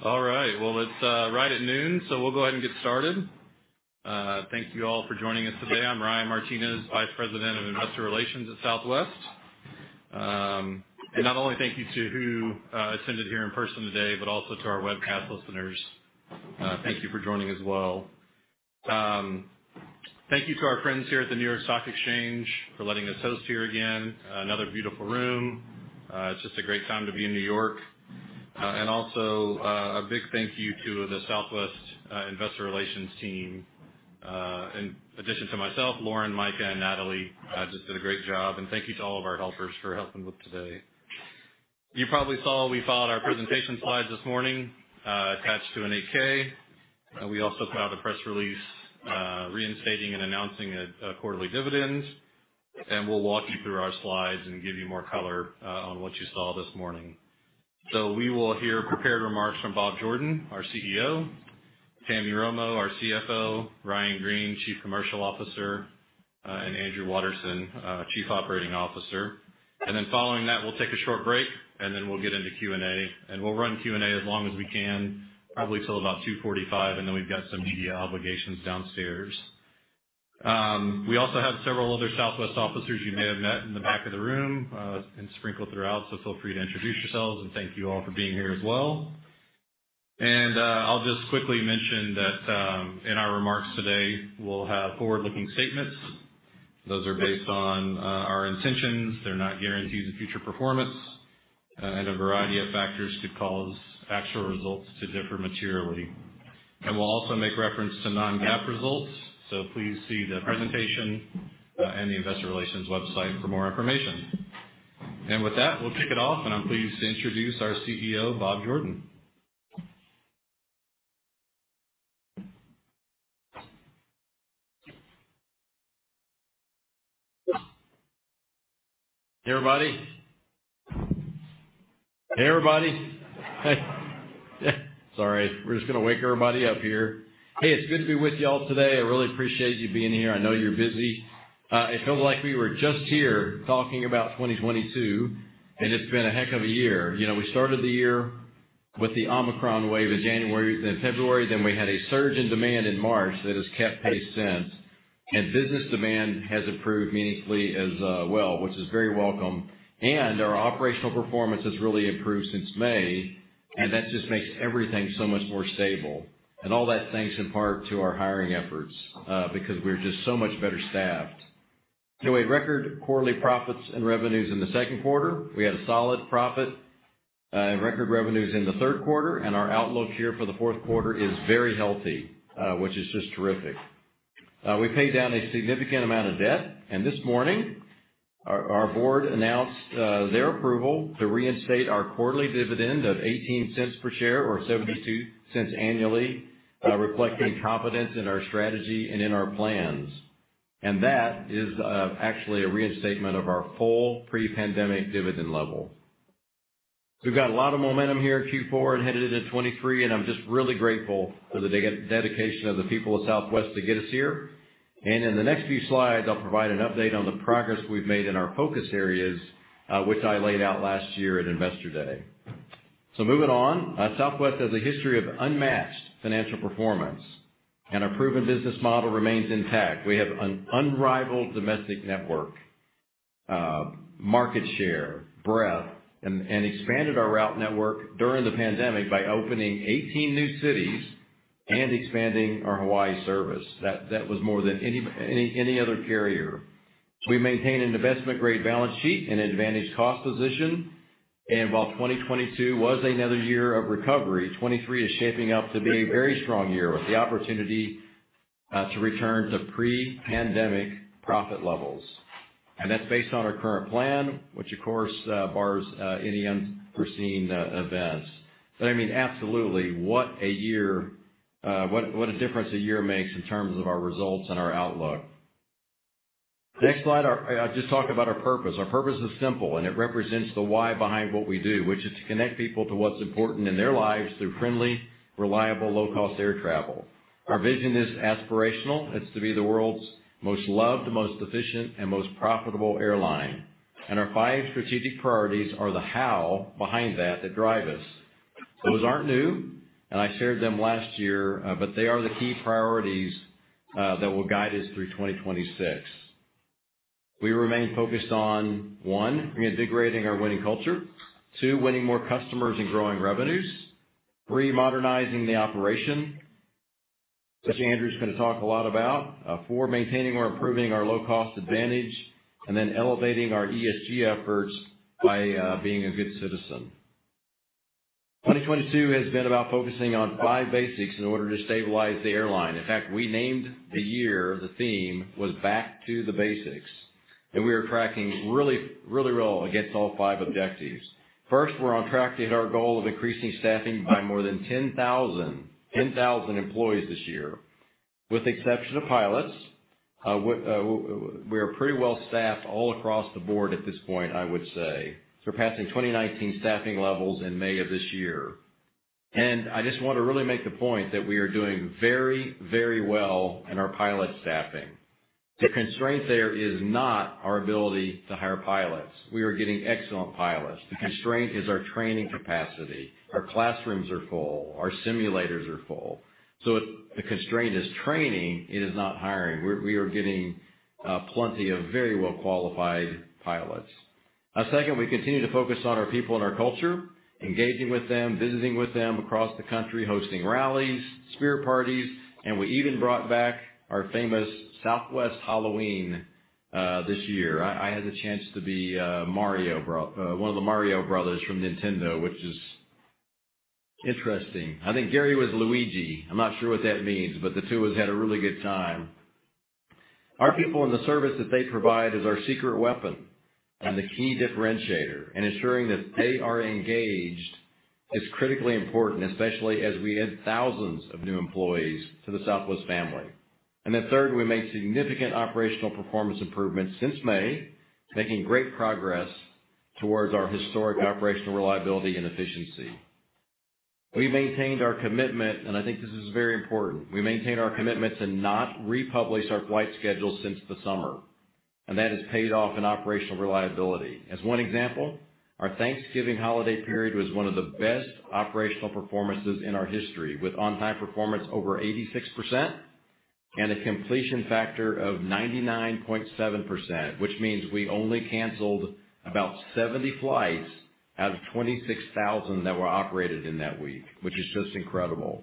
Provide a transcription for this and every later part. All right. Well, it's right at noon, so we'll go ahead and get started. Thank you all for joining us today. I'm Ryan Martinez, Vice President of Investor Relations at Southwest. Not only thank you to who attended here in person today, but also to our webcast listeners. Thank you for joining as well. Thank you to our friends here at the New York Stock Exchange for letting us host here again. Another beautiful room. It's just a great time to be in New York. Also, a big thank you to the Southwest Investor Relations team. In addition to myself, Lauren, Micah, and Natalie, just did a great job. Thank you to all of our helpers for helping with today. You probably saw we filed our presentation slides this morning, attached to an 8-K. We also filed a press release, reinstating and announcing a quarterly dividend. We'll walk you through our slides and give you more color on what you saw this morning. We will hear prepared remarks from Bob Jordan, our CEO, Tammy Romo, our CFO, Ryan Green, Chief Commercial Officer, and Andrew Watterson, Chief Operating Officer. Following that, we'll take a short break, and then we'll get into Q&A. We'll run Q&A as long as we can, probably till about 2:45 P.M., and then we've got some media obligations downstairs. We also have several other Southwest officers you may have met in the back of the room, and sprinkled throughout, so feel free to introduce yourselves. Thank you all for being here as well. I'll just quickly mention that in our remarks today, we'll have forward-looking statements. Those are based on our intentions. They're not guarantees of future performance, and a variety of factors could cause actual results to differ materially. We'll also make reference to non-GAAP results, so please see the presentation and the investor relations website for more information. With that, we'll kick it off, and I'm pleased to introduce our CEO, Bob Jordan. Hey, everybody. Sorry. We're just gonna wake everybody up here. Hey, it's good to be with y'all today. I really appreciate you being here. I know you're busy. It feels like we were just here talking about 2022, it's been a heck of a year. You know, we started the year with the Omicron wave in January and February, we had a surge in demand in March that has kept pace since. Business demand has improved meaningfully as well, which is very welcome, our operational performance has really improved since May, that just makes everything so much more stable. All that thanks in part to our hiring efforts, because we're just so much better staffed. We had record quarterly profits and revenues in the second quarter. We had a solid profit and record revenues in the third quarter, our outlook here for the fourth quarter is very healthy, which is just terrific. We paid down a significant amount of debt, this morning our board announced their approval to reinstate our quarterly dividend of $0.18 per share or $0.72 annually, reflecting confidence in our strategy and in our plans. That is actually a reinstatement of our full pre-pandemic dividend level. We've got a lot of momentum here in Q4 and headed into 2023, I'm just really grateful for the dedication of the people of Southwest to get us here. In the next few slides, I'll provide an update on the progress we've made in our focus areas, which I laid out last year at Investor Day. Moving on, Southwest has a history of unmatched financial performance, and our proven business model remains intact. We have an unrivaled domestic network, market share, breadth, and expanded our route network during the pandemic by opening 18 new cities and expanding our Hawaii service. That was more than any other carrier. We maintain an investment-grade balance sheet and advantage cost position. While 2022 was another year of recovery, 2023 is shaping up to be a very strong year with the opportunity to return to pre-pandemic profit levels. That's based on our current plan, which of course, bars any unforeseen events. I mean, absolutely, what a year. What a difference a year makes in terms of our results and our outlook. Next slide, I'll just talk about our purpose. Our purpose is simple. It represents the why behind what we do, which is to connect people to what's important in their lives through friendly, reliable, low-cost air travel. Our vision is aspirational. It's to be the world's most loved, most efficient, and most profitable airline. Our five strategic priorities are the how behind that that drive us. Those aren't new. I shared them last year, but they are the key priorities that will guide us through 2026. We remain focused on, one, reinvigorating our winning culture. two, winning more customers and growing revenues. three, modernizing the operation, which Andrew's gonna talk a lot about. four, maintaining or improving our low-cost advantage, and then elevating our ESG efforts by being a good citizen. 2022 has been about focusing on five basics in order to stabilize the airline. In fact, we named the year, the theme was Back to the Basics, and we are tracking really, really well against all five objectives. First, we're on track to hit our goal of increasing staffing by more than 10,000 employees this year. With the exception of pilots, we are pretty well staffed all across the board at this point, I would say, surpassing 2019 staffing levels in May of this year. I just want to really make the point that we are doing very, very well in our pilot staffing. The constraint there is not our ability to hire pilots. We are getting excellent pilots. The constraint is our training capacity. Our classrooms are full, our simulators are full. The constraint is training, it is not hiring. We are getting plenty of very well-qualified pilots. Second, we continue to focus on our people and our culture, engaging with them, visiting with them across the country, hosting rallies, spirit parties, and we even brought back our famous Southwest Halloween this year. I had the chance to be one of the Mario Brothers from Nintendo, which is interesting. I think Gary was Luigi. I'm not sure what that means, but the two of us had a really good time. Our people and the service that they provide is our secret weapon and the key differentiator, and ensuring that they are engaged is critically important, especially as we add thousands of new employees to the Southwest family. Third, we made significant operational performance improvements since May, making great progress towards our historic operational reliability and efficiency. We maintained our commitment, I think this is very important, we maintained our commitment to not republish our flight schedule since the summer. That has paid off in operational reliability. As one example, our Thanksgiving holiday period was one of the best operational performances in our history, with on-time performance over 86% and a completion factor of 99.7%, which means we only canceled about 70 flights out of 26,000 that were operated in that week, which is just incredible.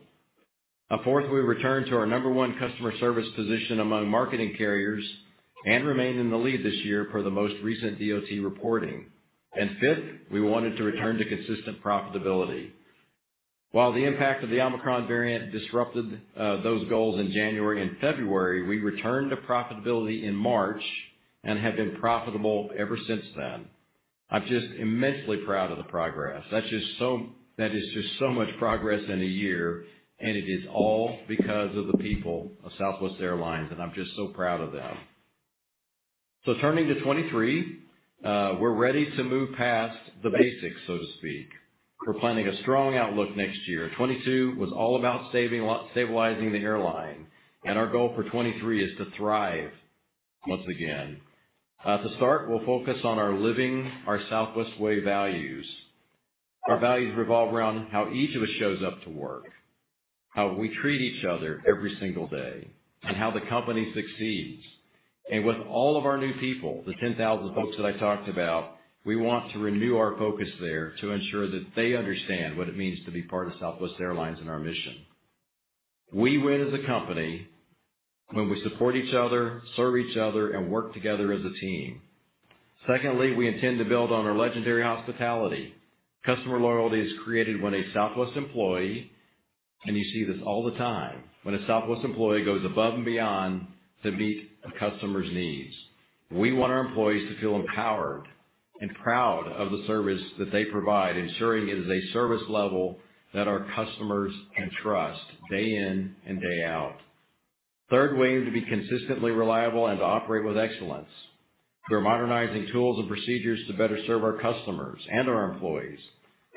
Fourth, we returned to our number one customer service position among marketing carriers and remained in the lead this year per the most recent DOT reporting. Fifth, we wanted to return to consistent profitability. While the impact of the Omicron variant disrupted those goals in January and February, we returned to profitability in March and have been profitable ever since then. I'm just immensely proud of the progress. That is just so much progress in a year, and it is all because of the people of Southwest Airlines, and I'm just so proud of them. Turning to 2023, we're ready to move past the basics, so to speak. We're planning a strong outlook next year. 2022 was all about stabilizing the airline, and our goal for 2023 is to thrive once again. To start, we'll focus on our Living Our Southwest Way values. Our values revolve around how each of us shows up to work, how we treat each other every single day, and how the company succeeds. With all of our new people, the 10,000 folks that I talked about, we want to renew our focus there to ensure that they understand what it means to be part of Southwest Airlines and our mission. We win as a company when we support each other, serve each other, and work together as a team. Secondly, we intend to build on our legendary hospitality. Customer loyalty is created when a Southwest employee, and you see this all the time, when a Southwest employee goes above and beyond to meet a customer's needs. We want our employees to feel empowered and proud of the service that they provide, ensuring it is a service level that our customers can trust day in and day out. Third, we aim to be consistently reliable and to operate with excellence through modernizing tools and procedures to better serve our customers and our employees,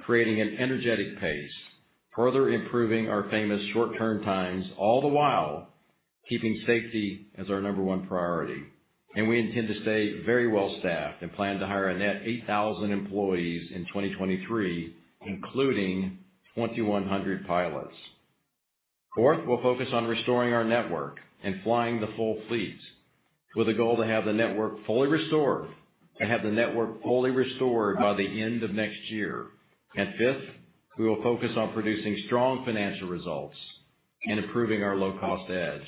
creating an energetic pace, further improving our famous short turn times, all the while keeping safety as our number one priority. We intend to stay very well-staffed and plan to hire a net 8,000 employees in 2023, including 2,100 pilots. Fourth, we'll focus on restoring our network and flying the full fleet with a goal to have the network fully restored by the end of next year. Fifth, we will focus on producing strong financial results and improving our low-cost edge.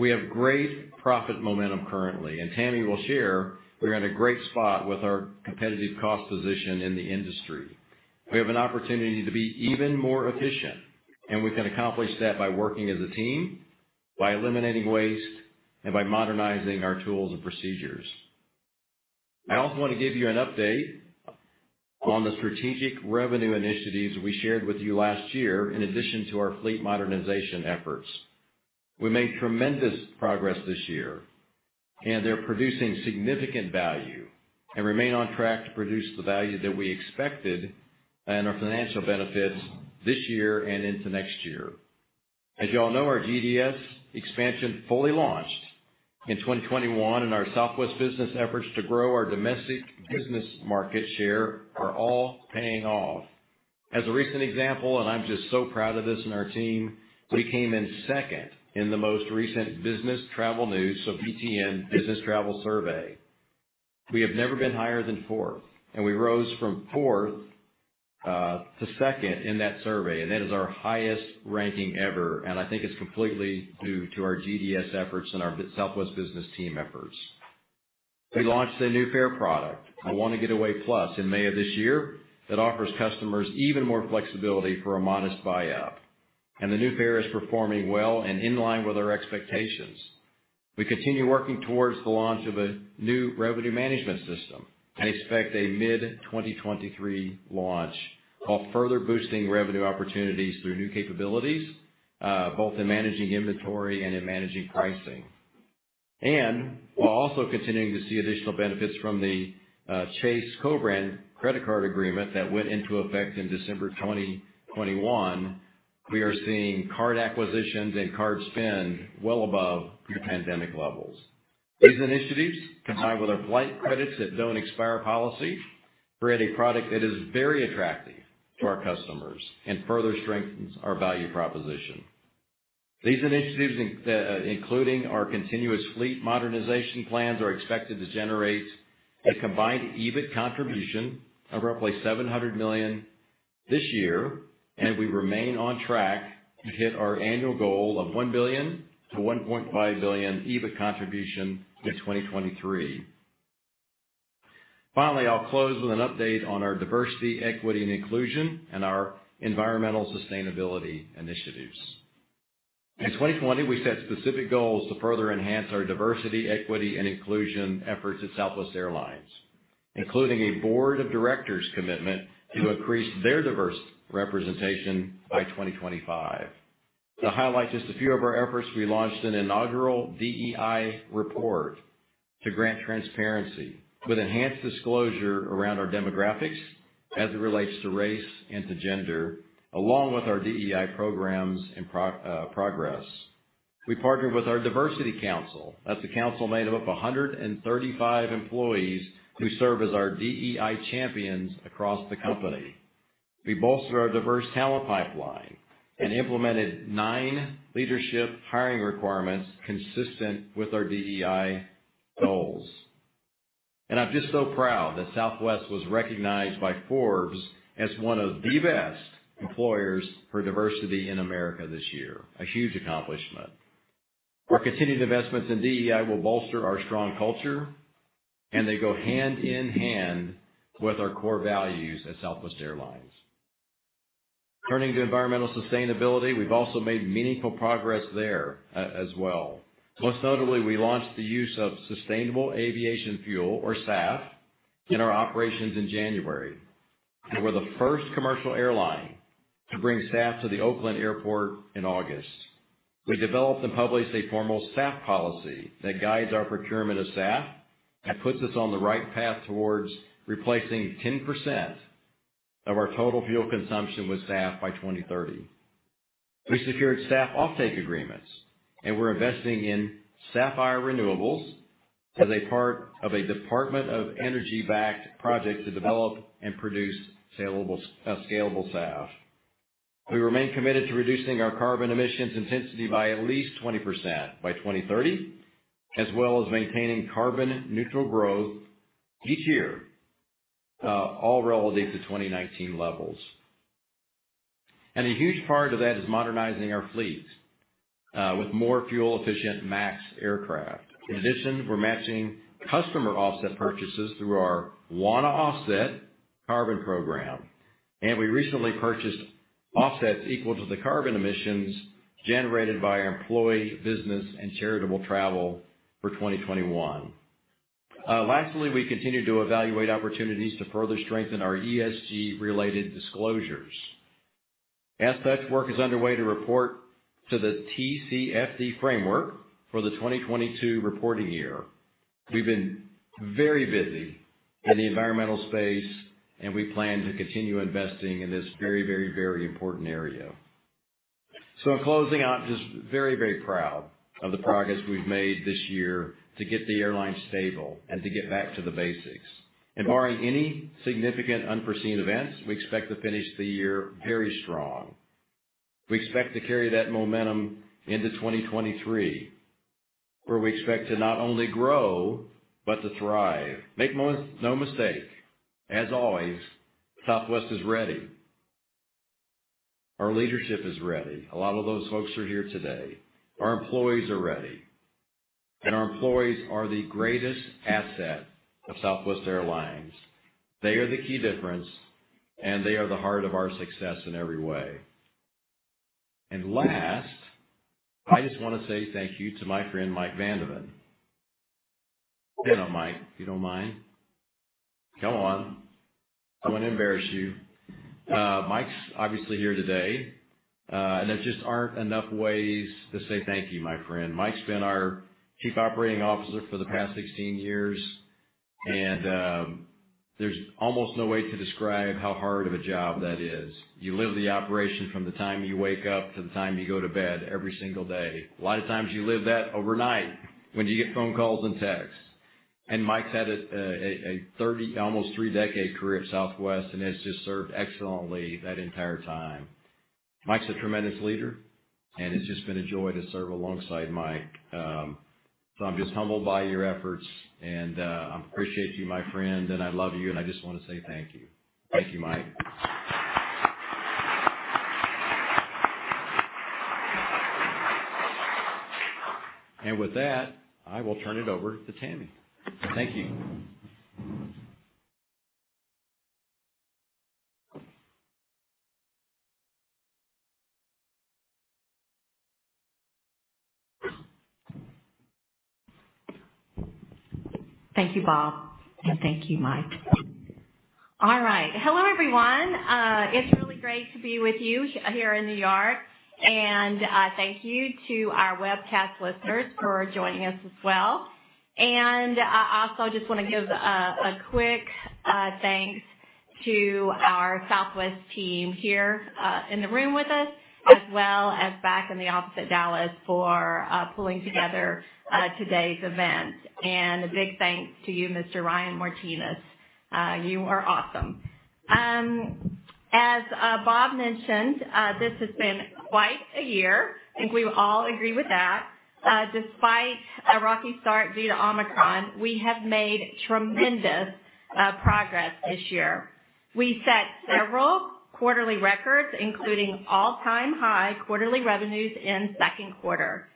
We have great profit momentum currently, and Tammy will share we're in a great spot with our competitive cost position in the industry. We have an opportunity to be even more efficient. We can accomplish that by working as a team, by eliminating waste, and by modernizing our tools and procedures. I also want to give you an update on the strategic revenue initiatives we shared with you last year in addition to our fleet modernization efforts. We made tremendous progress this year. They're producing significant value and remain on track to produce the value that we expected and our financial benefits this year and into next year. As you all know, our GDS expansion fully launched in 2021. Our Southwest Business efforts to grow our domestic business market share are all paying off. As a recent example, I'm just so proud of this and our team, we came in second in the most recent Business Travel News, so BTN, business travel survey. We have never been higher than fourth, we rose from fourth to second in that survey. That is our highest ranking ever, and I think it's completely due to our GDS efforts and our Southwest Business team efforts. We launched a new fare product, a Wanna Get Away Plus, in May of this year that offers customers even more flexibility for a modest buy-up. The new fare is performing well and in line with our expectations. We continue working towards the launch of a new revenue management system and expect a mid-2023 launch, while further boosting revenue opportunities through new capabilities, both in managing inventory and in managing pricing. While also continuing to see additional benefits from the Chase co-brand credit card agreement that went into effect in December 2021, we are seeing card acquisitions and card spend well above pre-pandemic levels. These initiatives, combined with our flight credits that don't expire policy, create a product that is very attractive to our customers and further strengthens our value proposition. These initiatives including our continuous fleet modernization plans, are expected to generate a combined EBIT contribution of roughly $700 million this year, and we remain on track to hit our annual goal of $1 billion-$1.5 billion EBIT contribution in 2023. Finally, I'll close with an update on our diversity, equity, and inclusion and our environmental sustainability initiatives. In 2020, we set specific goals to further enhance our diversity, equity, and inclusion efforts at Southwest Airlines, including a board of directors' commitment to increase their diverse representation by 2025. To highlight just a few of our efforts, we launched an inaugural DEI report to grant transparency with enhanced disclosure around our demographics as it relates to race and to gender, along with our DEI programs and progress. We partnered with our diversity council. That's a council made up of 135 employees who serve as our DEI champions across the company. We bolstered our diverse talent pipeline and implemented nine leadership hiring requirements consistent with our DEI goals. I'm just so proud that Southwest was recognized by Forbes as one of the best employers for diversity in America this year. A huge accomplishment. Our continued investments in DEI will bolster our strong culture, and they go hand in hand with our core values at Southwest Airlines. Turning to environmental sustainability, we've also made meaningful progress there as well. Most notably, we launched the use of sustainable aviation fuel, or SAF, in our operations in January, and we're the first commercial airline to bring SAF to the Oakland Airport in August. We developed and published a formal SAF policy that guides our procurement of SAF and puts us on the right path towards replacing 10% of our total fuel consumption with SAF by 2030. We secured SAF offtake agreements, and we're investing in SAFFiRE Renewables as a part of a Department of Energy-backed project to develop and produce scalable SAF. We remain committed to reducing our carbon emissions intensity by at least 20% by 2030, as well as maintaining carbon-neutral growth each year, all relative to 2019 levels. A huge part of that is modernizing our fleet with more fuel-efficient MAX aircraft. In addition, we're matching customer offset purchases through our Wanna Offset carbon program, and we recently purchased offsets equal to the carbon emissions generated by our employee business and charitable travel for 2021. Lastly, we continue to evaluate opportunities to further strengthen our ESG-related disclosures. As such, work is underway to report to the TCFD framework for the 2022 reporting year. We've been very busy in the environmental space, and we plan to continue investing in this very, very, very important area. In closing, I'm just very, very proud of the progress we've made this year to get the airline stable and to get back to the basics. Barring any significant unforeseen events, we expect to finish the year very strong. We expect to carry that momentum into 2023, where we expect to not only grow but to thrive. Make no mistake, as always, Southwest is ready. Our leadership is ready. A lot of those folks are here today. Our employees are ready. Our employees are the greatest asset of Southwest Airlines. They are the key difference. They are the heart of our success in every way. Last, I just wanna say thank you to my friend, Mike Van de Ven. Stand up, Mike, if you don't mind. Come on. I'm gonna embarrass you. Mike's obviously here today. There just aren't enough ways to say thank you, my friend. Mike's been our Chief Operating Officer for the past 16 years. There's almost no way to describe how hard of a job that is. You live the operation from the time you wake up to the time you go to bed every single day. A lot of times you live that overnight when you get phone calls and texts. Mike's had a 30, almost three-decade career at Southwest and has just served excellently that entire time. Mike's a tremendous leader, and it's just been a joy to serve alongside Mike. I'm just humbled by your efforts and I appreciate you, my friend, and I love you, and I just wanna say thank you. Thank you, Mike. With that, I will turn it over to Tammy. Thank you. Thank you, Bob, and thank you, Mike. All right. Hello, everyone. It's really great to be with you here in New York. Thank you to our webcast listeners for joining us as well. Also, just wanna give a quick thanks to our Southwest team here in the room with us as well as back in the office at Dallas for pulling together today's event. A big thanks to you, Mr. Ryan Martinez. You are awesome. As Bob mentioned, this has been quite a year, I think we all agree with that. Despite a rocky start due to Omicron, we have made tremendous progress this year. We set several quarterly records, including all-time high quarterly revenues in second quarter.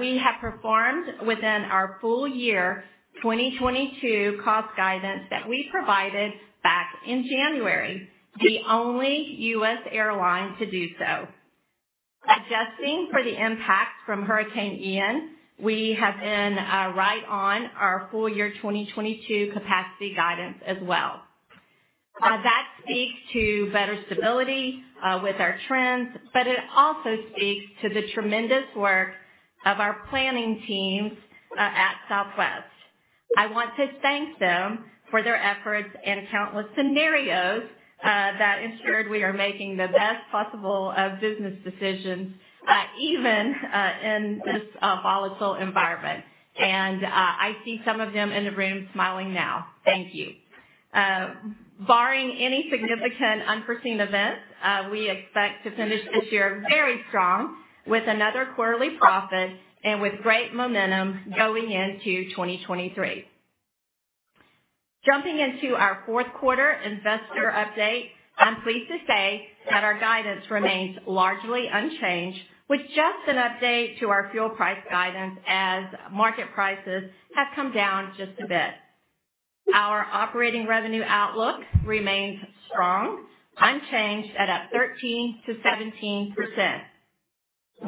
We have performed within our full-year 2022 cost guidance that we provided back in January, the only U.S. airline to do so. Adjusting for the impact from Hurricane Ian, we have been right on our full-year 2022 capacity guidance as well. That speaks to better stability with our trends, but it also speaks to the tremendous work of our planning teams at Southwest. I want to thank them for their efforts and countless scenarios that ensured we are making the best possible business decisions, even in this volatile environment. I see some of them in the room smiling now. Thank you. Barring any significant unforeseen events, we expect to finish this year very strong with another quarterly profit and with great momentum going into 2023. Jumping into our fourth quarter investor update, I'm pleased to say that our guidance remains largely unchanged, with just an update to our fuel price guidance as market prices have come down just a bit. Our operating revenue outlook remains strong, unchanged at up 13%-17%.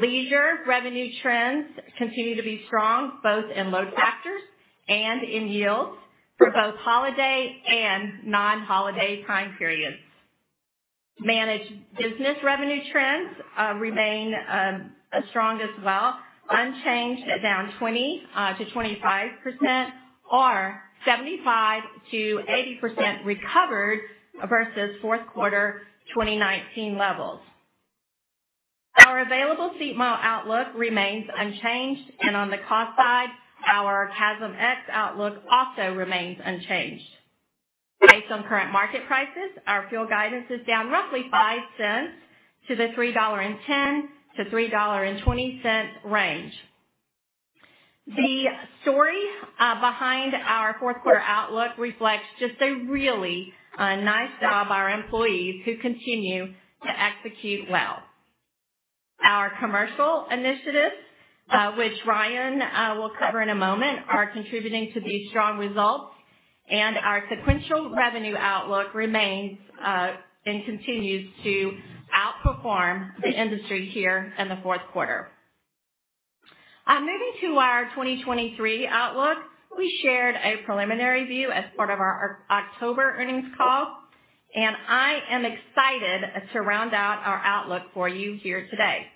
Leisure revenue trends continue to be strong both in load factors and in yields for both holiday and non-holiday time periods. Managed business revenue trends remain strong as well, unchanged at down 20%-25% or 75%-80% recovered versus fourth quarter 2019 levels. Our available seat mile outlook remains unchanged, and on the cost side, our CASM-X outlook also remains unchanged. Based on current market prices, our fuel guidance is down roughly $0.05 to the $3.10-$3.20 range. The story behind our fourth quarter outlook reflects just a really nice job our employees who continue to execute well. Our commercial initiatives, which Ryan Green will cover in a moment, are contributing to these strong results, and our sequential revenue outlook remains and continues to outperform the industry here in the fourth quarter. Moving to our 2023 outlook, we shared a preliminary view as part of our October earnings call, and I am excited to round out our outlook for you here today.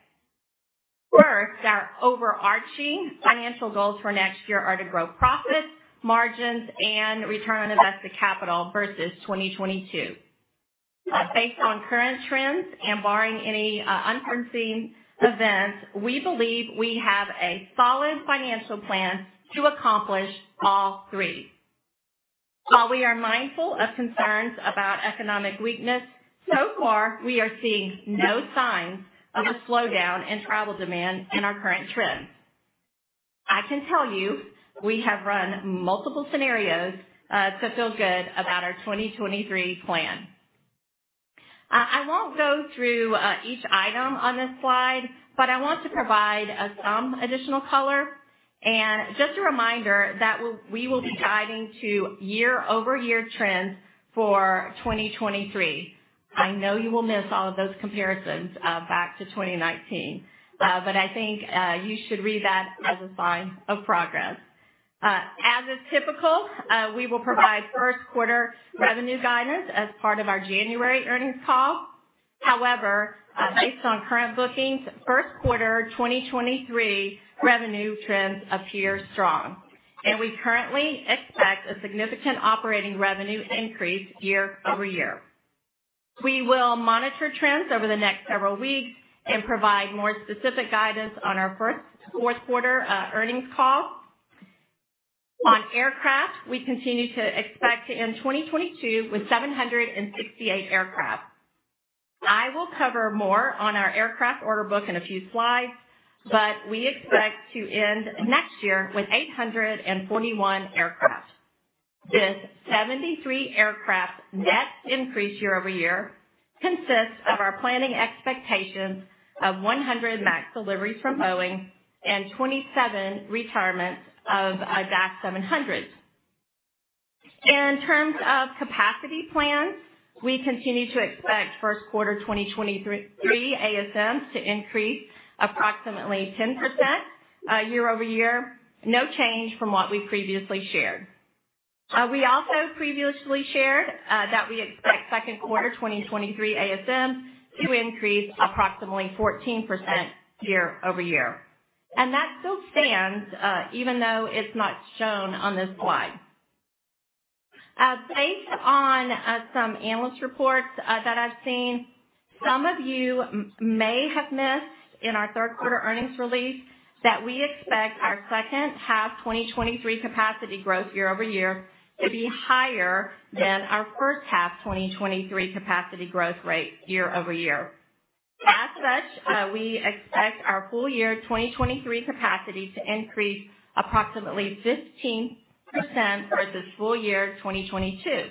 First, our overarching financial goals for next year are to grow profits, margins, and return on invested capital versus 2022. Based on current trends and barring any unforeseen events, we believe we have a solid financial plan to accomplish all three. While we are mindful of concerns about economic weakness, so far, we are seeing no signs of a slowdown in travel demand in our current trends. I can tell you we have run multiple scenarios to feel good about our 2023 plan. I won't go through each item on this slide, but I want to provide some additional color. Just a reminder that we will be guiding to year-over-year trends for 2023. I know you will miss all of those comparisons back to 2019. I think you should read that as a sign of progress. As is typical, we will provide first quarter revenue guidance as part of our January earnings call. However, based on current bookings, first quarter 2023 revenue trends appear strong, and we currently expect a significant operating revenue increase year-over-year. We will monitor trends over the next several weeks and provide more specific guidance on our first fourth quarter earnings call. On aircraft, we continue to expect to end 2022 with 768 aircraft. I will cover more on our aircraft order book in a few slides, but we expect to end next year with 841 aircraft. This 73 aircraft net increase year-over-year consists of our planning expectations of 100 MAX deliveries from Boeing and 27 retirements of our Dash 700s. In terms of capacity plans, we continue to expect first quarter 2023 ASM to increase approximately 10% year-over-year. No change from what we previously shared. We also previously shared that we expect second quarter 2023 ASM to increase approximately 14% year-over-year. That still stands, even though it's not shown on this slide. Based on some analyst reports that I've seen, some of you may have missed in our third quarter earnings release that we expect our second half 2023 capacity growth year-over-year to be higher than our first half 2023 capacity growth rate year-over-year. As such, we expect our full-year 2023 capacity to increase approximately 15% for the full year 2022.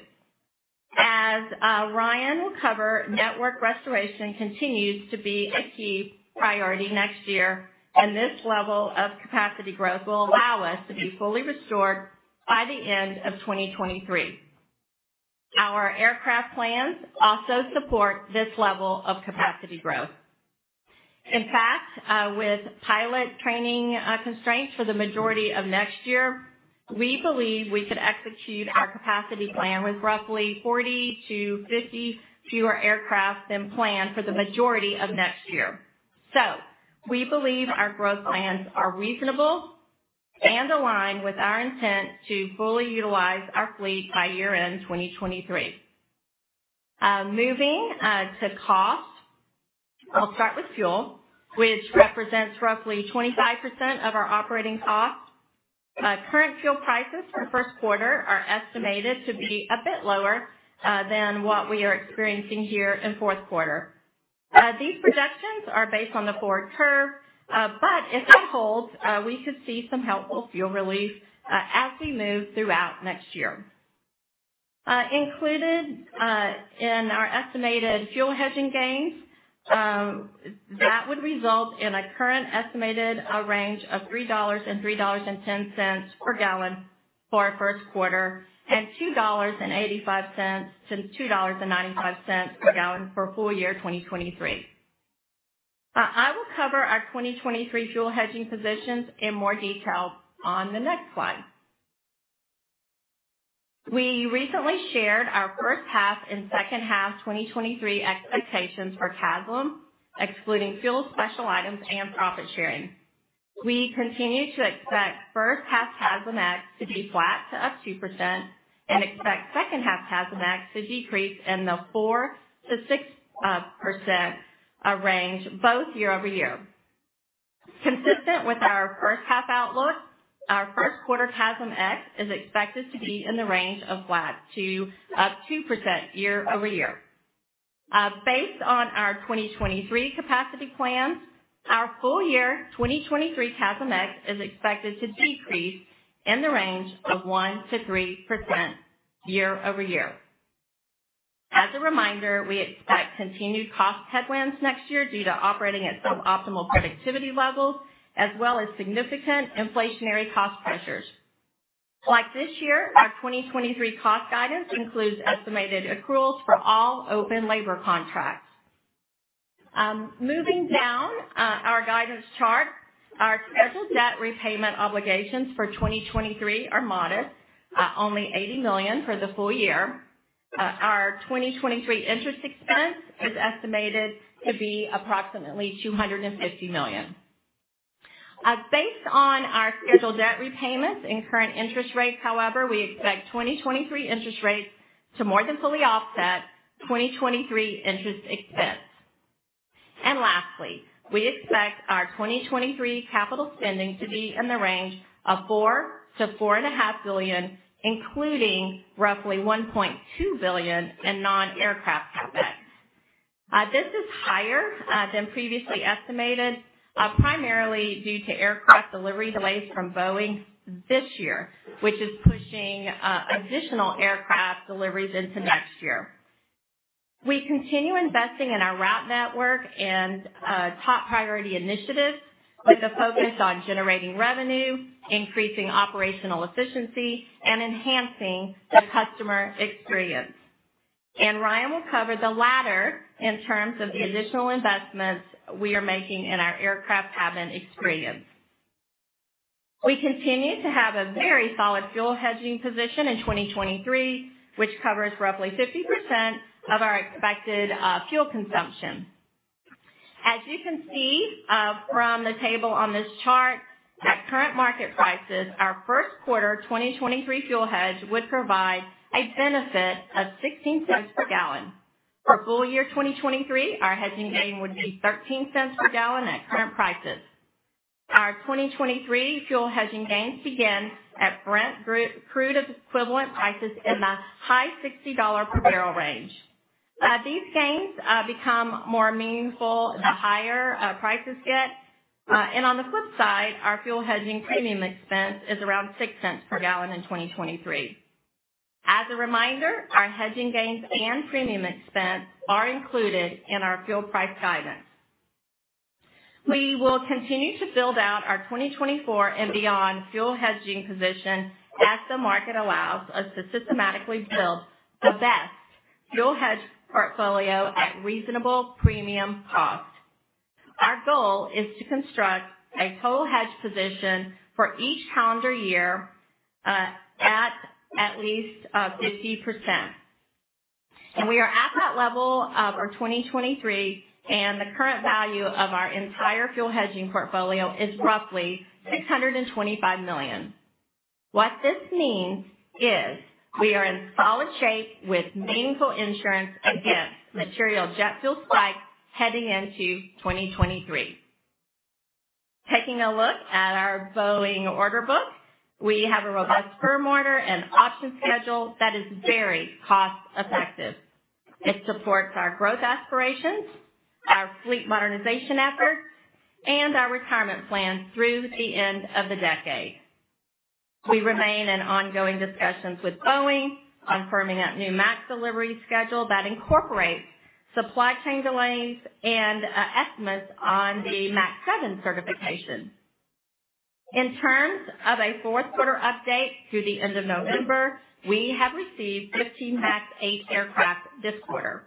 As Ryan will cover, network restoration continues to be a key priority next year, and this level of capacity growth will allow us to be fully restored by the end of 2023. Our aircraft plans also support this level of capacity growth. In fact, with pilot training, constraints for the majority of next year, we believe we could execute our capacity plan with roughly 40-50 fewer aircraft than planned for the majority of next year. We believe our growth plans are reasonable and align with our intent to fully utilize our fleet by year-end 2023. Moving to cost, I'll start with fuel, which represents roughly 25% of our operating costs. Current fuel prices for the first quarter are estimated to be a bit lower than what we are experiencing here in fourth quarter. These projections are based on the forward curve, if it holds, we could see some helpful fuel relief as we move throughout next year. Included in our estimated fuel hedging gains, that would result in a current estimated range of $3.00-$3.10 per gallon for our first quarter, and $2.85-$2.95 per gallon for full year 2023. I will cover our 2023 fuel hedging positions in more detail on the next slide. We recently shared our first half and second half 2023 expectations for CASM, excluding fuel, special items, and profit-sharing. We continue to expect first half CASM-X to be flat to up 2% and expect second half CASM-X to decrease in the 4%-6% range, both year-over-year. Consistent with our first half outlook, our first quarter CASM-X is expected to be in the range of flat to up 2% year-over-year. Based on our 2023 capacity plans, our full-year 2023 CASM-X is expected to decrease in the range of 1%-3% year-over-year. As a reminder, we expect continued cost headwinds next year due to operating at sub-optimal productivity levels as well as significant inflationary cost pressures. Like this year, our 2023 cost guidance includes estimated accruals for all open labor contracts. Moving down our guidance chart, our scheduled debt repayment obligations for 2023 are modest, only $80 million for the full year. Our 2023 interest expense is estimated to be approximately $250 million. Based on our scheduled debt repayments and current interest rates, however, we expect 2023 interest rates to more than fully offset 2023 interest expense. Lastly, we expect our 2023 capital spending to be in the range of $4 billion-$4.5 billion, including roughly $1.2 billion in non-aircraft CapEx. This is higher than previously estimated, primarily due to aircraft delivery delays from Boeing this year, which is pushing additional aircraft deliveries into next year. We continue investing in our route network and top priority initiatives with a focus on generating revenue, increasing operational efficiency, and enhancing the customer experience. Ryan will cover the latter in terms of the additional investments we are making in our aircraft cabin experience. We continue to have a very solid fuel hedging position in 2023, which covers roughly 50% of our expected fuel consumption. As you can see, from the table on this chart, at current market prices, our first quarter 2023 fuel hedge would provide a benefit of $0.16 per gallon. For full year 2023, our hedging gain would be $0.13 per gallon at current prices. Our 2023 fuel hedging gains begin at Brent crude equivalent prices in the high $60 per barrel range. These gains become more meaningful the higher prices get. On the flip side, our fuel hedging premium expense is around $0.06 per gallon in 2023. As a reminder, our hedging gains and premium expense are included in our fuel price guidance. We will continue to build out our 2024 and beyond fuel hedging position as the market allows us to systematically build the best fuel hedge portfolio at reasonable premium cost. Our goal is to construct a total hedge position for each calendar year, at least 50%. We are at that level of our 2023, and the current value of our entire fuel hedging portfolio is roughly $625 million. What this means is we are in solid shape with meaningful insurance against material jet fuel spikes heading into 2023. Taking a look at our Boeing order book, we have a robust firm order and option schedule that is very cost-effective. It supports our growth aspirations, our fleet modernization efforts, and our retirement plan through the end of the decade. We remain in ongoing discussions with Boeing, confirming that new MAX delivery schedule that incorporates supply chain delays and estimates on the MAX 7 certification. In terms of a fourth quarter update through the end of November, we have received 15 MAX 8 aircraft this quarter.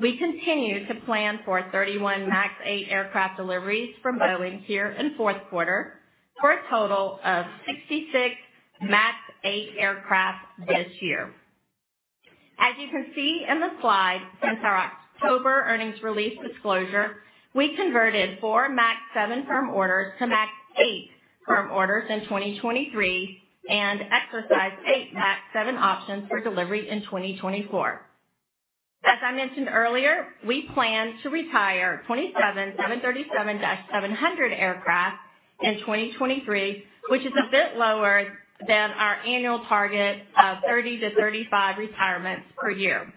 We continue to plan for 31 MAX 8 aircraft deliveries from Boeing here in fourth quarter, for a total of 66 MAX 8 aircraft this year. As you can see in the slide, since our October earnings release disclosure, we converted four MAX 7 firm orders to MAX 8 firm orders in 2023, and exercised eight MAX 7 options for delivery in 2024. As I mentioned earlier, we plan to retire 27 737-700 aircraft in 2023, which is a bit lower than our annual target of 30-35 retirements per year.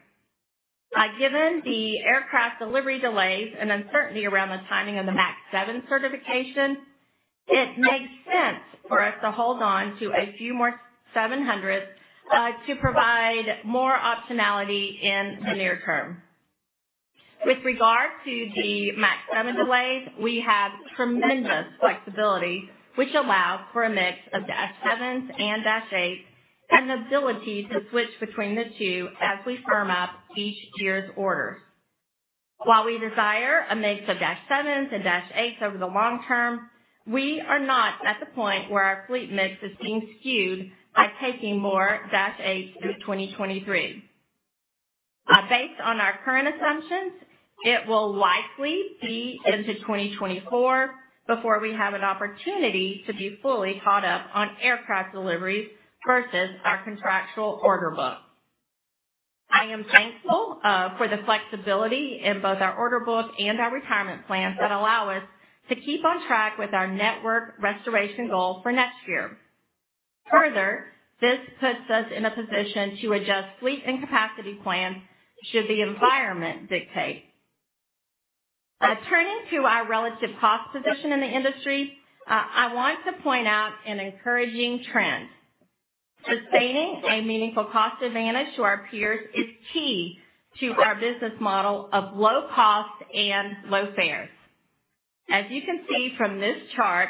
Given the aircraft delivery delays and uncertainty around the timing of the MAX 7 certification, it makes sense for us to hold on to a few more 700s to provide more optionality in the near term. With regard to the MAX 7 delays, we have tremendous flexibility, which allow for a mix of- 7s and -8s, and the ability to switch between the two as we firm up each year's orders. While we desire a mix of -7s and -8s over the long term, we are not at the point where our fleet mix is being skewed by taking more -8s through 2023. Based on our current assumptions, it will likely be into 2024 before we have an opportunity to be fully caught up on aircraft deliveries versus our contractual order book. I am thankful for the flexibility in both our order book and our retirement plans that allow us to keep on track with our network restoration goal for next year. This puts us in a position to adjust fleet and capacity plans should the environment dictate. Turning to our relative cost position in the industry, I want to point out an encouraging trend. Sustaining a meaningful cost advantage to our peers is key to our business model of low cost and low fares. As you can see from this chart,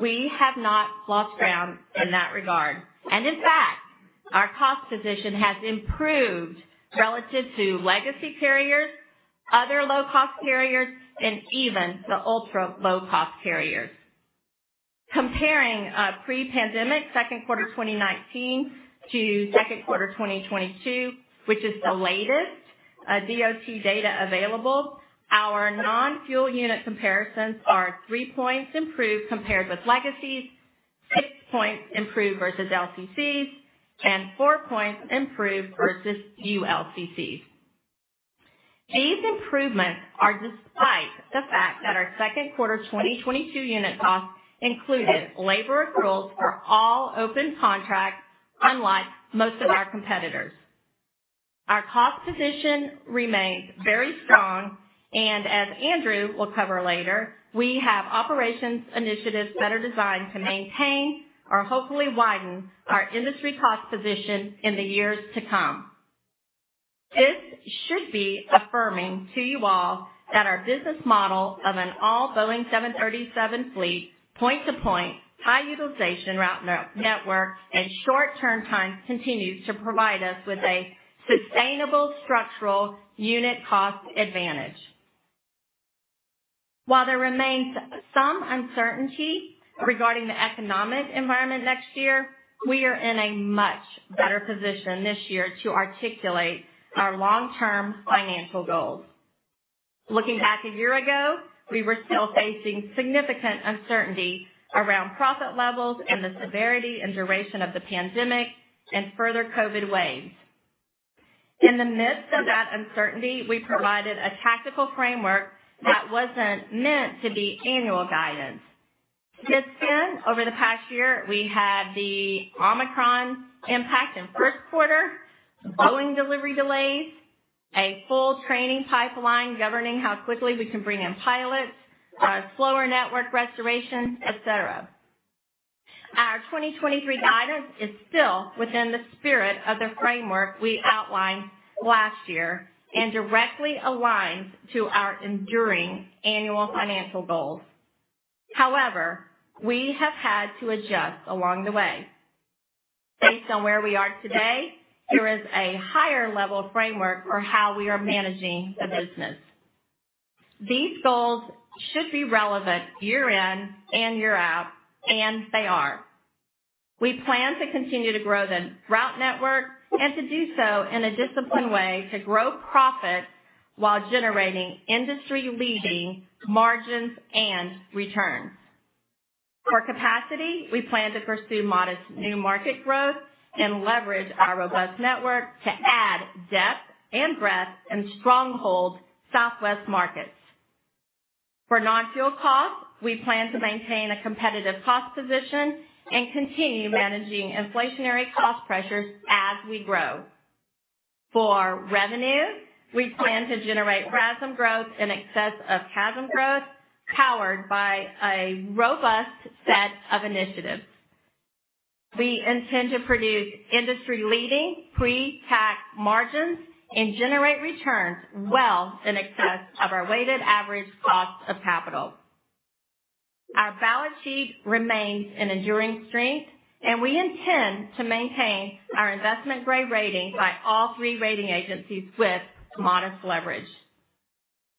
we have not lost ground in that regard. In fact, our cost position has improved relative to legacy carriers, other low-cost carriers, and even the ultra-low-cost carriers. Comparing, pre-pandemic second quarter 2019 to second quarter of 2022, which is the latest, DOT data available, our non-fuel unit comparisons are three points improved compared with legacies, six points improved versus LCCs, and four points improved versus ULCCs. These improvements are despite the fact that our second quarter 2022 unit costs included labor accruals for all open contracts, unlike most of our competitors. Our cost position remains very strong, and as Andrew will cover later, we have operations initiatives that are designed to maintain or hopefully widen our industry cost position in the years to come. This should be affirming to you all that our business model of an all-Boeing 737 fleet, point-to-point, high-utilization route network, and short-term times continues to provide us with a sustainable structural unit cost advantage. While there remains some uncertainty regarding the economic environment next year, we are in a much better position this year to articulate our long-term financial goals. Looking back a year ago, we were still facing significant uncertainty around profit levels and the severity and duration of the pandemic and further COVID waves. In the midst of that uncertainty, we provided a tactical framework that wasn't meant to be annual guidance. Since then, over the past year, we had the Omicron impact in first quarter, Boeing delivery delays, a full training pipeline governing how quickly we can bring in pilots, slower network restoration, et cetera. Our 2023 guidance is still within the spirit of the framework we outlined last year and directly aligns to our enduring annual financial goals. However, we have had to adjust along the way. Based on where we are today, here is a higher level framework for how we are managing the business. These goals should be relevant year in and year out. They are. We plan to continue to grow the route network and to do so in a disciplined way to grow profits while generating industry-leading margins and returns. For capacity, we plan to pursue modest new market growth and leverage our robust network to add depth and breadth in stronghold Southwest markets. For non-fuel costs, we plan to maintain a competitive cost position and continue managing inflationary cost pressures as we grow. For revenue, we plan to generate RASM growth in excess of CASM growth, powered by a robust set of initiatives. We intend to produce industry-leading pre-tax margins and generate returns well in excess of our weighted average cost of capital. Our balance sheet remains an enduring strength. We intend to maintain our investment-grade rating by all three rating agencies with modest leverage.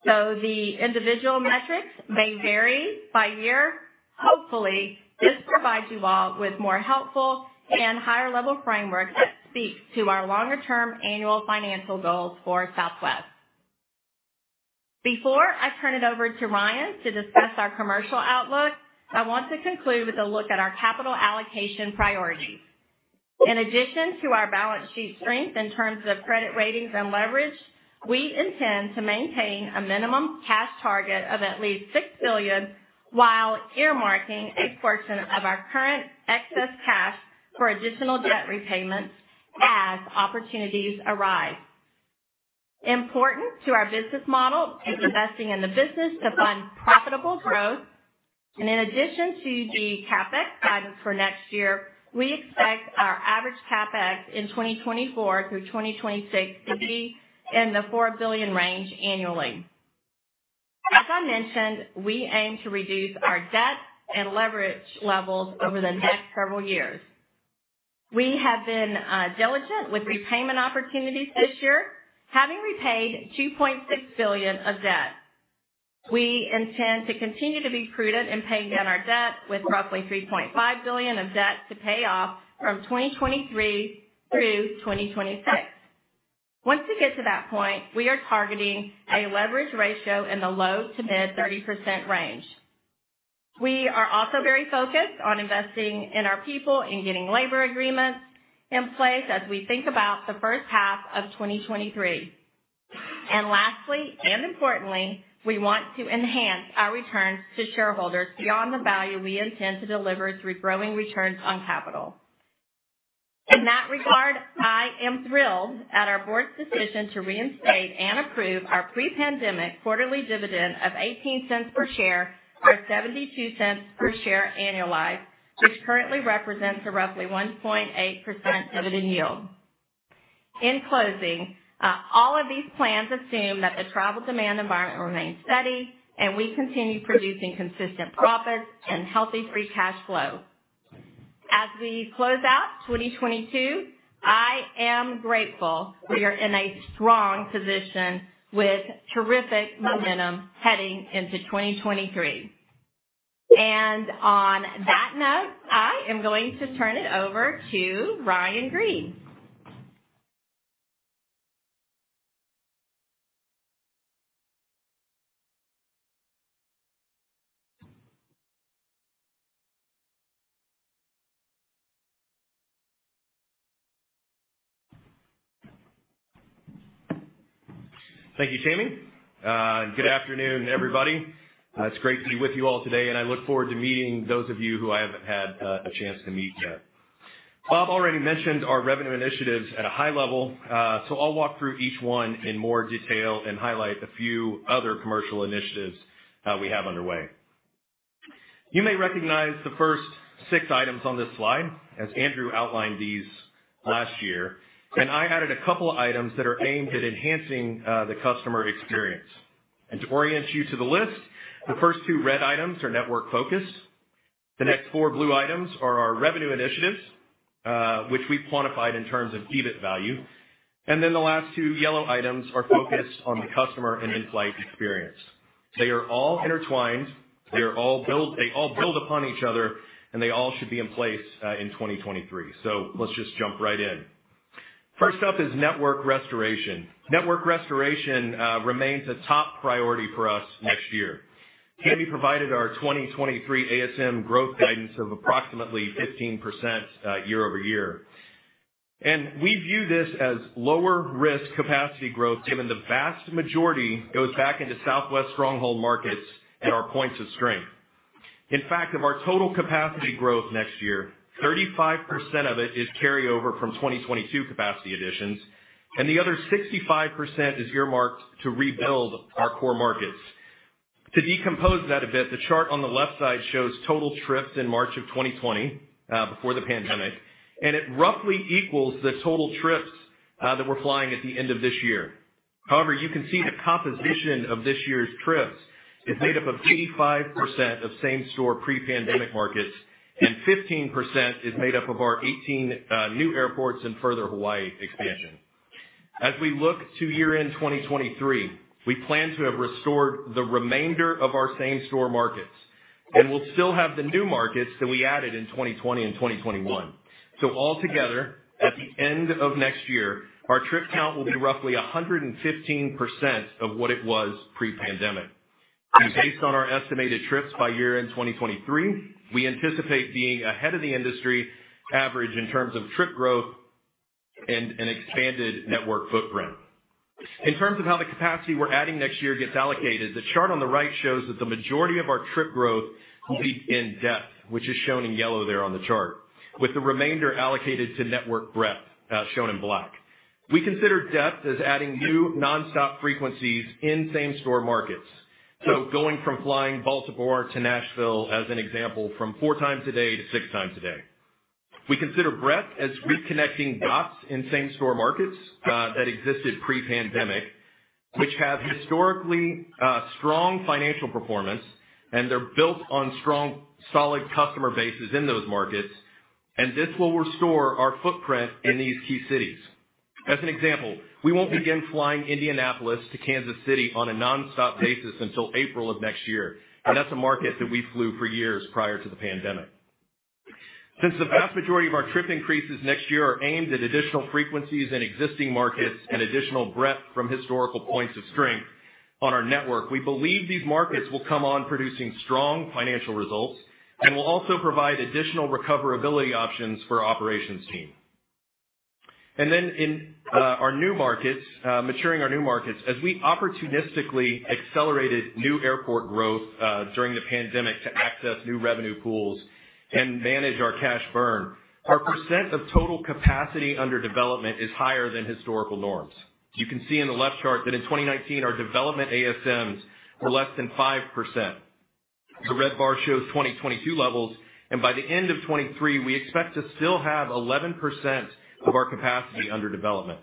The individual metrics may vary by year. Hopefully, this provides you all with more helpful and higher-level framework that speaks to our longer-term annual financial goals for Southwest. Before I turn it over to Ryan to discuss our commercial outlook, I want to conclude with a look at our capital allocation priorities. In addition to our balance sheet strength in terms of credit ratings and leverage, we intend to maintain a minimum cash target of at least $6 billion, while earmarking a portion of our current excess cash for additional debt repayments as opportunities arise. Important to our business model is investing in the business to fund profitable growth. In addition to the CapEx guidance for next year, we expect our average CapEx in 2024 through 2026 to be in the $4 billion range annually. As I mentioned, we aim to reduce our debt and leverage levels over the next several years. We have been diligent with repayment opportunities this year, having repaid $2.6 billion of debt. We intend to continue to be prudent in paying down our debt with roughly $3.5 billion of debt to pay off from 2023 through 2026. Once we get to that point, we are targeting a leverage ratio in the low to mid 30% range. We are also very focused on investing in our people in getting labor agreements in place as we think about the first half of 2023. Lastly, and importantly, we want to enhance our returns to shareholders beyond the value we intend to deliver through growing returns on capital. In that regard, I am thrilled at our board's decision to reinstate and approve our pre-pandemic quarterly dividend of $0.18 per share or $0.72 per share annualized, which currently represents a roughly 1.8% dividend yield. In closing, all of these plans assume that the travel demand environment remains steady and we continue producing consistent profits and healthy free cash flow. As we close out 2022, I am grateful we are in a strong position with terrific momentum heading into 2023. On that note, I am going to turn it over to Ryan Green. Thank you, Tammy. Good afternoon, everybody. It's great to be with you all today, and I look forward to meeting those of you who I haven't had a chance to meet yet. Bob already mentioned our revenue initiatives at a high level. I'll walk through each one in more detail and highlight the few other commercial initiatives we have underway. You may recognize the first six items on this slide as Andrew outlined these last year. I added a couple items that are aimed at enhancing the customer experience. To orient you to the list, the first two red items are network-focused. The next four blue items are our revenue initiatives, which we've quantified in terms of EBIT value. The last two yellow items are focused on the customer and in-flight experience. They are all intertwined. They all build upon each other, and they all should be in place in 2023. Let's just jump right in. First up is network restoration. Network restoration remains a top priority for us next year. Tammy provided our 2023 ASM growth guidance of approximately 15% year-over-year. We view this as lower risk capacity growth, given the vast majority goes back into Southwest stronghold markets and our points of strength. In fact, of our total capacity growth next year, 35% of it is carryover from 2022 capacity additions, and the other 65% is earmarked to rebuild our core markets. To decompose that a bit, the chart on the left side shows total trips in March of 2020 before the pandemic, and it roughly equals the total trips that we're flying at the end of this year. However, you can see the composition of this year's trips is made up of 85% of same-store pre-pandemic markets and 15% is made up of our 18 new airports and further Hawaii expansion. As we look to year-end 2023, we plan to have restored the remainder of our same-store markets, and we'll still have the new markets that we added in 2020 and 2021. Altogether, at the end of next year, our trip count will be roughly 115% of what it was pre-pandemic. Based on our estimated trips by year-end 2023, we anticipate being ahead of the industry average in terms of trip growth and an expanded network footprint. In terms of how the capacity we're adding next year gets allocated, the chart on the right shows that the majority of our trip growth will be in depth, which is shown in yellow there on the chart, with the remainder allocated to network breadth, shown in black. We consider depth as adding new nonstop frequencies in same-store markets. Going from flying Baltimore to Nashville, as an example, from 4x a day to 6x a day. We consider breadth as reconnecting dots in same-store markets that existed pre-pandemic, which have historically strong financial performance, and they're built on strong, solid customer bases in those markets, and this will restore our footprint in these key cities. As an example, we won't begin flying Indianapolis to Kansas City on a nonstop basis until April of next year, and that's a market that we flew for years prior to the pandemic. Since the vast majority of our trip increases next year are aimed at additional frequencies in existing markets and additional breadth from historical points of strength on our network, we believe these markets will come on producing strong financial results and will also provide additional recoverability options for our operations team. Then in our new markets, maturing our new markets, as we opportunistically accelerated new airport growth during the pandemic to access new revenue pools and manage our cash burn, our percent of total capacity under development is higher than historical norms. You can see in the left chart that in 2019, our development ASMs were less than 5%. The red bar shows 2022 levels, and by the end of 2023, we expect to still have 11% of our capacity under development.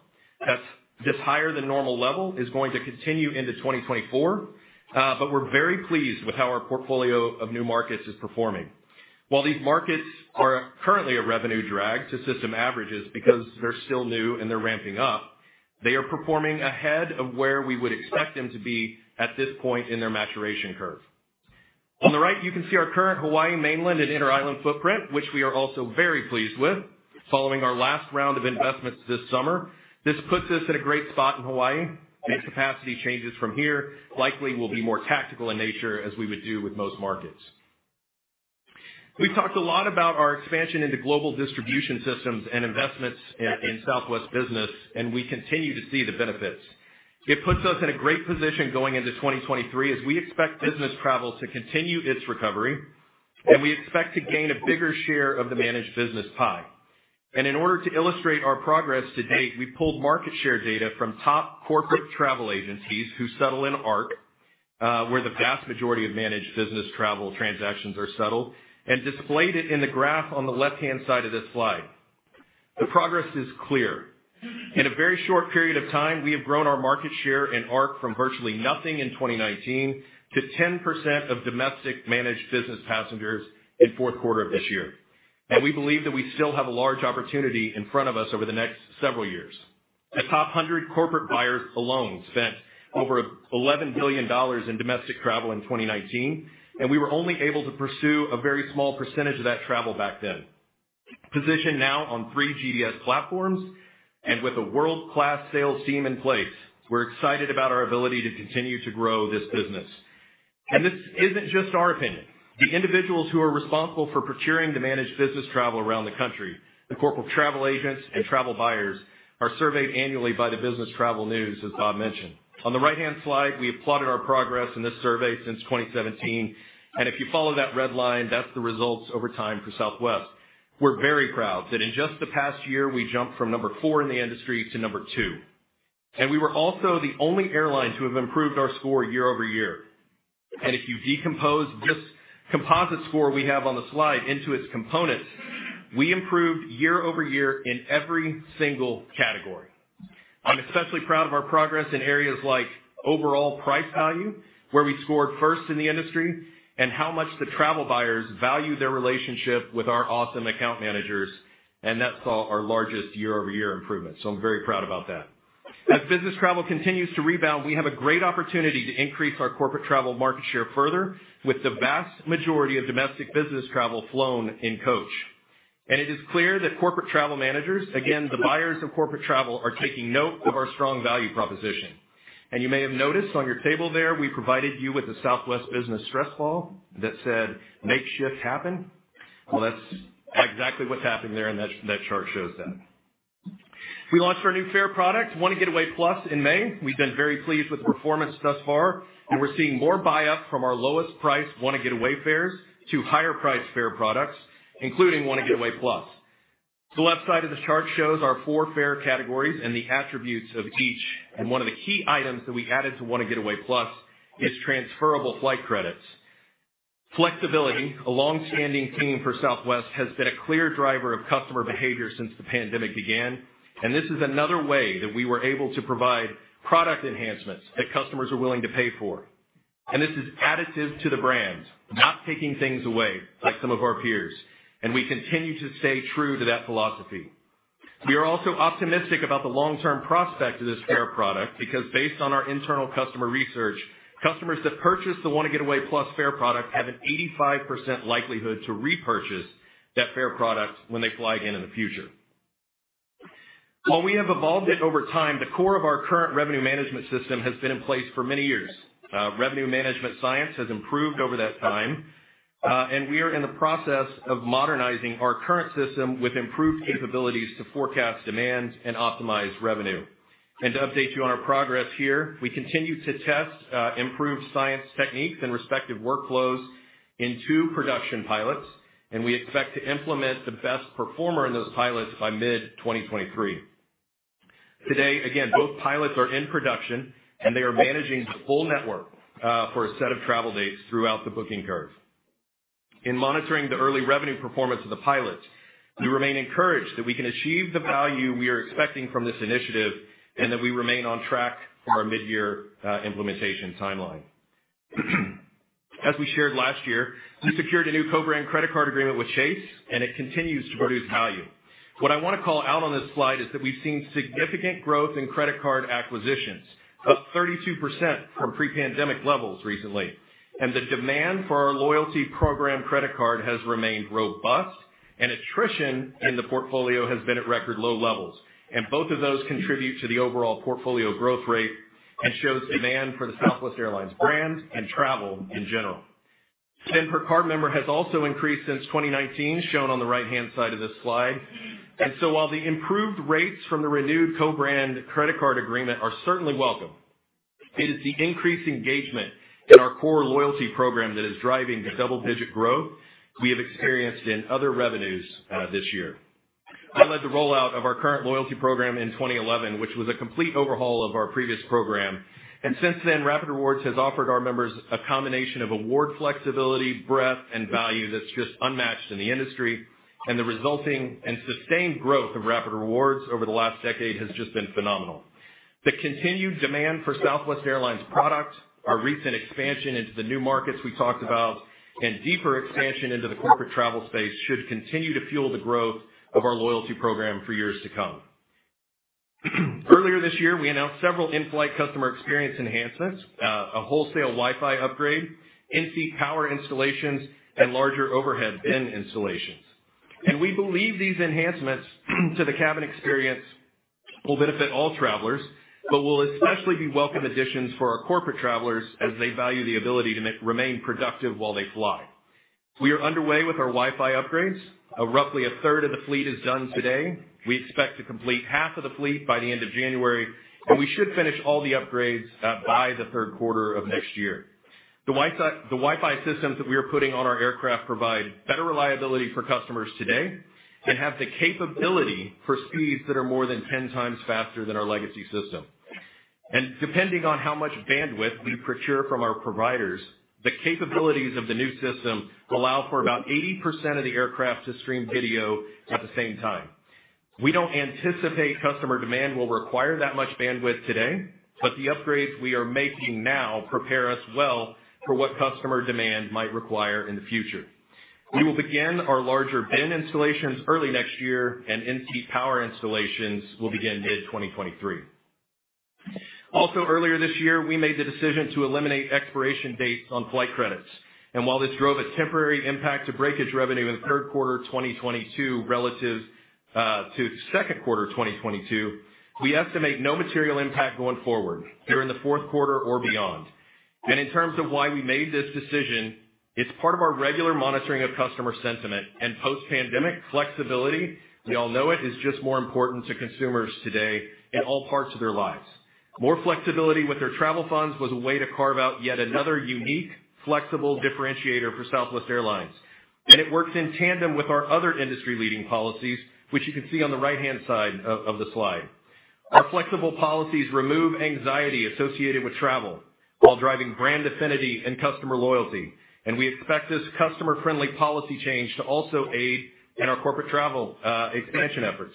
This higher-than-normal level is going to continue into 2024, but we're very pleased with how our portfolio of new markets is performing. While these markets are currently a revenue drag to system averages because they're still new and they're ramping up, they are performing ahead of where we would expect them to be at this point in their maturation curve. On the right, you can see our current Hawaii mainland and inter-island footprint, which we are also very pleased with following our last round of investments this summer. This puts us in a great spot in Hawaii. Any capacity changes from here likely will be more tactical in nature as we would do with most markets. We've talked a lot about our expansion into global distribution systems and investments in Southwest Business. We continue to see the benefits. It puts us in a great position going into 2023, as we expect business travel to continue its recovery, we expect to gain a bigger share of the managed business pie. In order to illustrate our progress to date, we pulled market share data from top corporate travel agencies who settle in ARC, where the vast majority of managed business travel transactions are settled, and displayed it in the graph on the left-hand side of this slide. The progress is clear. In a very short period of time, we have grown our market share in ARC from virtually nothing in 2019 to 10% of domestic managed business passengers in fourth quarter of this year. We believe that we still have a large opportunity in front of us over the next several years. The top 100 corporate buyers alone spent over $11 billion in domestic travel in 2019, and we were only able to pursue a very small percentage of that travel back then. Positioned now on three GDS platforms and with a world-class sales team in place, we're excited about our ability to continue to grow this business. This isn't just our opinion. The individuals who are responsible for procuring the managed business travel around the country, the corporate travel agents and travel buyers, are surveyed annually by the Business Travel News, as Bob mentioned. On the right-hand slide, we have plotted our progress in this survey since 2017, and if you follow that red line, that's the results over time for Southwest. We're very proud that in just the past year, we jumped from number four in the industry to number two. We were also the only airline to have improved our score year-over-year. If you decompose this composite score we have on the slide into its components, we improved year-over-year in every single category. I'm especially proud of our progress in areas like overall price value, where we scored first in the industry, and how much the travel buyers value their relationship with our awesome account managers, and that saw our largest year-over-year improvement. I'm very proud about that. As business travel continues to rebound, we have a great opportunity to increase our corporate travel market share further with the vast majority of domestic business travel flown in coach. It is clear that corporate travel managers, again, the buyers of corporate travel, are taking note of our strong value proposition. You may have noticed on your table there, we provided you with a Southwest Business stress ball that said, "Make shifts happen." That's exactly what's happening there, and that chart shows that. We launched our new fare product, Wanna Get Away Plus, in May. We've been very pleased with the performance thus far, and we're seeing more buy-up from our lowest price Wanna Get Away fares to higher-priced fare products, including Wanna Get Away Plus. The left side of the chart shows our four fare categories and the attributes of each. One of the key items that we added to Wanna Get Away Plus is transferable flight credits. Flexibility, a long-standing theme for Southwest, has been a clear driver of customer behavior since the pandemic began, and this is another way that we were able to provide product enhancements that customers are willing to pay for. This is additive to the brand, not taking things away like some of our peers, and we continue to stay true to that philosophy. We are also optimistic about the long-term prospect of this fare product because based on our internal customer research, customers that purchase the Wanna Get Away Plus fare product have an 85% likelihood to repurchase that fare product when they fly again in the future. While we have evolved it over time, the core of our current revenue management system has been in place for many years. Revenue management science has improved over that time, and we are in the process of modernizing our current system with improved capabilities to forecast demand and optimize revenue. To update you on our progress here, we continue to test improved science techniques and respective workflows in two production pilots, and we expect to implement the best performer in those pilots by mid-2023. Today, again, both pilots are in production and they are managing the full network for a set of travel dates throughout the booking curve. In monitoring the early revenue performance of the pilots, we remain encouraged that we can achieve the value we are expecting from this initiative and that we remain on track for our midyear implementation timeline. As we shared last year, we secured a new co-brand credit card agreement with Chase, and it continues to produce value. What I wanna call out on this slide is that we've seen significant growth in credit card acquisitions, up 32% from pre-pandemic levels recently. The demand for our loyalty program credit card has remained robust and attrition in the portfolio has been at record low levels. Both of those contribute to the overall portfolio growth rate and shows demand for the Southwest Airlines brand and travel in general. Spend per card member has also increased since 2019, shown on the right-hand side of this slide. While the improved rates from the renewed co-brand credit card agreement are certainly welcome, it is the increased engagement in our core loyalty program that is driving the double-digit growth we have experienced in other revenues this year. I led the rollout of our current loyalty program in 2011, which was a complete overhaul of our previous program. Since then, Rapid Rewards has offered our members a combination of award flexibility, breadth, and value that's just unmatched in the industry. The resulting and sustained growth of Rapid Rewards over the last decade has just been phenomenal. The continued demand for Southwest Airlines product, our recent expansion into the new markets we talked about, and deeper expansion into the corporate travel space should continue to fuel the growth of our loyalty program for years to come. Earlier this year, we announced several in-flight customer experience enhancements, a wholesale Wi-Fi upgrade, in-seat power installations, and larger overhead bin installations. We believe these enhancements to the cabin experience will benefit all travelers, but will especially be welcome additions for our corporate travelers as they value the ability to remain productive while they fly. We are underway with our Wi-Fi upgrades. Roughly a third of the fleet is done today. We expect to complete half of the fleet by the end of January. We should finish all the upgrades by the third quarter of next year. The Wi-Fi systems that we are putting on our aircraft provide better reliability for customers today and have the capability for speeds that are more than 10x faster than our legacy system. Depending on how much bandwidth we procure from our providers, the capabilities of the new system allow for about 80% of the aircraft to stream video at the same time. We don't anticipate customer demand will require that much bandwidth today. The upgrades we are making now prepare us well for what customer demand might require in the future. We will begin our larger bin installations early next year. In-seat power installations will begin mid-2023. Earlier this year, we made the decision to eliminate expiration dates on flight credits. While this drove a temporary impact to breakage revenue in third quarter 2022 relative to second quarter 2022, we estimate no material impact going forward, during the fourth quarter or beyond. In terms of why we made this decision, it's part of our regular monitoring of customer sentiment and post-pandemic flexibility, as you all know it, is just more important to consumers today in all parts of their lives. More flexibility with their travel funds was a way to carve out yet another unique, flexible differentiator for Southwest Airlines. It works in tandem with our other industry-leading policies, which you can see on the right-hand side of the slide. Our flexible policies remove anxiety associated with travel while driving brand affinity and customer loyalty. We expect this customer-friendly policy change to also aid in our corporate travel expansion efforts.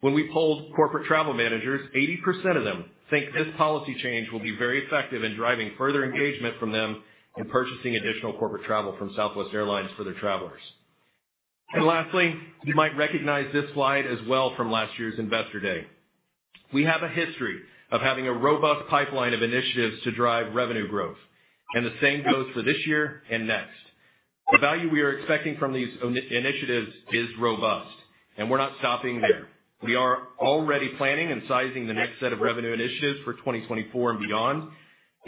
When we polled corporate travel managers, 80% of them think this policy change will be very effective in driving further engagement from them in purchasing additional corporate travel from Southwest Airlines for their travelers. Lastly, you might recognize this slide as well from last year's Investor Day. We have a history of having a robust pipeline of initiatives to drive revenue growth. The same goes for this year and next. The value we are expecting from these initiatives is robust. We're not stopping there. We are already planning and sizing the next set of revenue initiatives for 2024 and beyond,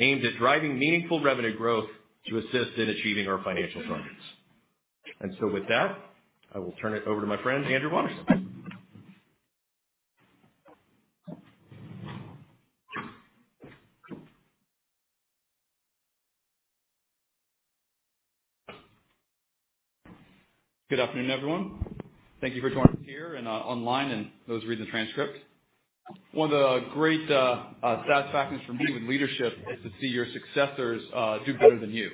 aimed at driving meaningful revenue growth to assist in achieving our financial targets. With that, I will turn it over to my friend, Andrew Watterson. Good afternoon, everyone. Thank you for joining us here and online and those reading the transcripts. One of the great satisfactions for me with leadership is to see your successors do better than you.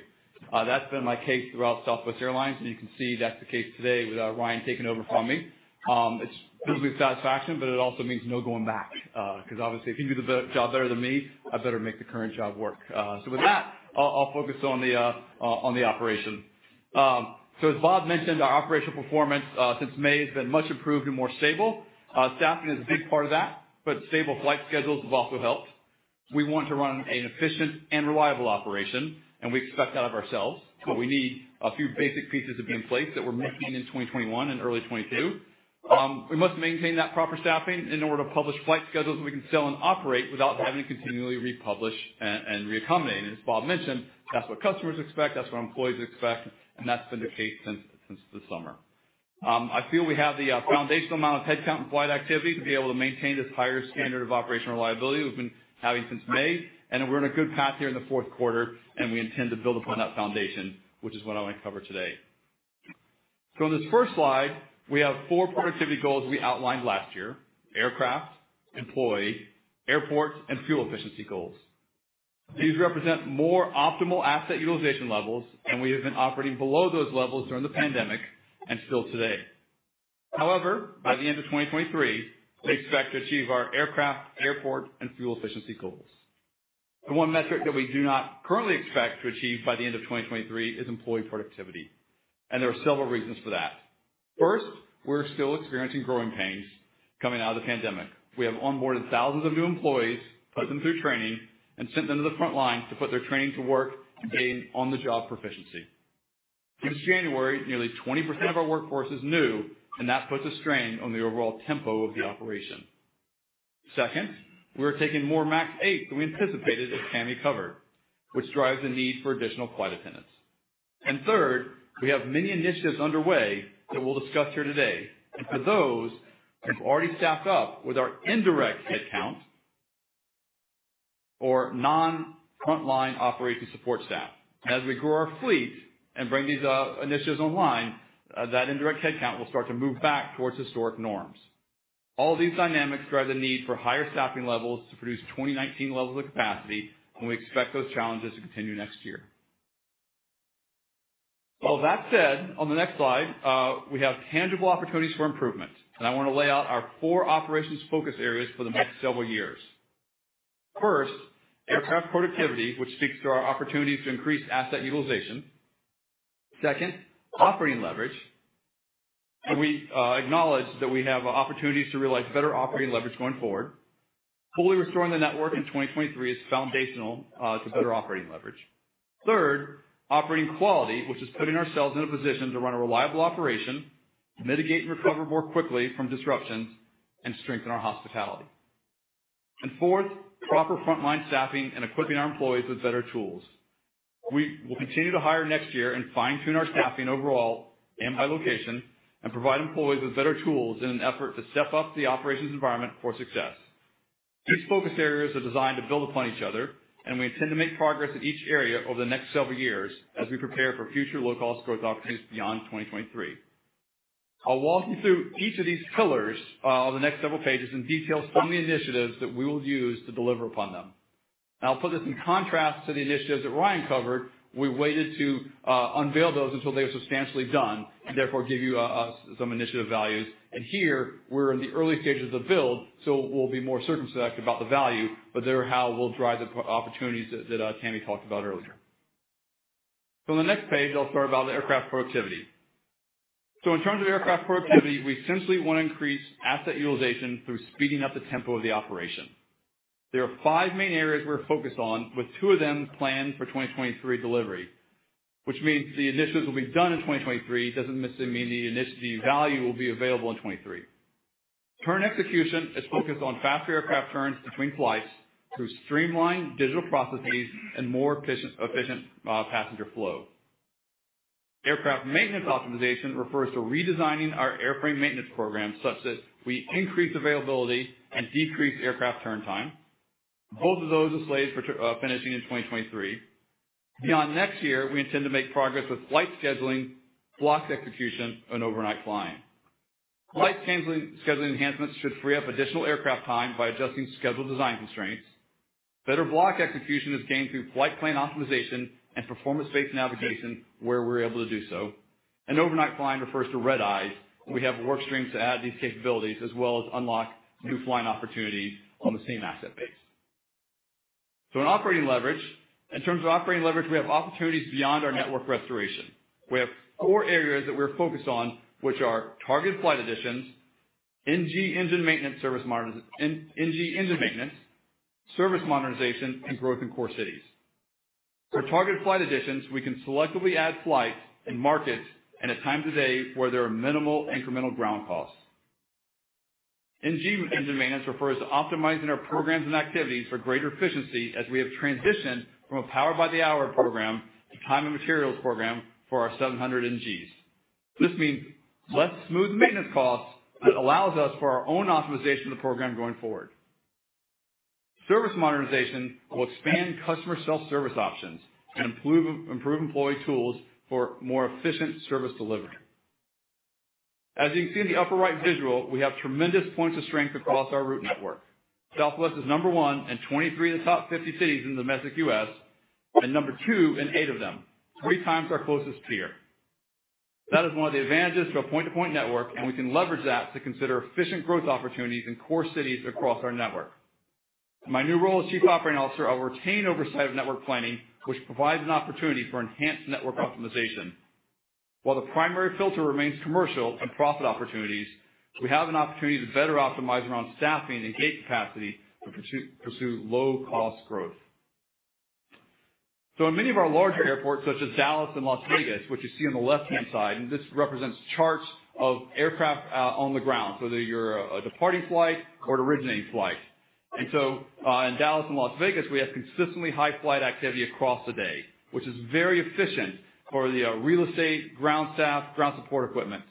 That's been my case throughout Southwest Airlines, and you can see that's the case today with Ryan taking over from me. It's usually a satisfaction, but it also means no going back, 'cause obviously, if he can do the job better than me, I better make the current job work. With that, I'll focus on the operation. As Bob mentioned, our operational performance since May has been much improved and more stable. Staffing is a big part of that, but stable flight schedules have also helped. We want to run an efficient and reliable operation, and we expect that of ourselves, but we need a few basic pieces to be in place that we're missing in 2021 and early 2022. We must maintain that proper staffing in order to publish flight schedules that we can sell and operate without having to continually republish and reaccommodate. As Bob mentioned, that's what customers expect, that's what employees expect, and that's been the case since the summer. I feel we have the foundational amount of headcount and flight activity to be able to maintain this higher standard of operational reliability we've been having since May, and we're in a good path here in the fourth quarter, and we intend to build upon that foundation, which is what I want to cover today. In this first slide, we have four productivity goals we outlined last year: aircraft, employee, airport, and fuel efficiency goals. These represent more optimal asset utilization levels, and we have been operating below those levels during the pandemic and still today. By the end of 2023, we expect to achieve our aircraft, airport, and fuel efficiency goals. The one metric that we do not currently expect to achieve by the end of 2023 is employee productivity, and there are several reasons for that. First, we're still experiencing growing pains coming out of the pandemic. We have onboarded thousands of new employees, put them through training, and sent them to the front line to put their training to work and gain on-the-job proficiency. Since January, nearly 20% of our workforce is new, and that puts a strain on the overall tempo of the operation. Second, we are taking more MAX 8 than we anticipated that Tammy covered, which drives the need for additional flight attendants. Third, we have many initiatives underway that we'll discuss here today. For those, we've already staffed up with our indirect headcount or non-front-line operation support staff. As we grow our fleet and bring these initiatives online, that indirect headcount will start to move back towards historic norms. All these dynamics drive the need for higher staffing levels to produce 2019 levels of capacity, and we expect those challenges to continue next year. All that said, on the next slide, we have tangible opportunities for improvement, and I wanna lay out our four operations focus areas for the next several years. First, aircraft productivity, which speaks to our opportunity to increase asset utilization. Second, operating leverage. We acknowledge that we have opportunities to realize better operating leverage going forward. Fully restoring the network in 2023 is foundational to better operating leverage. Third, operating quality, which is putting ourselves in a position to run a reliable operation, mitigate and recover more quickly from disruptions, and strengthen our hospitality. Fourth, proper frontline staffing and equipping our employees with better tools. We will continue to hire next year and fine-tune our staffing overall and by location and provide employees with better tools in an effort to step up the operations environment for success. These focus areas are designed to build upon each other, and we intend to make progress in each area over the next several years as we prepare for future low-cost growth opportunities beyond 2023. I'll walk you through each of these pillars on the next several pages and detail some of the initiatives that we will use to deliver upon them. I'll put this in contrast to the initiatives that Ryan covered. We waited to unveil those until they were substantially done and therefore give you some initiative values. Here, we're in the early stages of build, so we'll be more circumspect about the value, but they are how we'll drive the opportunities that Tammy talked about earlier. The next page, I'll start about the aircraft productivity. In terms of aircraft productivity, we essentially wanna increase asset utilization through speeding up the tempo of the operation. There are five main areas we're focused on, with two of them planned for 2023 delivery, which means the initiatives will be done in 2023. It doesn't necessarily mean the initiative value will be available in 2023. Turn execution is focused on faster aircraft turns between flights through streamlined digital processes and more efficient passenger flow. Aircraft maintenance optimization refers to redesigning our airframe maintenance program such that we increase availability and decrease aircraft turn time. Both of those are slated for finishing in 2023. Beyond next year, we intend to make progress with flight scheduling, blocks execution, and overnight flying. Flight scheduling enhancements should free up additional aircraft time by adjusting schedule design constraints. Better block execution is gained through flight plan optimization and performance-based navigation where we're able to do so. Overnight flying refers to red eyes. We have work streams to add these capabilities as well as unlock new flying opportunities on the same asset base. In terms of operating leverage, we have opportunities beyond our network restoration. We have four areas that we're focused on, which are targeted flight additions, NG engine maintenance, service modernization, and growth in core cities. For targeted flight additions, we can selectively add flights in markets and at times of day where there are minimal incremental ground costs. NG engine maintenance refers to optimizing our programs and activities for greater efficiency as we have transitioned from a Power-by-the-Hour program to time and materials program for our 737-700 NGs. This means less smooth maintenance costs and allows us for our own optimization of the program going forward. Service modernization will expand customer self-service options and improve employee tools for more efficient service delivery. As you can see in the upper right visual, we have tremendous points of strength across our route network. Southwest is number one in 23 of the top 50 cities in domestic U.S. and number two in eight of them, 3x our closest peer. That is one of the advantages to a point-to-point network, and we can leverage that to consider efficient growth opportunities in core cities across our network. In my new role as Chief Operating Officer, I'll retain oversight of network planning, which provides an opportunity for enhanced network optimization. While the primary filter remains commercial and profit opportunities, we have an opportunity to better optimize around staffing and gate capacity to pursue low-cost growth. In many of our larger airports, such as Dallas and Las Vegas, which you see on the left-hand side, and this represents charts of aircraft on the ground, so whether you're a departing flight or an originating flight. In Dallas and Las Vegas, we have consistently high flight activity across the day, which is very efficient for the real estate, ground staff, ground support equipment.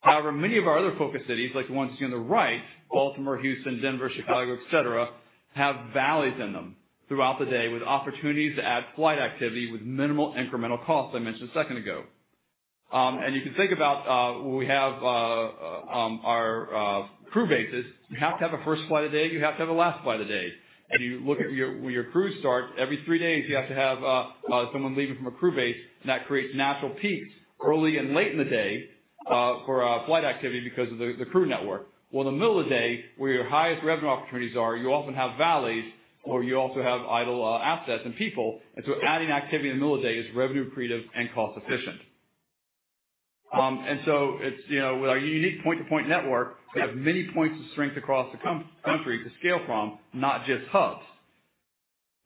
However, many of our other focus cities, like the ones you see on the right, Baltimore, Houston, Denver, Chicago, et cetera, have valleys in them throughout the day with opportunities to add flight activity with minimal incremental cost, I mentioned a second ago. You can think about where we have our crew bases. You have to have a first flight of the day, and you have to have a last flight of the day. You look at where your crews start, every three days, you have to have someone leaving from a crew base, that creates natural peaks early and late in the day for flight activity because of the crew network. In the middle of the day, where your highest revenue opportunities are, you often have valleys or you also have idle assets and people. Adding activity in the middle of day is revenue accretive and cost-efficient. It's, you know, with our unique point-to-point network, we have many points of strength across the country to scale from, not just hubs.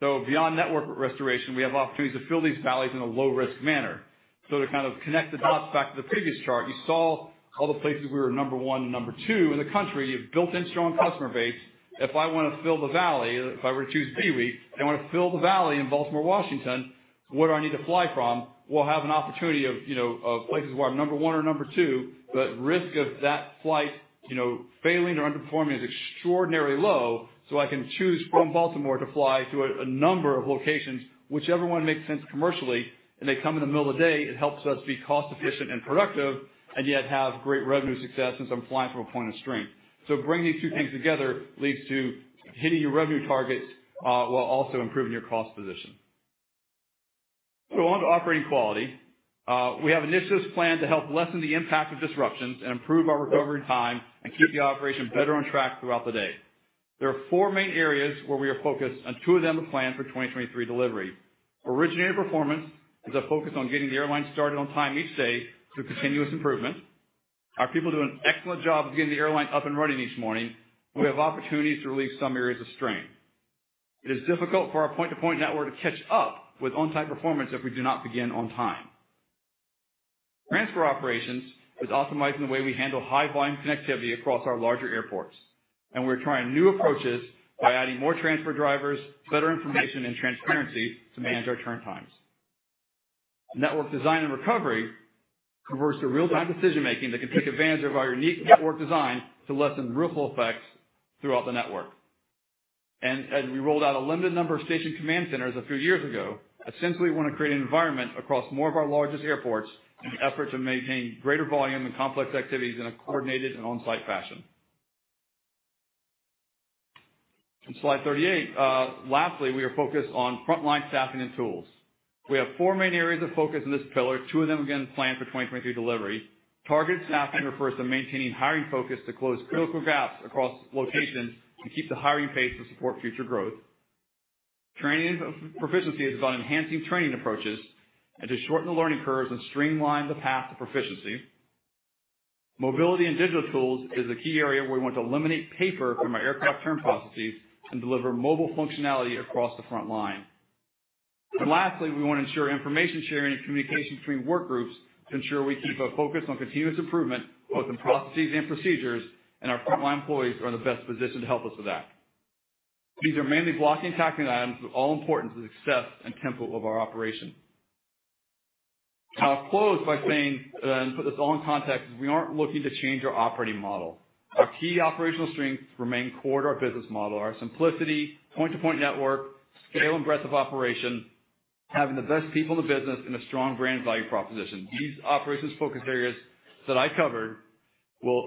Beyond network restoration, we have opportunities to fill these valleys in a low-risk manner. To kind of connect the dots back to the previous chart, you saw all the places we were number one and number two in the country. You have built-in strong customer base. If I wanna fill the valley, if I were to choose BWI, and I wanna fill the valley in Baltimore, Washington, where do I need to fly from? We'll have an opportunity of, you know, of places where I'm number one or number two, but risk of that flight, you know, failing or underperforming is extraordinarily low, so I can choose from Baltimore to fly to a number of locations, whichever one makes sense commercially. They come in the middle of the day, it helps us be cost-efficient and productive and yet have great revenue success since I'm flying from a point of strength. Bringing these two things together leads to hitting your revenue targets while also improving your cost position. On to operating quality. We have initiatives planned to help lessen the impact of disruptions and improve our recovery time and keep the operation better on track throughout the day. There are four main areas where we are focused, and two of them are planned for 2023 delivery. Originated performance is a focus on getting the airline started on time each day through continuous improvement. Our people do an excellent job of getting the airline up and running each morning, but we have opportunities to relieve some areas of strain. It is difficult for our point-to-point network to catch up with on-time performance if we do not begin on time. Transfer operations is optimizing the way we handle high volume connectivity across our larger airports, and we're trying new approaches by adding more transfer drivers, better information and transparency to manage our turn times. Network design and recovery converts to real-time decision-making that can take advantage of our unique network design to lessen ripple effects throughout the network. As we rolled out a limited number of station command centers a few years ago, essentially we wanna create an environment across more of our largest airports in an effort to maintain greater volume and complex activities in a coordinated and on-site fashion. On slide 38, lastly, we are focused on frontline staffing and tools. We have four main areas of focus in this pillar, two of them, again, planned for 2023 delivery. Targeted staffing refers to maintaining hiring focus to close critical gaps across locations and keep the hiring pace to support future growth. Training and proficiency is about enhancing training approaches and to shorten the learning curves and streamline the path to proficiency. Mobility and digital tools is a key area where we want to eliminate paper from our aircraft turn processes and deliver mobile functionality across the front line. Lastly, we wanna ensure information sharing and communication between work groups to ensure we keep a focus on continuous improvement both in processes and procedures, and our frontline employees are in the best position to help us with that. These are mainly blocking and tackling items with all importance to the success and tempo of our operation. I'll close by saying, and put this all in context, we aren't looking to change our operating model. Our key operational strengths remain core to our business model, our simplicity, point-to-point network, scale and breadth of operation, having the best people in the business and a strong brand value proposition. These operations focus areas that I covered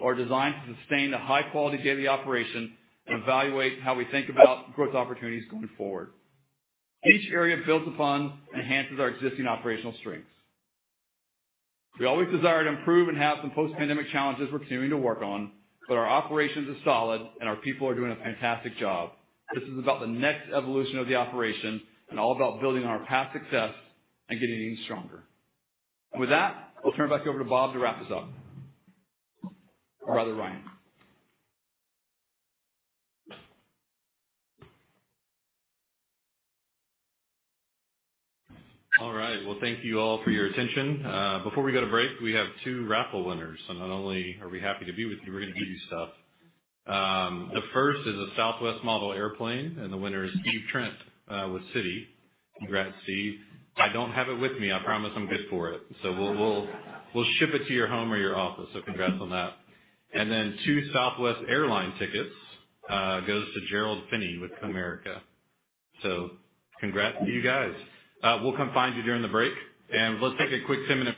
are designed to sustain a high-quality daily operation and evaluate how we think about growth opportunities going forward. Each area builds upon and enhances our existing operational strengths. We always desire to improve and have some post-pandemic challenges we're continuing to work on, but our operations are solid, and our people are doing a fantastic job. This is about the next evolution of the operation and all about building on our past success and getting even stronger. With that, I'll turn it back over to Bob to wrap this up. Or rather Ryan. All right. Well, thank you all for your attention. Before we go to break, we have two raffle winners. Not only are we happy to be with you, we're gonna give you stuff. The first is a Southwest model airplane, and the winner is Steve Trent with Citi. Congrats, Steve. I don't have it with me. I promise I'm good for it. We'll, we'll ship it to your home or your office. Congrats on that. Then two Southwest Airline tickets goes to Gerald Finney with Comerica. Congrats to you guys. We'll come find you during the break, and let's take a quick 10-minute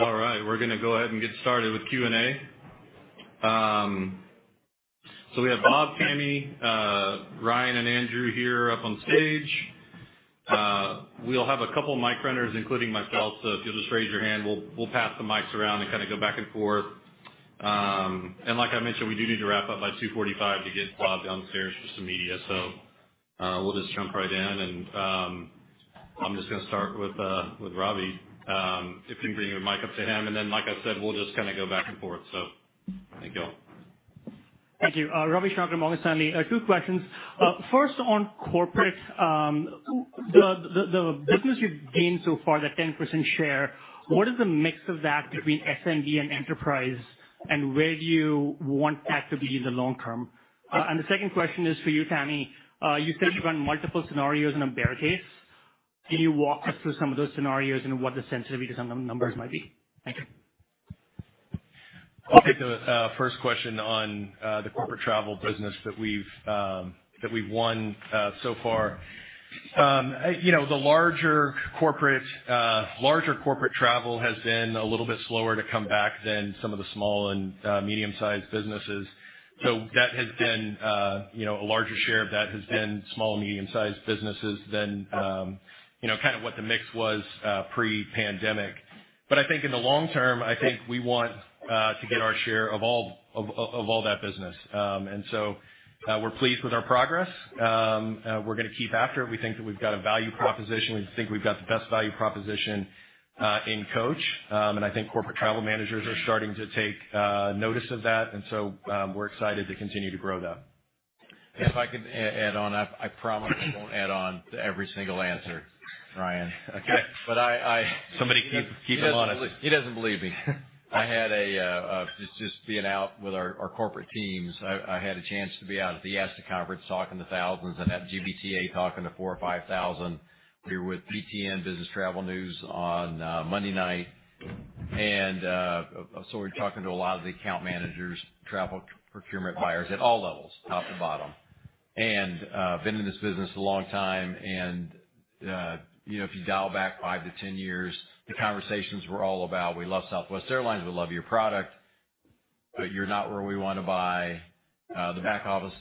All right. We're gonna go ahead and get started with Q&A. We have Bob, Tammy, Ryan, and Andrew here up on stage. We'll have a couple mic runners, including myself. If you'll just raise your hand, we'll pass the mics around and kinda go back and forth. And like I mentioned, we do need to wrap up by 2:45 P.M. to get Bob downstairs for some media. We'll just jump right in and I'm just gonna start with Ravi. If you can bring a mic up to him, and then like I said, we'll just kinda go back and forth. Thank y'all. Thank you. Ravi Shanker, Morgan Stanley. Two questions. First on corporate, the business you've gained so far, that 10% share, what is the mix of that between SMB and enterprise, and where do you want that to be in the long term? The second question is for you, Tammy. You said you run multiple scenarios in a bear case. Can you walk us through some of those scenarios and what the sensitivity to some of the numbers might be? Thank you. I'll take the first question on the corporate travel business that we've won so far. You know, the larger corporate larger corporate travel has been a little bit slower to come back than some of the small and medium-sized businesses. That has been, you know, a larger share of that has been small, medium-sized businesses than, you know, kind of what the mix was pre-pandemic. I think in the long term, I think we want to get our share of all that business. We're pleased with our progress. We're gonna keep after it. We think that we've got a value proposition. We think we've got the best value proposition in coach. I think corporate travel managers are starting to take notice of that. We're excited to continue to grow that. If I could add on, I promise I won't add on to every single answer, Ryan, okay? I. Somebody keep him honest. He doesn't believe me. I had a, just being out with our corporate teams. I had a chance to be out at the ASTA conference talking to thousands and at GBTA talking to 4,000 or 5,000. We were with BTN, Business Travel News, on Monday night. We're talking to a lot of the account managers, travel procurement buyers at all levels, top to bottom. Been in this business a long time, you know, if you dial back 5-10 years, the conversations were all about, "We love Southwest Airlines, we love your product, but you're not where we wanna buy. The back office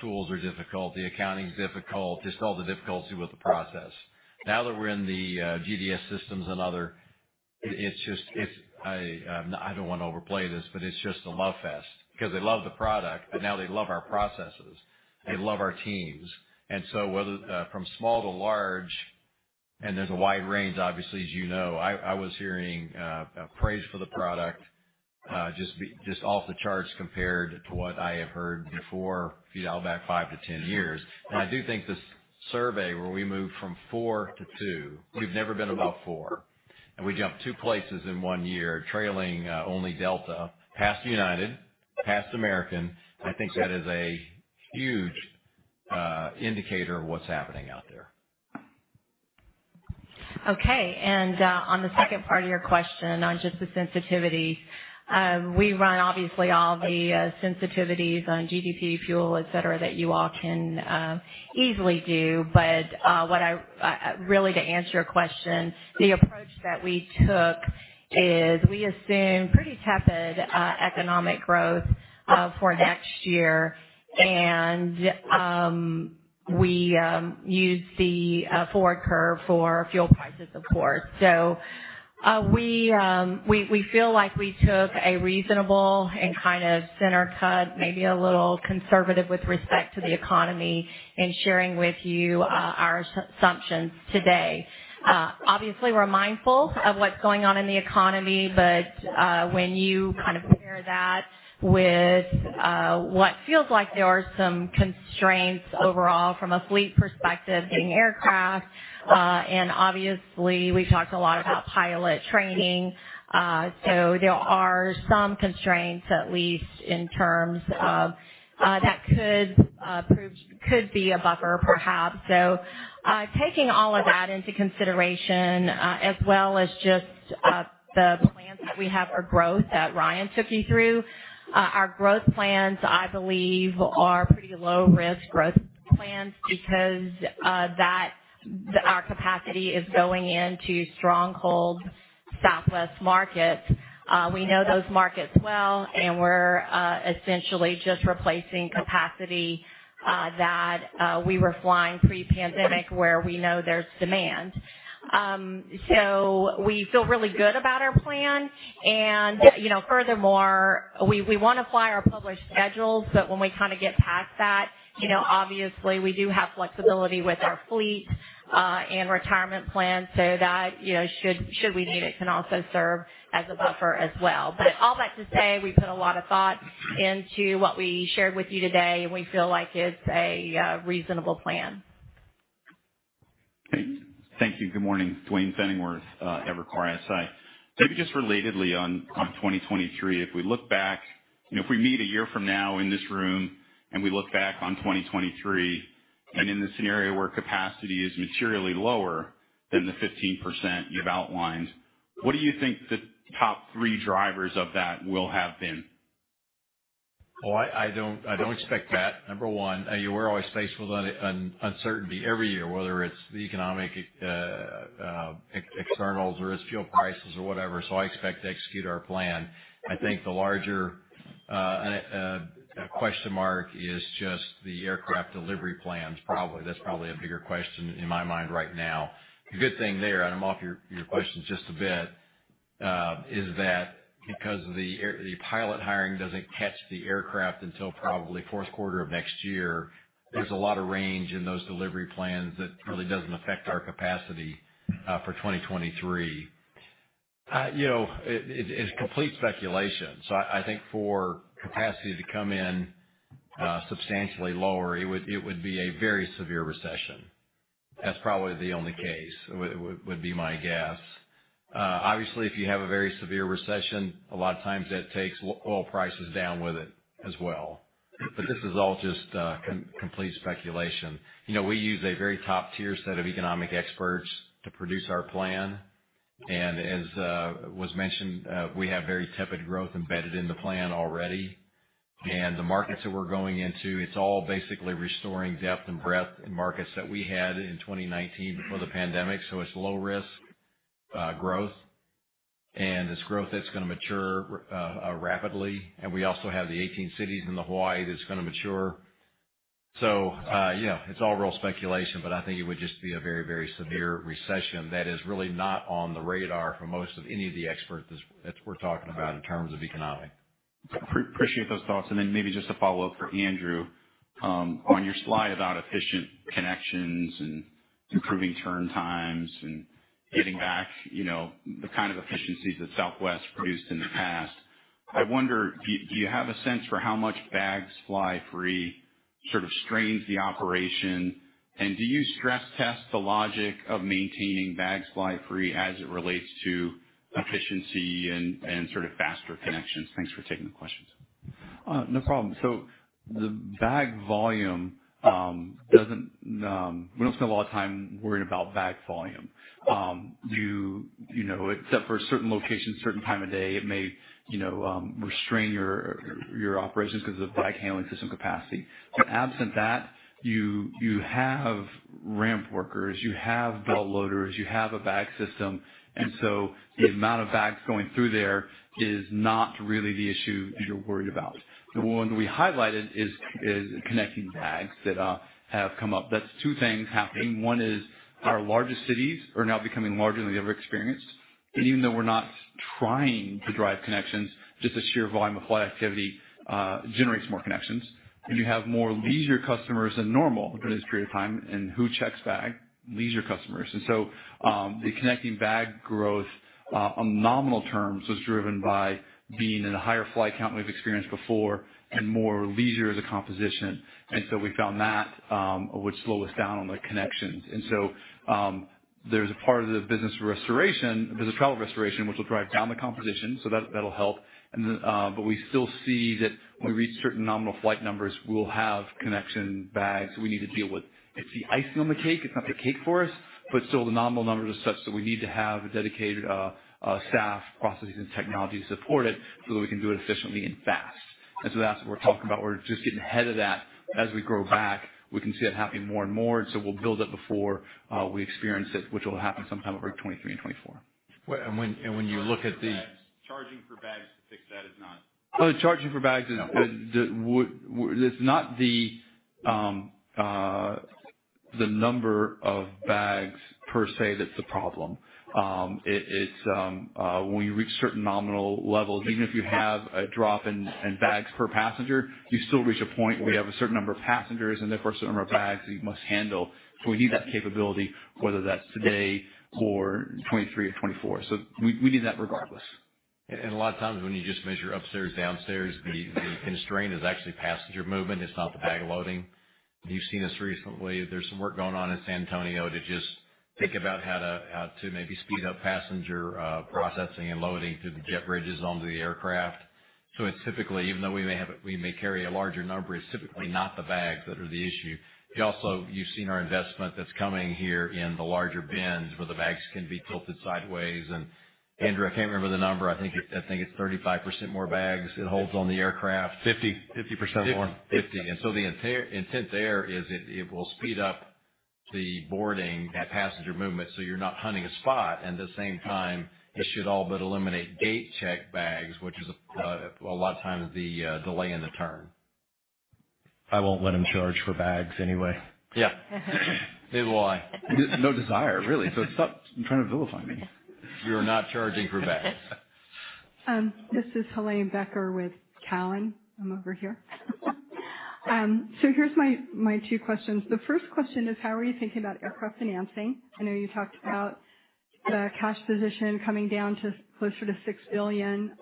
tools are difficult, the accounting is difficult." Just all the difficulty with the process. Now that we're in the GDS systems and other, I don't wanna overplay this, but it's just a love fest because they love the product, but now they love our processes, they love our teams. Whether from small to large, and there's a wide range, obviously, as you know, I was hearing praise for the product just off the charts compared to what I have heard before if you dial back 5 to 10 years. I do think this survey where we moved from four to two, we've never been above four, and we jumped two places in one year, trailing only Delta, past United, past American. I think that is a huge indicator of what's happening out there. Okay. On the second part of your question on just the sensitivity, we run obviously all the sensitivities on GDP, fuel, et cetera, that you all can easily do. Really to answer your question, the approach that we took is we assume pretty tepid economic growth for next year. We use the forward curve for fuel prices, of course. We, we feel like we took a reasonable and kind of center cut, maybe a little conservative with respect to the economy in sharing with you our assumptions today. obviously, we're mindful of what's going on in the economy, but when you kind of pair that with what feels like there are some constraints overall from a fleet perspective, getting aircraft, and obviously, we've talked a lot about pilot training. There are some constraints, at least in terms of that could be a buffer perhaps. Taking all of that into consideration, as well as just the plans that we have for growth that Ryan took you through, our growth plans, I believe, are pretty low-risk growth plans because our capacity is going into stronghold Southwest markets. We know those markets well, and we're essentially just replacing capacity that we were flying pre-pandemic, where we know there's demand. We feel really good about our plan. You know, furthermore, we wanna fly our published schedules, but when we kinda get past that, you know, obviously, we do have flexibility with our fleet, and retirement plan so that, you know, should we need it, can also serve as a buffer as well. All that to say, we put a lot of thought into what we shared with you today, and we feel like it's a reasonable plan. Thank you. Good morning. Duane Pfennigwerth, Evercore ISI. Maybe just relatedly on 2023, if we look back, you know, if we meet a year from now in this room and we look back on 2023 and in the scenario where capacity is materially lower than the 15% you've outlined, what do you think the top three drivers of that will have been? I don't expect that, number one. You know, we're always faced with uncertainty every year, whether it's the economic externals or it's fuel prices or whatever. I expect to execute our plan. I think the larger question mark is just the aircraft delivery plans probably. That's probably a bigger question in my mind right now. The good thing there, and I'm off your questions just a bit, is that because the pilot hiring doesn't catch the aircraft until probably fourth quarter of next year, there's a lot of range in those delivery plans that really doesn't affect our capacity for 2023. You know, it's complete speculation. I think for capacity to come in substantially lower, it would be a very severe recession. That's probably the only case would be my guess. Obviously, if you have a very severe recession, a lot of times that takes oil prices down with it as well. This is all just complete speculation. You know, we use a very top-tier set of economic experts to produce our plan. As was mentioned, we have very tepid growth embedded in the plan already. The markets that we're going into, it's all basically restoring depth and breadth in markets that we had in 2019 before the pandemic. It's low risk growth. It's growth that's gonna mature rapidly. We also have the 18 cities in the Hawaii that's gonna mature. Yeah, it's all real speculation, but I think it would just be a very, very severe recession that is really not on the radar for most of any of the experts that's, that we're talking about in terms of economic. Appreciate those thoughts. Maybe just a follow-up for Andrew. On your slide about efficient connections and improving turn times and getting back, you know, the kind of efficiencies that Southwest produced in the past. I wonder, do you have a sense for how much Bags Fly Free sort of strains the operation? Do you stress test the logic of maintaining Bags Fly Free as it relates to efficiency and sort of faster connections? Thanks for taking the questions. No problem. The bag volume. We don't spend a lot of time worrying about bag volume. You know, except for certain locations, certain time of day, it may, you know, restrain your operations because of the bag handling system capacity. Absent that, you have ramp workers, you have bell loaders, you have a bag system, the amount of bags going through there is not really the issue you're worried about. The one we highlighted is connecting bags that have come up. That's two things happening. One is our largest cities are now becoming larger than we've ever experienced. Even though we're not trying to drive connections, just the sheer volume of flight activity generates more connections. You have more leisure customers than normal during this period of time. Who checks bag? Leisure customers. The connecting bag growth on nominal terms was driven by being in a higher flight count we've experienced before and more leisure as a composition. We found that would slow us down on the connections. There's a part of the business restoration, there's a travel restoration, which will drive down the composition. That, that'll help. We still see that when we reach certain nominal flight numbers, we'll have connection bags we need to deal with. It's the icing on the cake. It's not the cake for us, but still the nominal numbers are such that we need to have a dedicated staff, processes, and technology to support it, so that we can do it efficiently and fast. That's what we're talking about. We're just getting ahead of that. As we grow back, we can see it happening more and more, and so we'll build it before we experience it, which will happen sometime over 2023 and 2024. When you look at the Charging for bags. Charging for bags to fix that is not- Oh, charging for bags is. No. It's not the number of bags per se that's the problem. It's when you reach certain nominal levels, even if you have a drop in bags per passenger, you still reach a point where you have a certain number of passengers and therefore a certain number of bags you must handle. We need that capability, whether that's today or 2023 or 2024. We need that regardless. A lot of times when you just measure upstairs, downstairs, the constraint is actually passenger movement. It's not the bag loading. You've seen us recently. There's some work going on in San Antonio to just think about how to maybe speed up passenger processing and loading to the jet bridges onto the aircraft. It's typically, even though we may carry a larger number, it's typically not the bags that are the issue. You've seen our investment that's coming here in the larger bins where the bags can be tilted sideways. Andrew, I can't remember the number. I think it's 35% more bags it holds on the aircraft. 50% more. 50%. The intent there is it will speed up the boarding, that passenger movement, so you're not hunting a spot. At the same time, it should all but eliminate gate check bags, which is a lot of times the delay in the turn. I won't let them charge for bags anyway. Yeah. Neither will I. No desire, really. Stop trying to vilify me. We are not charging for bags. This is Helane Becker with Cowen. I'm over here. So here's my two questions. The first question is how are you thinking about aircraft financing? I know you talked about the cash position coming down to closer to $6 billion,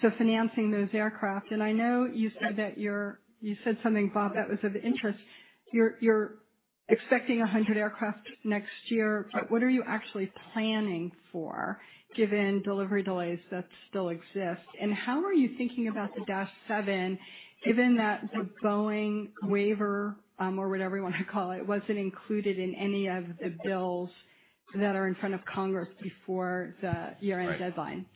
so financing those aircraft. I know you said that you said something, Bob, that was of interest. You're expecting 100 aircraft next year. What are you actually planning for, given delivery delays that still exist? How are you thinking about the -7, given that the Boeing waiver, or whatever you wanna call it, wasn't included in any of the bills that are in front of Congress before the year-end deadline?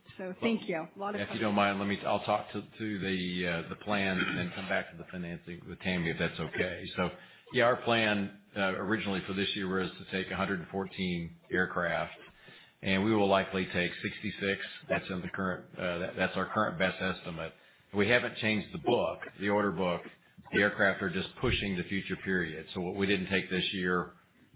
Thank you. A lot of questions. If you don't mind, let me I'll talk to the plan and then come back to the financing with Tammy, if that's okay. Yeah, our plan originally for this year was to take 114 aircraft, and we will likely take 66. That's in the current, that's our current best estimate. We haven't changed the book, the order book. The aircraft are just pushing the future period. What we didn't take this year,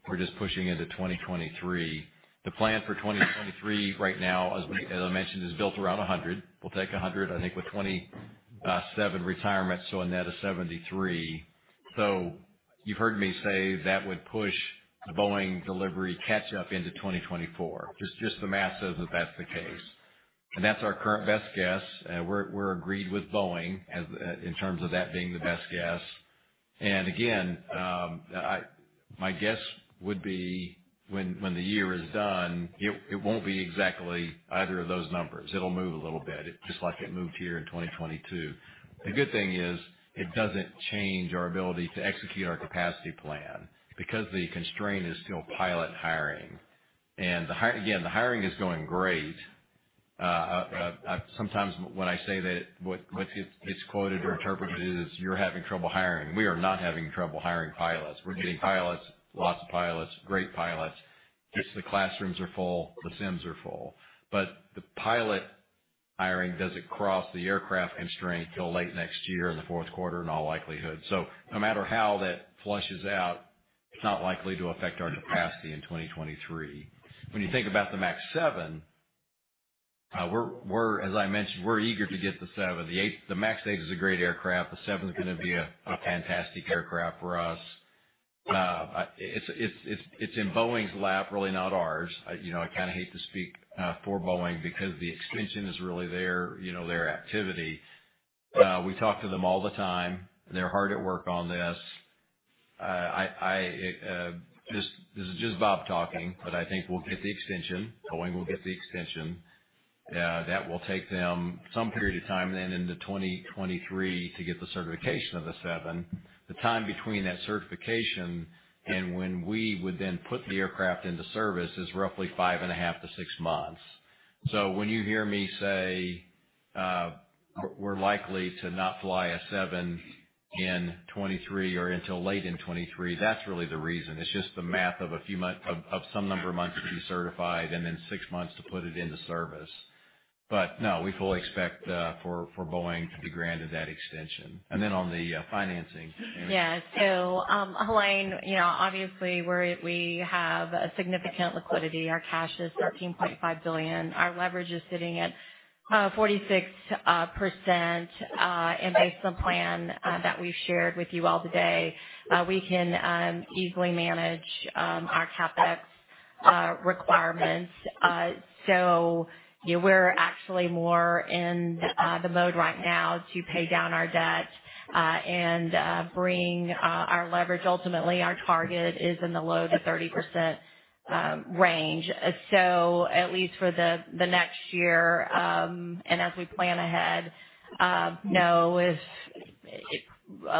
we're just pushing into 2023. The plan for 2023 right now, as I mentioned, is built around 100. We'll take 100, I think, with 27 retirements, so a net of 73. You've heard me say that would push the Boeing delivery catch-up into 2024. Just the math says that that's the case. That's our current best guess. We're agreed with Boeing as in terms of that being the best guess. Again, my guess would be when the year is done, it won't be exactly either of those numbers. It'll move a little bit, just like it moved here in 2022. The good thing is it doesn't change our ability to execute our capacity plan because the constraint is still pilot hiring. Again, the hiring is going great. Sometimes when I say that, what gets quoted or interpreted as you're having trouble hiring. We are not having trouble hiring pilots. We're getting pilots, lots of pilots, great pilots. It's the classrooms are full, the SIMs are full. The pilot hiring doesn't cross the aircraft constraint till late next year in the fourth quarter, in all likelihood. No matter how that flushes out, it's not likely to affect our capacity in 2023. When you think about the MAX 7, we're, as I mentioned, we're eager to get the MAX 7. The MAX 8 is a great aircraft. The MAX 7 is gonna be a fantastic aircraft for us. It's in Boeing's lap, really not ours. You know, I kind of hate to speak for Boeing because the extension is really their, you know, their activity. We talk to them all the time. They're hard at work on this. This is just Bob talking, I think we'll get the extension. Boeing will get the extension. That will take them some period of time then into 2023 to get the certification of the MAX 7. The time between that certification and when we would then put the aircraft into service is roughly 5.5 to 6 months. When you hear me say, we're likely to not fly a MAX 7 in 2023 or until late in 2023, that's really the reason. It's just the math of some number of months to be certified and then six months to put it into service. No, we fully expect, for Boeing to be granted that extension. Then on the financing. Helane, you know, obviously we have a significant liquidity. Our cash is $13.5 billion. Our leverage is sitting at 46%. Based on plan that we've shared with you all today, we can easily manage our CapEx requirements. We're actually more in the mode right now to pay down our debt and bring our leverage. Ultimately, our target is in the low to 30% range. At least for the next year, and as we plan ahead, no,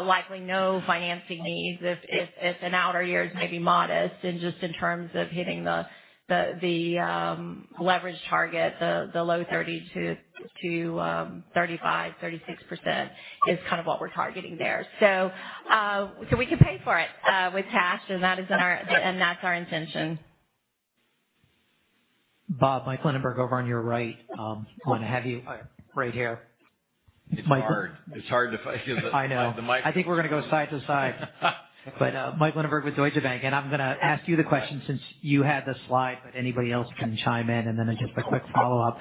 likely no financing needs if in outer years may be modest and just in terms of hitting the leverage target, the low 30% to 35%-36% is kind of what we're targeting there. We can pay for it, with cash, and that's our intention. Bob, Michael Linenberg over on your right. I'm gonna have you right here. It's hard. It's hard to find. I know. The mic- I think we're gonna go side to side. Michael Linenberg with Deutsche Bank, and I'm gonna ask you the question since you had the slide, but anybody else can chime in, and then just a quick follow-up.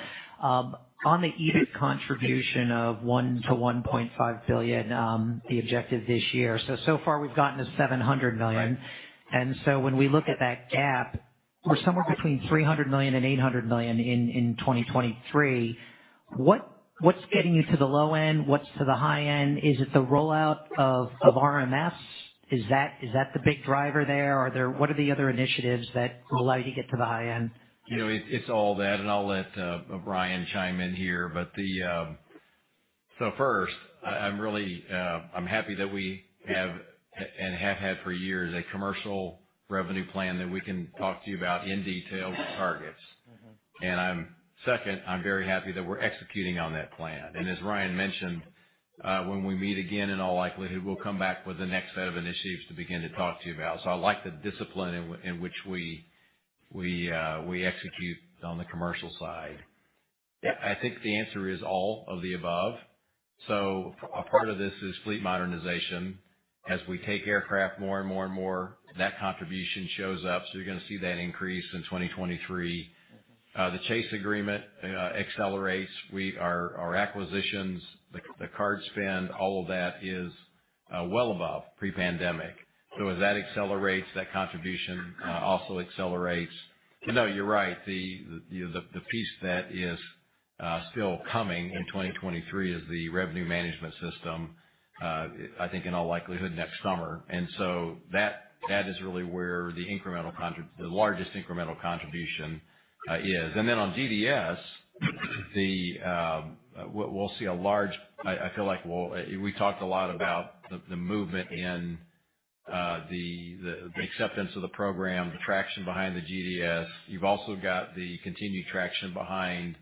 On the EBIT contribution of $1 billion-$1.5 billion, the objective this year. So far we've gotten to $700 million. Right. When we look at that gap, we're somewhere between $300 million and $800 million in 2023. What's getting you to the low end? What's to the high end? Is it the rollout of RMS? Is that the big driver there? What are the other initiatives that will allow you to get to the high end? You know, it's all that, and I'll let Ryan chime in here. First, I'm really, I'm happy that we have and have had for years a commercial revenue plan that we can talk to you about in detail with targets. Mm-hmm. I'm second, I'm very happy that we're executing on that plan. As Ryan mentioned, when we meet again, in all likelihood, we'll come back with the next set of initiatives to begin to talk to you about. I like the discipline in which we execute on the commercial side. I think the answer is all of the above. A part of this is fleet modernization. As we take aircraft more and more and more, that contribution shows up, so you're gonna see that increase in 2023. The Chase agreement accelerates. Our acquisitions, the card spend, all of that is well above pre-pandemic. As that accelerates, that contribution also accelerates. No, you're right. The piece that is still coming in 2023 is the revenue management system, I think in all likelihood next summer. That is really where the largest incremental contribution is. On GDS, we'll see. I feel like we talked a lot about the movement in the acceptance of the program, the traction behind the GDS. You've also got the continued traction behind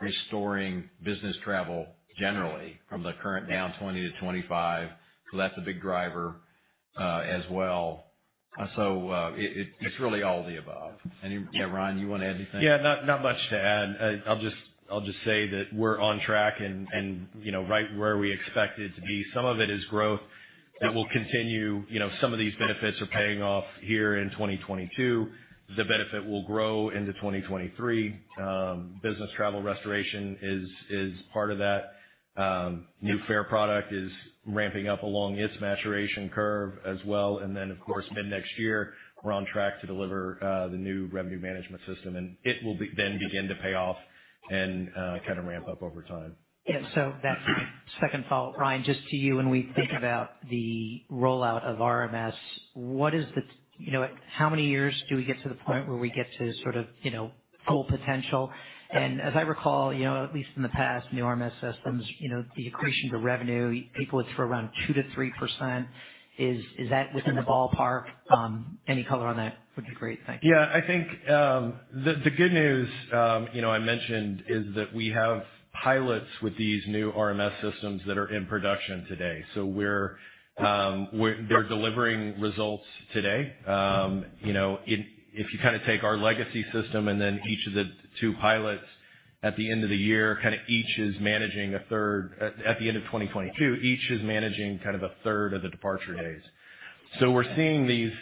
restoring business travel generally from the current down 20%-25%. That's a big driver as well. It's really all of the above. Any. Yeah, Ryan, you wanna add anything? Yeah, not much to add. I'll just say that we're on track and, you know, right where we expected to be. Some of it is growth that will continue. You know, some of these benefits are paying off here in 2022. The benefit will grow into 2023. Business travel restoration is part of that. New fare product is ramping up along its maturation curve as well. Of course, mid-next year, we're on track to deliver the new revenue management system, and it will then begin to pay off and kind of ramp up over time. That's my second follow-up. Ryan, just to you, when we think about the rollout of RMS, what is the, you know, how many years do we get to the point where we get to sort of, you know, full potential? As I recall, you know, at least in the past, the RMS systems, you know, the accretion to revenue, people look for around 2%-3%. Is that within the ballpark? Any color on that would be great. Thank you. I think, you know, I mentioned is that we have pilots with these new RMS systems that are in production today. We're delivering results today. You know, if you kind of take our legacy system and then each of the two pilots at the end of the year, kind of each is managing a third at the end of 2022, each is managing kind of a third of the departure days. We're seeing these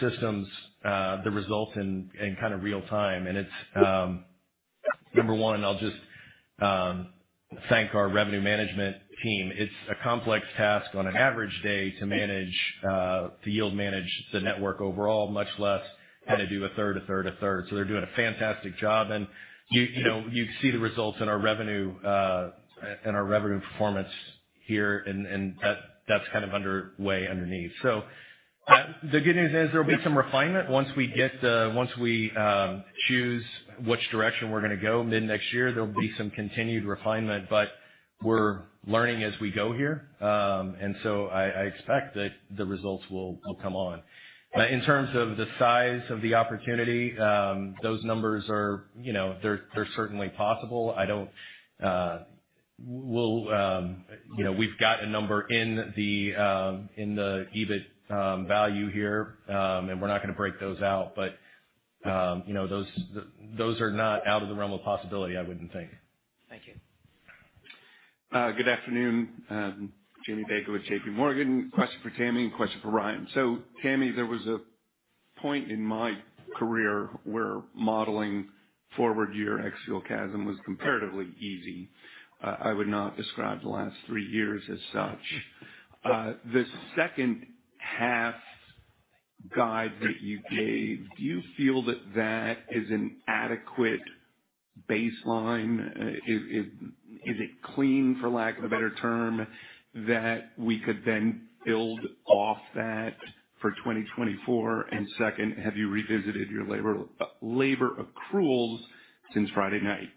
systems, the results in kind of real time, and it's number one, I'll just thank our revenue management team. It's a complex task on an average day to manage to yield manage the network overall, much less how to do a third, a third, a third. They're doing a fantastic job. You know, you see the results in our revenue, in our revenue performance here, and that's kind of under way underneath. The good news is there'll be some refinement once we get, once we choose which direction we're gonna go mid-next year. There'll be some continued refinement, but we're learning as we go here. I expect that the results will come on. In terms of the size of the opportunity, those numbers are, you know, they're certainly possible. I don't. We'll, you know, we've got a number in the EBIT value here, and we're not gonna break those out. You know, those are not out of the realm of possibility, I wouldn't think. Thank you. Good afternoon. Jamie Baker with JPMorgan. Question for Tammy and question for Ryan. Tammy, there was a point in my career where modeling forward year ex fuel CASM was comparatively easy. I would not describe the last three years as such. The second half guide that you gave, do you feel that that is an adequate baseline? Is it clean, for lack of a better term, that we could then build off that for 2024? Second, have you revisited your labor accruals since Friday night?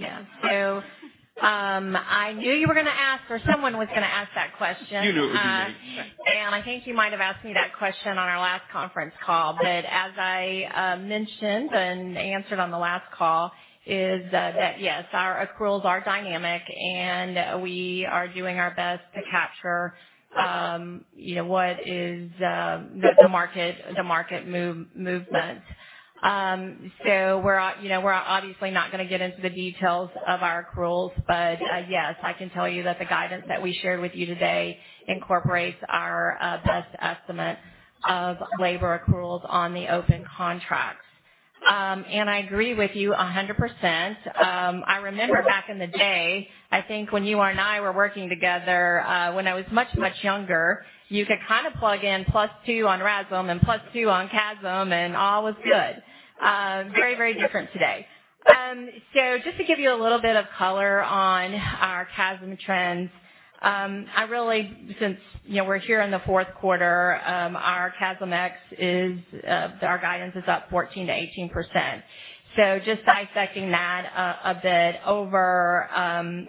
Yeah. I knew you were gonna ask or someone was gonna ask that question. You knew it was me. I think you might have asked me that question on our last conference call. As I mentioned and answered on the last call, yes, our accruals are dynamic, and we are doing our best to capture, you know, what is the market movement. We're, you know, we're obviously not gonna get into the details of our accruals. Yes, I can tell you that the guidance that we shared with you today incorporates our best estimate of labor accruals on the open contracts. I agree with you 100%. I remember back in the day, I think when you and I were working together, when I was much, much younger, you could kinda plug in +2 on RASM and +2 on CASM, and all was good. Very, very different today. Just to give you a little bit of color on our CASM trends, since, you know, we're here in the fourth quarter, our CASM-ex is, our guidance is up 14%-18%. Just dissecting that a bit, over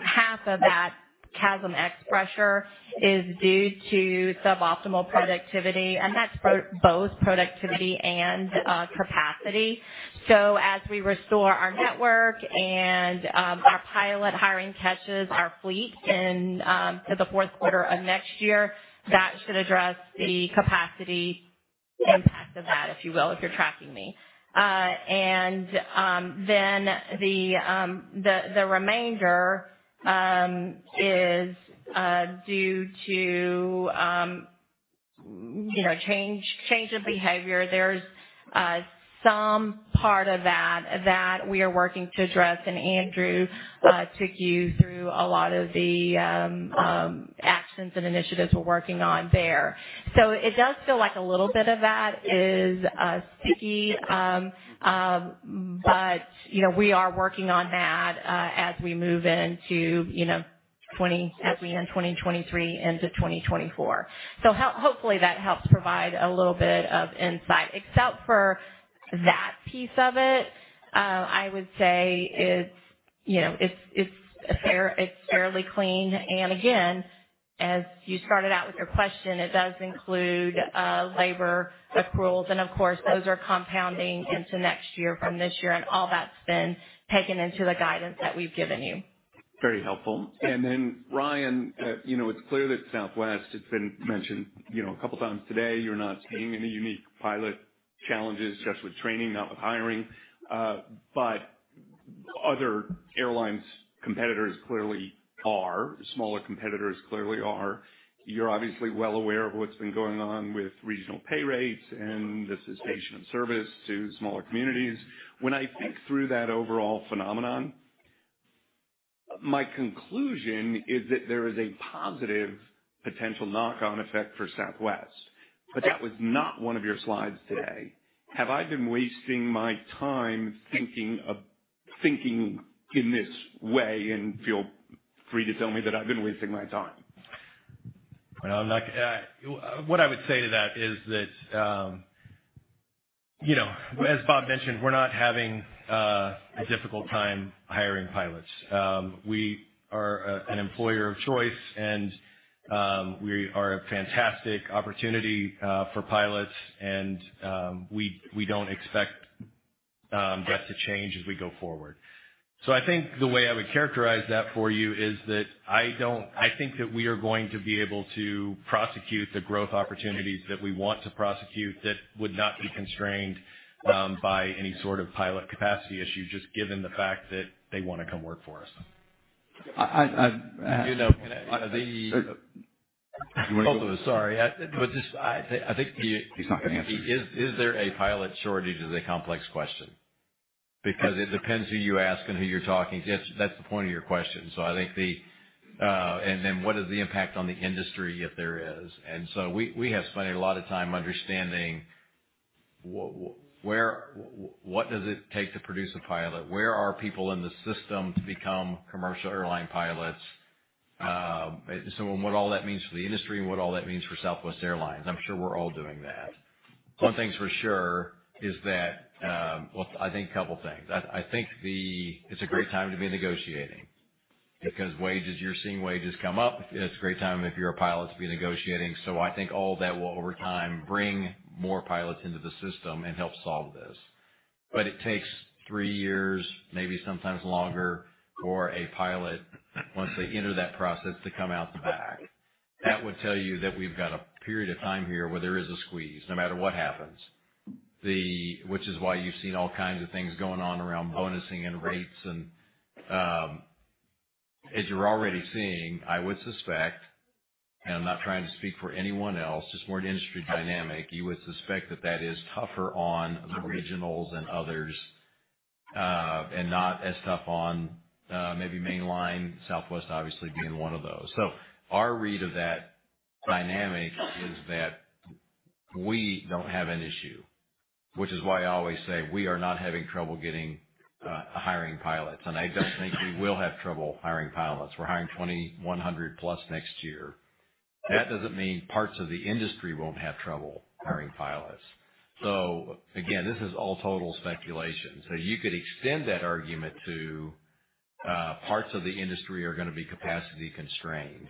half of that CASM-ex pressure is due to suboptimal productivity, and that's both productivity and capacity. As we restore our network and our pilot hiring catches our fleet in to the fourth quarter of next year, that should address the capacity impact of that, if you will, if you're tracking me. Then the remainder is due to, you know, change of behavior. There's some part of that that we are working to address, and Andrew took you through a lot of the actions and initiatives we're working on there. It does feel like a little bit of that is sticky. You know, we are working on that as we move into, you know, as we end 2023 into 2024. Hopefully, that helps provide a little bit of insight. Except for that piece of it, I would say it's, you know, it's fair, it's fairly clean. Again, as you started out with your question, it does include labor accruals. Of course, those are compounding into next year from this year, and all that's been taken into the guidance that we've given you. Very helpful. Ryan, you know, it's clear that Southwest, it's been mentioned, you know, a couple times today, you're not seeing any unique pilot challenges, especially with training, not with hiring. Other airlines, competitors clearly are. Smaller competitors clearly are. You're obviously well aware of what's been going on with regional pay rates, and the cessation of service to smaller communities. When I think through that overall phenomenon, my conclusion is that there is a positive potential knock-on effect for Southwest, but that was not one of your slides today. Have I been wasting my time thinking in this way? Feel free to tell me that I've been wasting my time. Well, I'm not... Uh, what I would say to that is that, um, you know, as Bob mentioned, we're not having, uh, a difficult time hiring pilots. Um, we are, uh, an employer of choice, and, um, we are a fantastic opportunity, uh, for pilots, and, um, we, we don't expect, um, that to change as we go forward. So I think the way I would characterize that for you is that I don't-- I think that we are going to be able to prosecute the growth opportunities that we want to prosecute that would not be constrained, um, by any sort of pilot capacity issue, just given the fact that they wanna come work for us. I, I, I- You know. Both of us. Sorry. Just I think- He's not gonna answer you. Is there a pilot shortage is a complex question because it depends who you ask and who you're talking to. That's the point of your question. I think the. What is the impact on the industry if there is. We have spent a lot of time understanding what does it take to produce a pilot? Where are people in the system to become commercial airline pilots? What all that means for the industry and what all that means for Southwest Airlines. I'm sure we're all doing that. One thing's for sure is that, well, I think a couple things. I think it's a great time to be negotiating because wages, you're seeing wages come up. It's a great time if you're a pilot to be negotiating. I think all that will over time bring more pilots into the system and help solve this. It takes three years, maybe sometimes longer, for a pilot, once they enter that process, to come out the back. That would tell you that we've got a period of time here where there is a squeeze no matter what happens. Which is why you've seen all kinds of things going on around bonusing and rates. As you're already seeing, I would suspect, and I'm not trying to speak for anyone else, just more an industry dynamic, you would suspect that that is tougher on the regionals and others, and not as tough on maybe mainline, Southwest obviously being one of those. Our read of that dynamic is that we don't have an issue. Which is why I always say we are not having trouble getting hiring pilots. I don't think we will have trouble hiring pilots. We're hiring 2,100 plus next year. That doesn't mean parts of the industry won't have trouble hiring pilots. Again, this is all total speculation. You could extend that argument to parts of the industry are gonna be capacity constrained,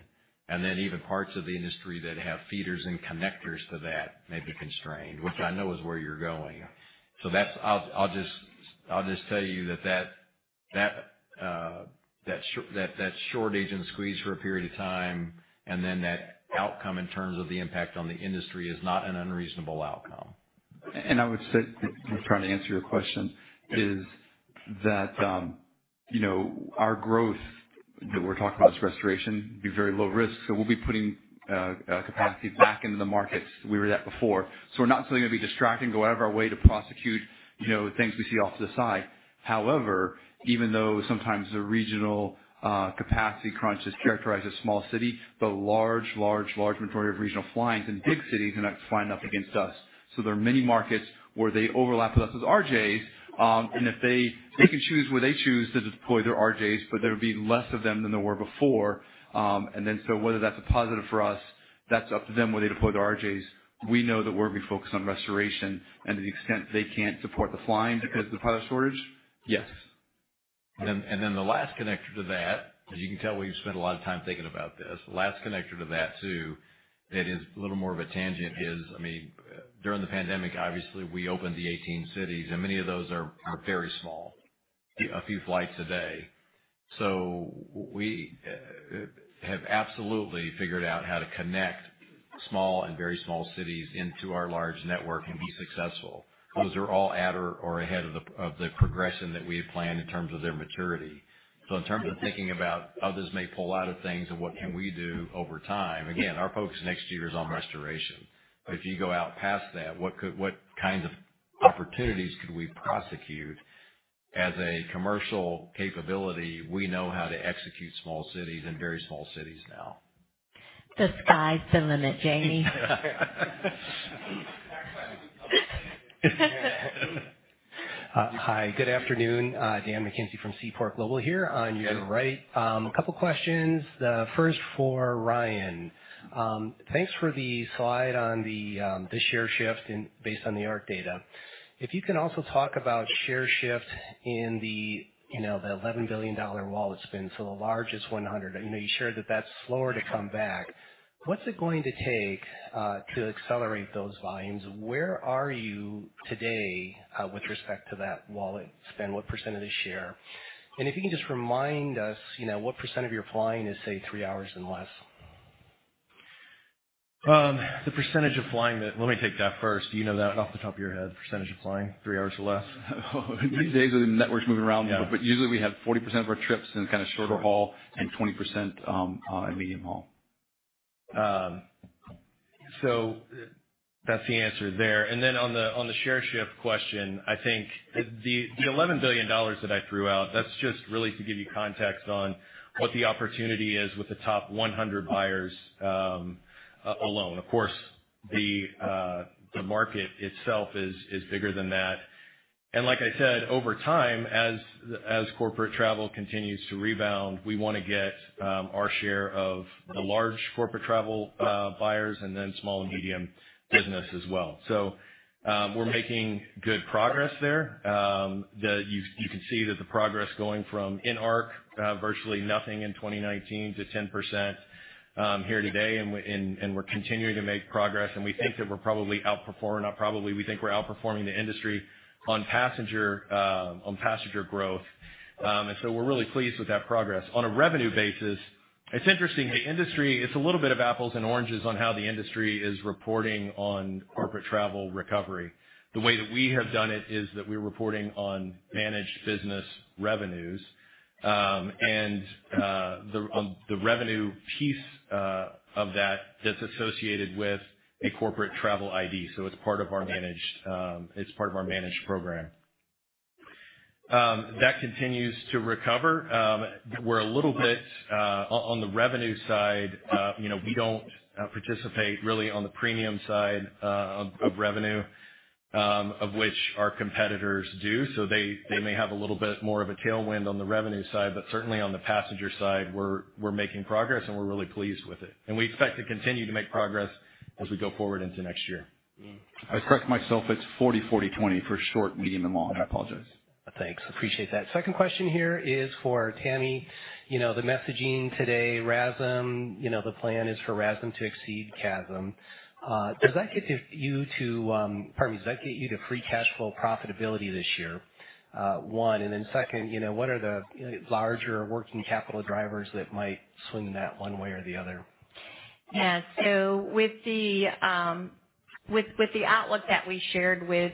and then even parts of the industry that have feeders and connectors to that may be constrained, which I know is where you're going. I'll just tell you that shortage and squeeze for a period of time and then that outcome in terms of the impact on the industry is not an unreasonable outcome. I would say, trying to answer your question, is that, you know, our growth that we're talking about as restoration would be very low risk. We'll be putting capacity back into the markets we were at before. We're not suddenly gonna be distracting, go out of our way to prosecute, you know, things we see off to the side. However, even though sometimes the regional capacity crunch is characterized as small city, the large majority of regional flying is in big cities and that's flying up against us. There are many markets where they overlap with us as RJs, and if They can choose where they choose to deploy their RJs, but there will be less of them than there were before. Whether that's a positive for us, that's up to them, where they deploy the RJs. We know that we're gonna be focused on restoration and to the extent they can't support the flying because of the pilot shortage, yes. The last connector to that, as you can tell, we've spent a lot of time thinking about this. The last connector to that too, it is a little more of a tangent, is, I mean, during the pandemic, obviously we opened the 18 cities and many of those are very small, a few flights a day. We have absolutely figured out how to connect small and very small cities into our large network and be successful. Those are all at or ahead of the progression that we had planned in terms of their maturity. In terms of thinking about others may pull out of things and what can we do over time, again, our focus next year is on restoration. If you go out past that, what kinds of opportunities could we prosecute? As a commercial capability, we know how to execute small cities and very small cities now. The sky's the limit, Jamie. Hi, good afternoon. Daniel McKenzie from Seaport Global here. Yes. On your right. A couple questions. The first for Ryan. Thanks for the slide on the share shift in based on the ARC data. If you can also talk about share shift in the, you know, the $11 billion wallet spend. The largest 100. You know, you shared that that's slower to come back. What's it going to take to accelerate those volumes? Where are you today with respect to that wallet spend? What percentage share? If you can just remind us, you know, what % of your flying is, say, three hours and less. The percentage of flying. Let me take that first. Do you know that off the top of your head, percentage of flying three hours or less? These days with the networks moving around. Yeah. Usually we have 40% of our trips in kind of shorter haul and 20% on medium haul. That's the answer there. On the share shift question, I think the $11 billion that I threw out, that's just really to give you context on what the opportunity is with the top 100 buyers alone. Of course, the market itself is bigger than that. Like I said, over time, as corporate travel continues to rebound, we want to get our share of the large corporate travel buyers and then small and medium business as well. We're making good progress there. You can see that the progress going from in ARC virtually nothing in 2019 to 10% here today. We're continuing to make progress, and we think that we're probably outperforming. Not probably, we think we're outperforming the industry on passenger, on passenger growth. We're really pleased with that progress. On a revenue basis. It's interesting, the industry, it's a little bit of apples and oranges on how the industry is reporting on corporate travel recovery. The way that we have done it is that we're reporting on managed business revenues, and the revenue piece of that that's associated with a corporate travel ID. It's part of our managed, it's part of our managed program. That continues to recover. We're a little bit on the revenue side, you know, we don't participate really on the premium side of revenue, of which our competitors do. They may have a little bit more of a tailwind on the revenue side. Certainly on the passenger side, we're making progress, and we're really pleased with it. We expect to continue to make progress as we go forward into next year. I correct myself. It's 40/40/20 for short, medium, and long. I apologize. Thanks. Appreciate that. Second question here is for Tammy. You know, the messaging today, RASM, you know, the plan is for RASM to exceed CASM. Does that get you to free cash flow profitability this year? One, then second, you know, what are the larger working capital drivers that might swing that one way or the other? Yeah. With the outlook that we shared with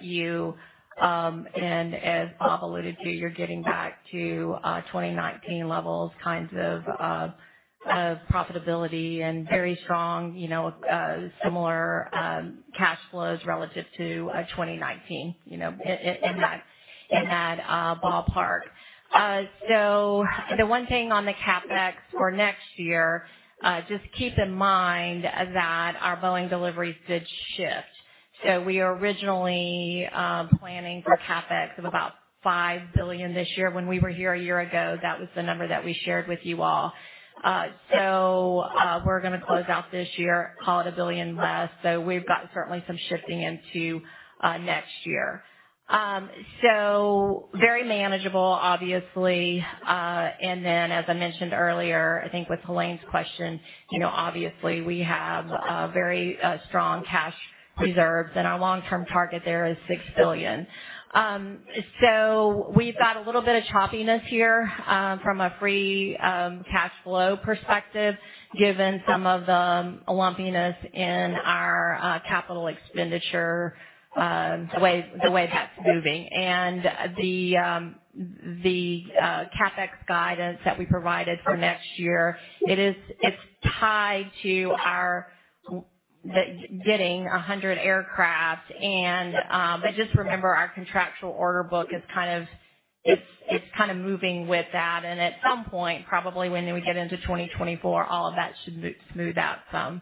you, and as Bob alluded to, you're getting back to 2019 levels kinds of profitability and very strong, you know, similar cash flows relative to 2019, you know, in that ballpark. The one thing on the CapEx for next year, just keep in mind that our Boeing deliveries did shift. We were originally planning for CapEx of about $5 billion this year. When we were here a year ago, that was the number that we shared with you all. We're gonna close out this year, call it $1 billion less. We've got certainly some shifting into next year. Very manageable obviously. As I mentioned earlier, I think with Helane's question, you know, obviously we have a very strong cash reserves, our long-term target there is $6 billion. We've got a little bit of choppiness here from a free cash flow perspective, given some of the lumpiness in our capital expenditure, the way that's moving. The CapEx guidance that we provided for next year, it's tied to our getting 100 aircraft, just remember our contractual order book is kind of moving with that. At some point, probably when we get into 2024, all of that should smooth out some.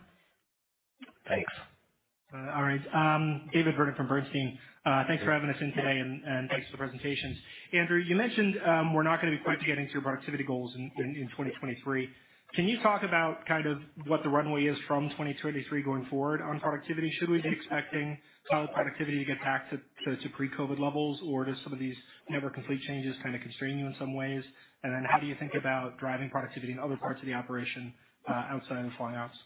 Thanks. All right. David Vernon from Bernstein. Thanks for having us in today and thanks for the presentations. Andrew, you mentioned, we're not gonna be quite getting to your productivity goals in 2023. Can you talk about kind of what the runway is from 2023 going forward on productivity? Should we be expecting pilot productivity to get back to pre-COVID levels, or do some of these never complete changes kind of constrain you in some ways? How do you think about driving productivity in other parts of the operation, outside of the flying ops?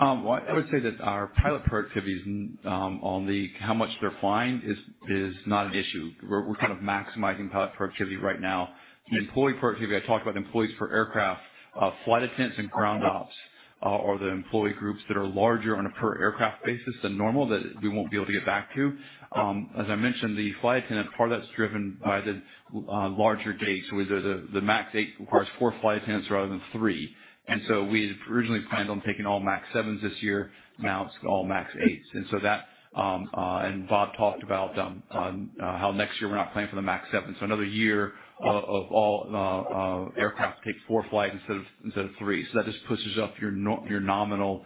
Well, I would say that our pilot productivity is on the how much they're flying is not an issue. We're kind of maximizing pilot productivity right now. Employee productivity, I talked about employees per aircraft. Flight attendants and ground ops are the employee groups that are larger on a per aircraft basis than normal that we won't be able to get back to. As I mentioned, the flight attendant part of that's driven by the larger gates. With the MAX 8 requires four flight attendants rather than three. We had originally planned on taking all MAX 7s this year. Now it's all MAX 8s. That, and Bob talked about how next year we're not planning for the MAX 7, so another year of all aircraft take four flight instead of three. That just pushes up your nominal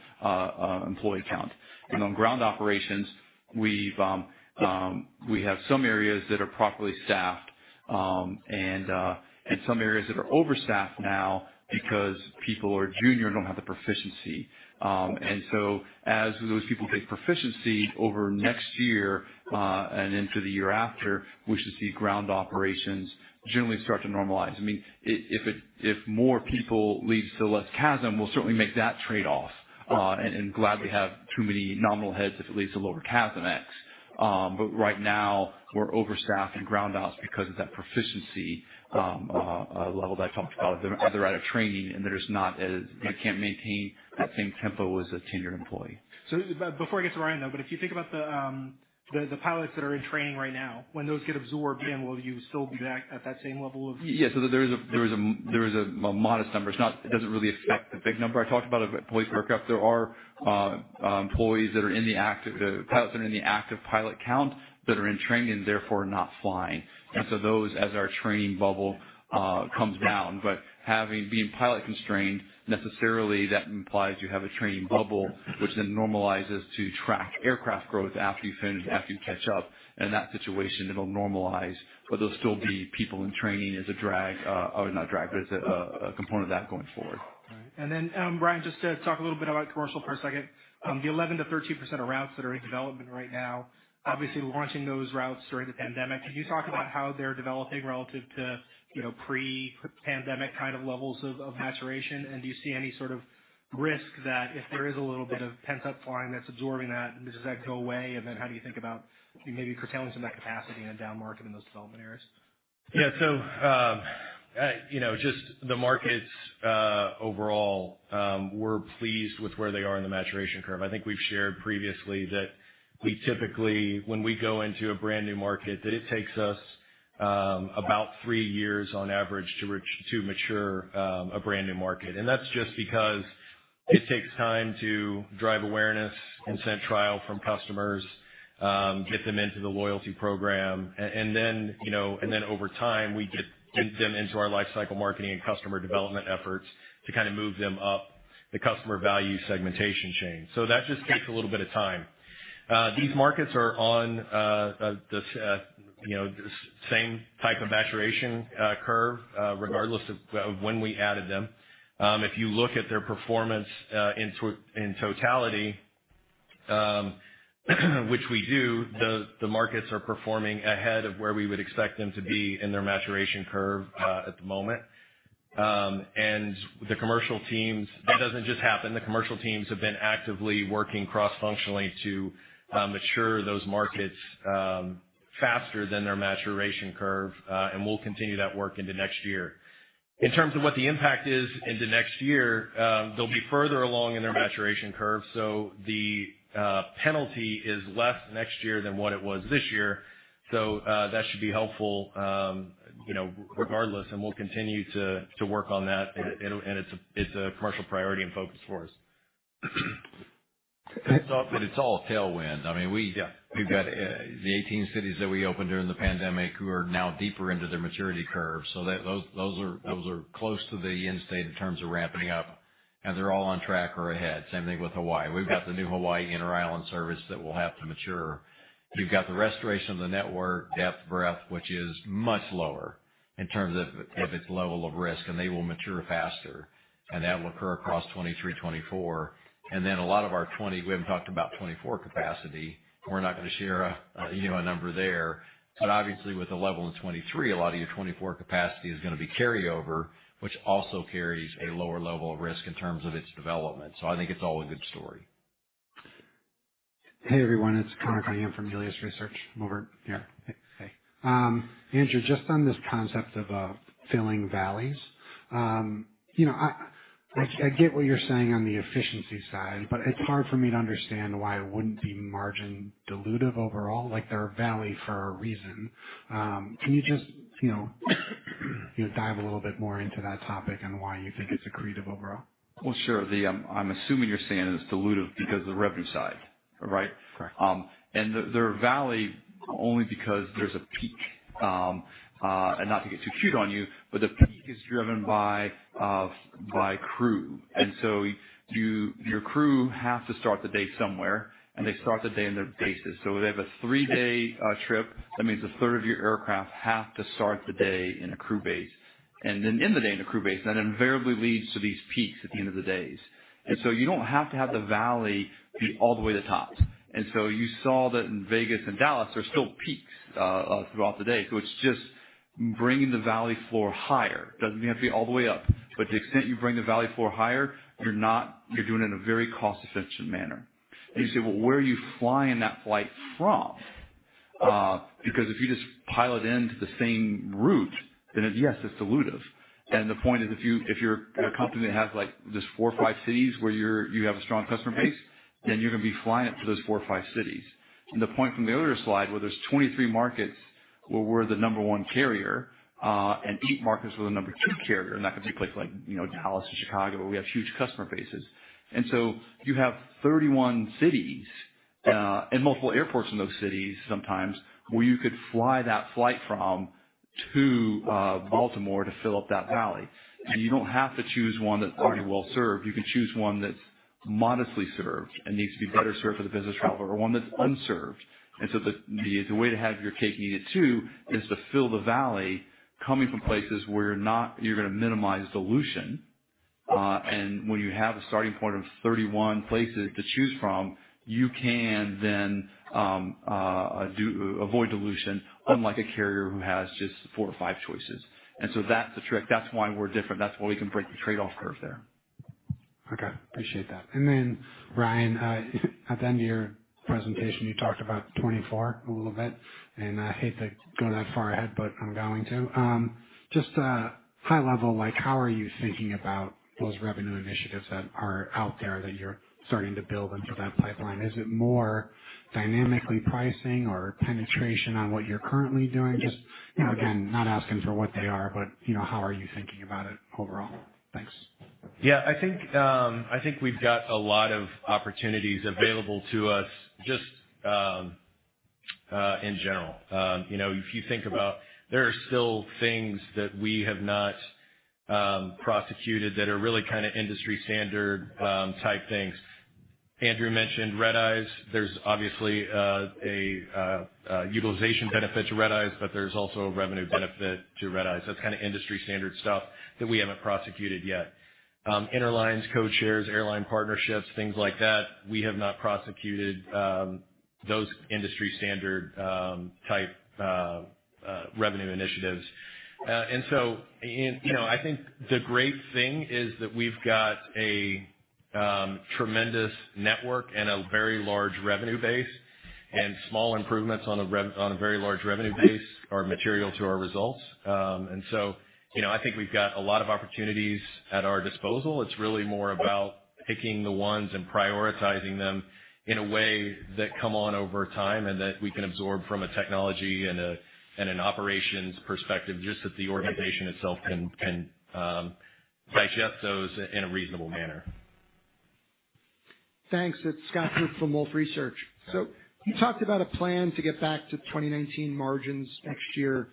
employee count. On ground operations, we have some areas that are properly staffed, and some areas that are overstaffed now because people who are junior don't have the proficiency. As those people get proficiency over next year and into the year after, we should see ground operations generally start to normalize. I mean, if more people leads to less CASM, we'll certainly make that trade-off and gladly have too many nominal heads if it leads to lower CASM-ex. Right now we're overstaffed in ground ops because of that proficiency level that I talked about. They're at a training, they can't maintain that same tempo as a tenured employee. Before I get to Ryan, though, but if you think about the pilots that are in training right now, when those get absorbed, then will you still be back at that same level of? There is a, there is a modest number. It doesn't really affect the big number I talked about of employees per aircraft. There are pilots that are in the active pilot count that are in training and therefore not flying. Yeah. Those as our training bubble comes down. Having been pilot constrained, necessarily that implies you have a training bubble which then normalizes to track aircraft growth after you finish, after you catch up. In that situation, it'll normalize, but there'll still be people in training as a drag. Not a drag, but as a component of that going forward. All right. Then, Ryan, just to talk a little bit about commercial for a second. The 11%-13% of routes that are in development right now, obviously launching those routes during the pandemic. Can you talk about how they're developing relative to, you know, pre-pandemic kind of levels of maturation? Do you see any sort of risk that if there is a little bit of pent-up flying that's absorbing that, does that go away? How do you think about maybe curtailing some of that capacity in a down market in those development areas? You know, just the markets overall, we're pleased with where they are in the maturation curve. I think we've shared previously that when we go into a brand-new market, it takes us about three years on average to mature a brand-new market. That's just because it takes time to drive awareness and set trial from customers, get them into the loyalty program. You know, and then over time, we get them into our lifecycle marketing and customer development efforts to kind of move them up the customer value segmentation chain. That just takes a little bit of time. These markets are on, you know, the same type of maturation curve, regardless of when we added them. If you look at their performance in totality, which we do, the markets are performing ahead of where we would expect them to be in their maturation curve at the moment. The commercial teams. That doesn't just happen. The commercial teams have been actively working cross-functionally to mature those markets faster than their maturation curve, and we'll continue that work into next year. In terms of what the impact is into next year, they'll be further along in their maturation curve, so the penalty is less next year than what it was this year. That should be helpful, you know, regardless, and we'll continue to work on that. It's a commercial priority and focus for us. It's all tailwind. I mean. Yeah. We've got the 18 cities that we opened during the pandemic who are now deeper into their maturity curve. Those are close to the end state in terms of ramping up, they're all on track or ahead. Same thing with Hawaii. We've got the new Hawaii Inter-Island service that we'll have to mature. We've got the restoration of the network, depth, breadth, which is much lower in terms of its level of risk, they will mature faster. That'll occur across 2023, 2024. A lot of our 20-- we haven't talked about 2024 capacity. We're not gonna share a, you know, a number there. Obviously, with the level in 2023, a lot of your 2024 capacity is gonna be carryover, which also carries a lower level of risk in terms of its development. I think it's all a good story. Hey, everyone. It's Conor Cunningham from Melius Research. I'm over here. Hey. Andrew, just on this concept of filling valleys. You know, I get what you're saying on the efficiency side, but it's hard for me to understand why it wouldn't be margin dilutive overall. Like, they're a valley for a reason. Can you just, you know, dive a little bit more into that topic and why you think it's accretive overall? Sure. The... I'm assuming you're saying it's dilutive because of the revenue side, right? Correct. They're a valley only because there's a peak. Not to get too cute on you, but the peak is driven by crew. Your crew have to start the day somewhere, and they start the day in their bases. They have a three-day trip. That means a third of your aircraft have to start the day in a crew base. Then end the day in a crew base, and that invariably leads to these peaks at the end of the days. You don't have to have the valley be all the way to the top. You saw that in Vegas and Dallas, there's still peaks throughout the day. It's just bringing the valley floor higher. Doesn't have to be all the way up. To the extent you bring the valley floor higher, you're doing it in a very cost-efficient manner. You say, "Well, where are you flying that flight from?" Because if you just pile it into the same route, then yes, it's dilutive. The point is, if you're a company that has, like, just four or five cities where you have a strong customer base, then you're gonna be flying it to those four or five cities. The point from the other slide, where there's 23 markets where we're the number one carrier, and eight markets with the number two carrier, and that could be places like, you know, Dallas and Chicago, where we have huge customer bases. You have 31 cities, and multiple airports in those cities sometimes, where you could fly that flight from to Baltimore to fill up that valley. You don't have to choose one that's already well-served. You can choose one that's modestly served and needs to be better served for the business traveler or one that's unserved. The way to have your cake and eat it too is to fill the valley coming from places where you're gonna minimize dilution. When you have a starting point of 31 places to choose from, you can then avoid dilution, unlike a carrier who has just four or five choices. That's the trick. That's why we're different. That's why we can break the trade-off curve there. Okay. Appreciate that. Then, Ryan, at the end of your presentation, you talked about 2024 a little bit, and I hate to go that far ahead, but I'm going to. Just, high level, like, how are you thinking about those revenue initiatives that are out there that you're starting to build into that pipeline? Is it more dynamically pricing or penetration on what you're currently doing? Just, you know, again, not asking for what they are, but, you know, how are you thinking about it overall? Thanks. Yeah. I think, I think we've got a lot of opportunities available to us just in general. You know, if you think about there are still things that we have not prosecuted that are really kind of industry standard type things. Andrew mentioned red-eyes. There's obviously a utilization benefit to red-eyes, but there's also a revenue benefit to red-eyes. That's kind of industry standard stuff that we haven't prosecuted yet. Interlines, code shares, airline partnerships, things like that, we have not prosecuted those industry standard type revenue initiatives. You know, I think the great thing is that we've got. Tremendous network and a very large revenue base and small improvements on a very large revenue base are material to our results. You know, I think we've got a lot of opportunities at our disposal. It's really more about picking the ones and prioritizing them in a way that come on over time and that we can absorb from a technology and an operations perspective, just that the organization itself can digest those in a reasonable manner. Thanks. It's Scott Group from Wolfe Research. You talked about a plan to get back to 2019 margins next year.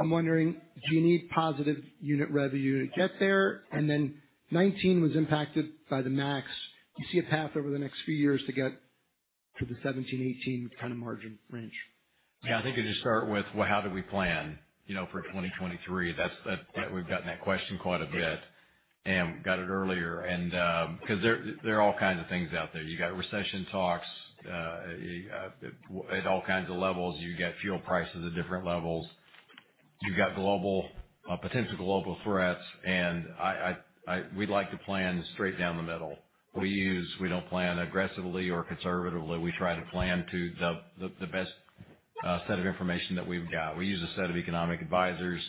I'm wondering, do you need positive unit revenue to get there? 2019 was impacted by the MAX. Do you see a path over the next few years to get to the 2017, 2018 kind of margin range? Yeah, I think I just start with, well, how do we plan, you know, for 2023? That's, we've gotten that question quite a bit and got it earlier. 'Cause there are all kinds of things out there. You got recession talks at all kinds of levels. You got fuel prices at different levels. You've got global potential global threats. We like to plan straight down the middle. We don't plan aggressively or conservatively. We try to plan to the best set of information that we've got. We use a set of economic advisors.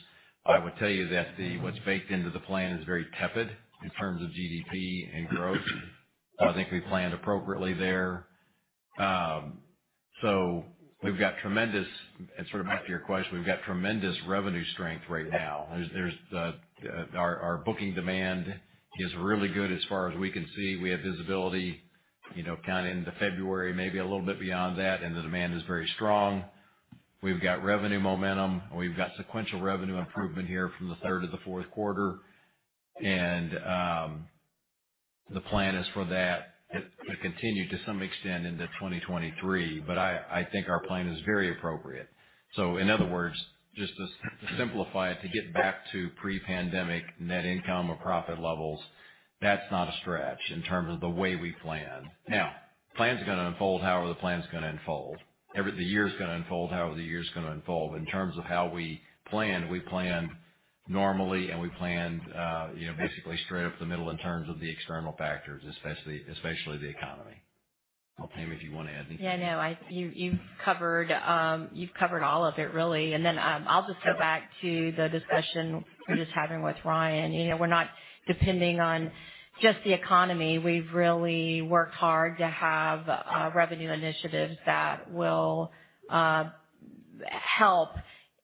I would tell you that what's baked into the plan is very tepid in terms of GDP and growth. I think we planned appropriately there. So we've got tremendous, and sort of back to your question, revenue strength right now. There's our booking demand is really good as far as we can see. We have visibility, you know, kind of into February, maybe a little bit beyond that. The demand is very strong. We've got revenue momentum. We've got sequential revenue improvement here from the third to the fourth quarter. The plan is for that to continue to some extent into 2023. I think our plan is very appropriate. In other words, just to simplify it, to get back to pre-pandemic net income or profit levels, that's not a stretch in terms of the way we plan. Plan's gonna unfold however the plan's gonna unfold. The year's gonna unfold however the year's gonna unfold. In terms of how we plan, we plan normally and we planned, you know, basically straight up the middle in terms of the external factors, especially the economy. I'll pay if you wanna add anything. Yeah, no. You've covered all of it really. I'll just go back to the discussion we're just having with Ryan. You know, we're not depending on just the economy. We've really worked hard to have revenue initiatives that will help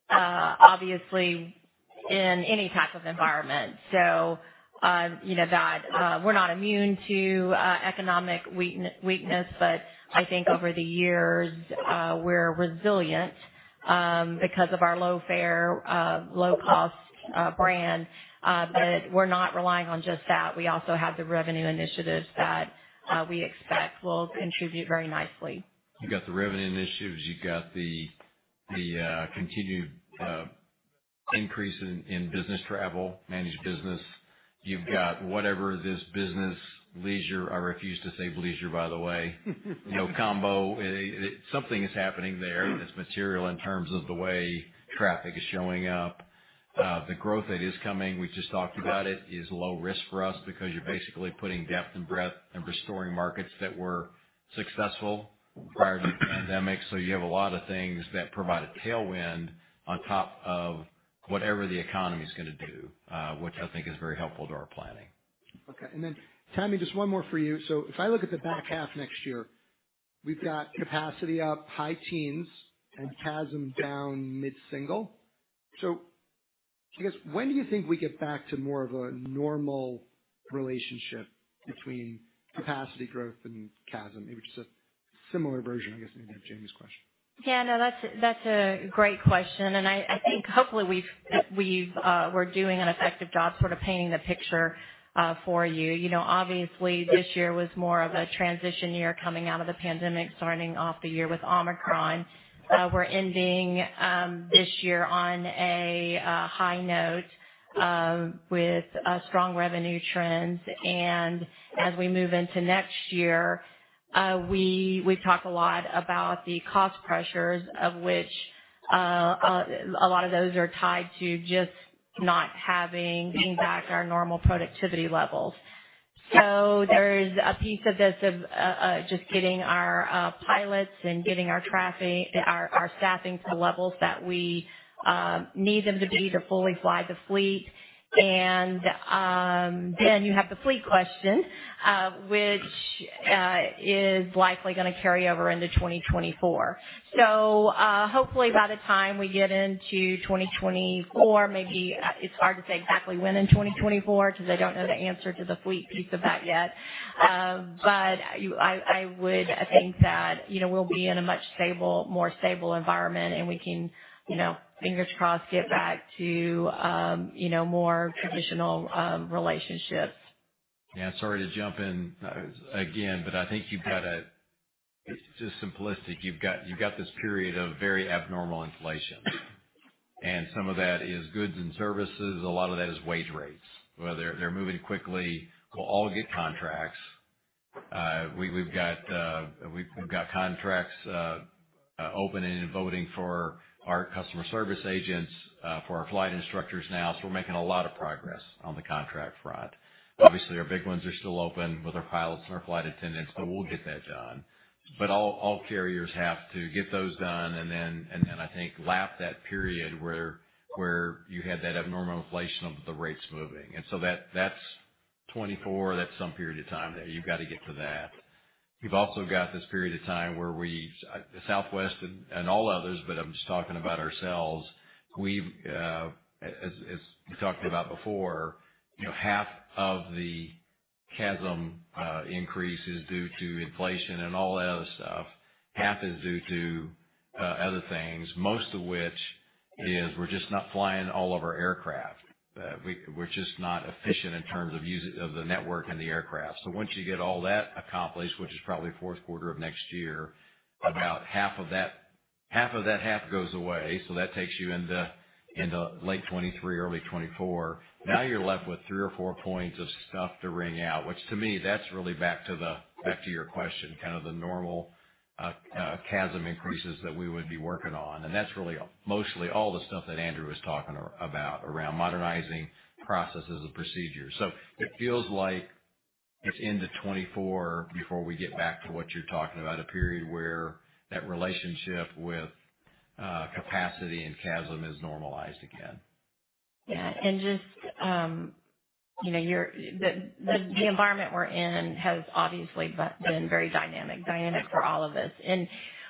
obviously in any type of environment. You know, that we're not immune to economic weakness, but I think over the years we're resilient because of our low fare, low-cost brand. We're not relying on just that. We also have the revenue initiatives that we expect will contribute very nicely. You got the revenue initiatives, you got the continued increase in business travel, managed business. You've got whatever this business leisure, I refuse to say bleisure by the way. You know, combo. Something is happening there that's material in terms of the way traffic is showing up. The growth that is coming, we just talked about it, is low risk for us because you're basically putting depth and breadth and restoring markets that were successful prior to the pandemic. You have a lot of things that provide a tailwind on top of whatever the economy is gonna do, which I think is very helpful to our planning. Okay. Tammy, just one more for you. If I look at the back half next year, we've got capacity up high teens and CASM down mid-single. I guess, when do you think we get back to more of a normal relationship between capacity growth and CASM? Maybe just a similar version, I guess, maybe of Jamie's question. Yeah, no, that's a great question. I think hopefully we're doing an effective job sort of painting the picture for you. You know, obviously, this year was more of a transition year coming out of the pandemic, starting off the year with Omicron. We're ending this year on a high note, with strong revenue trends. As we move into next year, we've talked a lot about the cost pressures, of which a lot of those are tied to just not having back our normal productivity levels. There's a piece of this, of just getting our pilots and getting our staffing to levels that we need them to be to fully fly the fleet. Then you have the fleet question, which is likely gonna carry over into 2024. Hopefully by the time we get into 2024, maybe, it's hard to say exactly when in 2024, 'cause I don't know the answer to the fleet piece of that yet. But I would think that, you know, we'll be in a much stable, more stable environment, and we can, you know, fingers crossed, get back to, you know, more traditional relationships. Yeah, sorry to jump in again, but I think you've got just simplistic, you've got this period of very abnormal inflation. Some of that is goods and services, a lot of that is wage rates, where they're moving quickly. We'll all get contracts. We've got contracts opening and voting for our customer service agents, for our flight instructors now. We're making a lot of progress on the contract front. Obviously, our big ones are still open with our pilots and our flight attendants, but we'll get that done. All carriers have to get those done, and then I think lap that period where you had that abnormal inflation of the rates moving. That's 2024, that's some period of time that you've got to get to that. You've also got this period of time where we Southwest and all others, but I'm just talking about ourselves. We've, as we talked about before, you know, half of the CASM increase is due to inflation and all that other stuff, half is due to other things, most of which is we're just not flying all of our aircraft. We're just not efficient in terms of the network and the aircraft. Once you get all that accomplished, which is probably fourth quarter of next year, about half of that, half of that half goes away, that takes you into late 2023, early 2024. Now you're left with three or four points of stuff to wring out, which to me, that's really back to your question, kind of the normal CASM increases that we would be working on. That's really mostly all the stuff that Andrew was talking about around modernizing processes and procedures. It feels like it's into 2024 before we get back to what you're talking about, a period where that relationship with capacity and CASM is normalized again. Yeah. Just, you know, the environment we're in has obviously been very dynamic for all of us.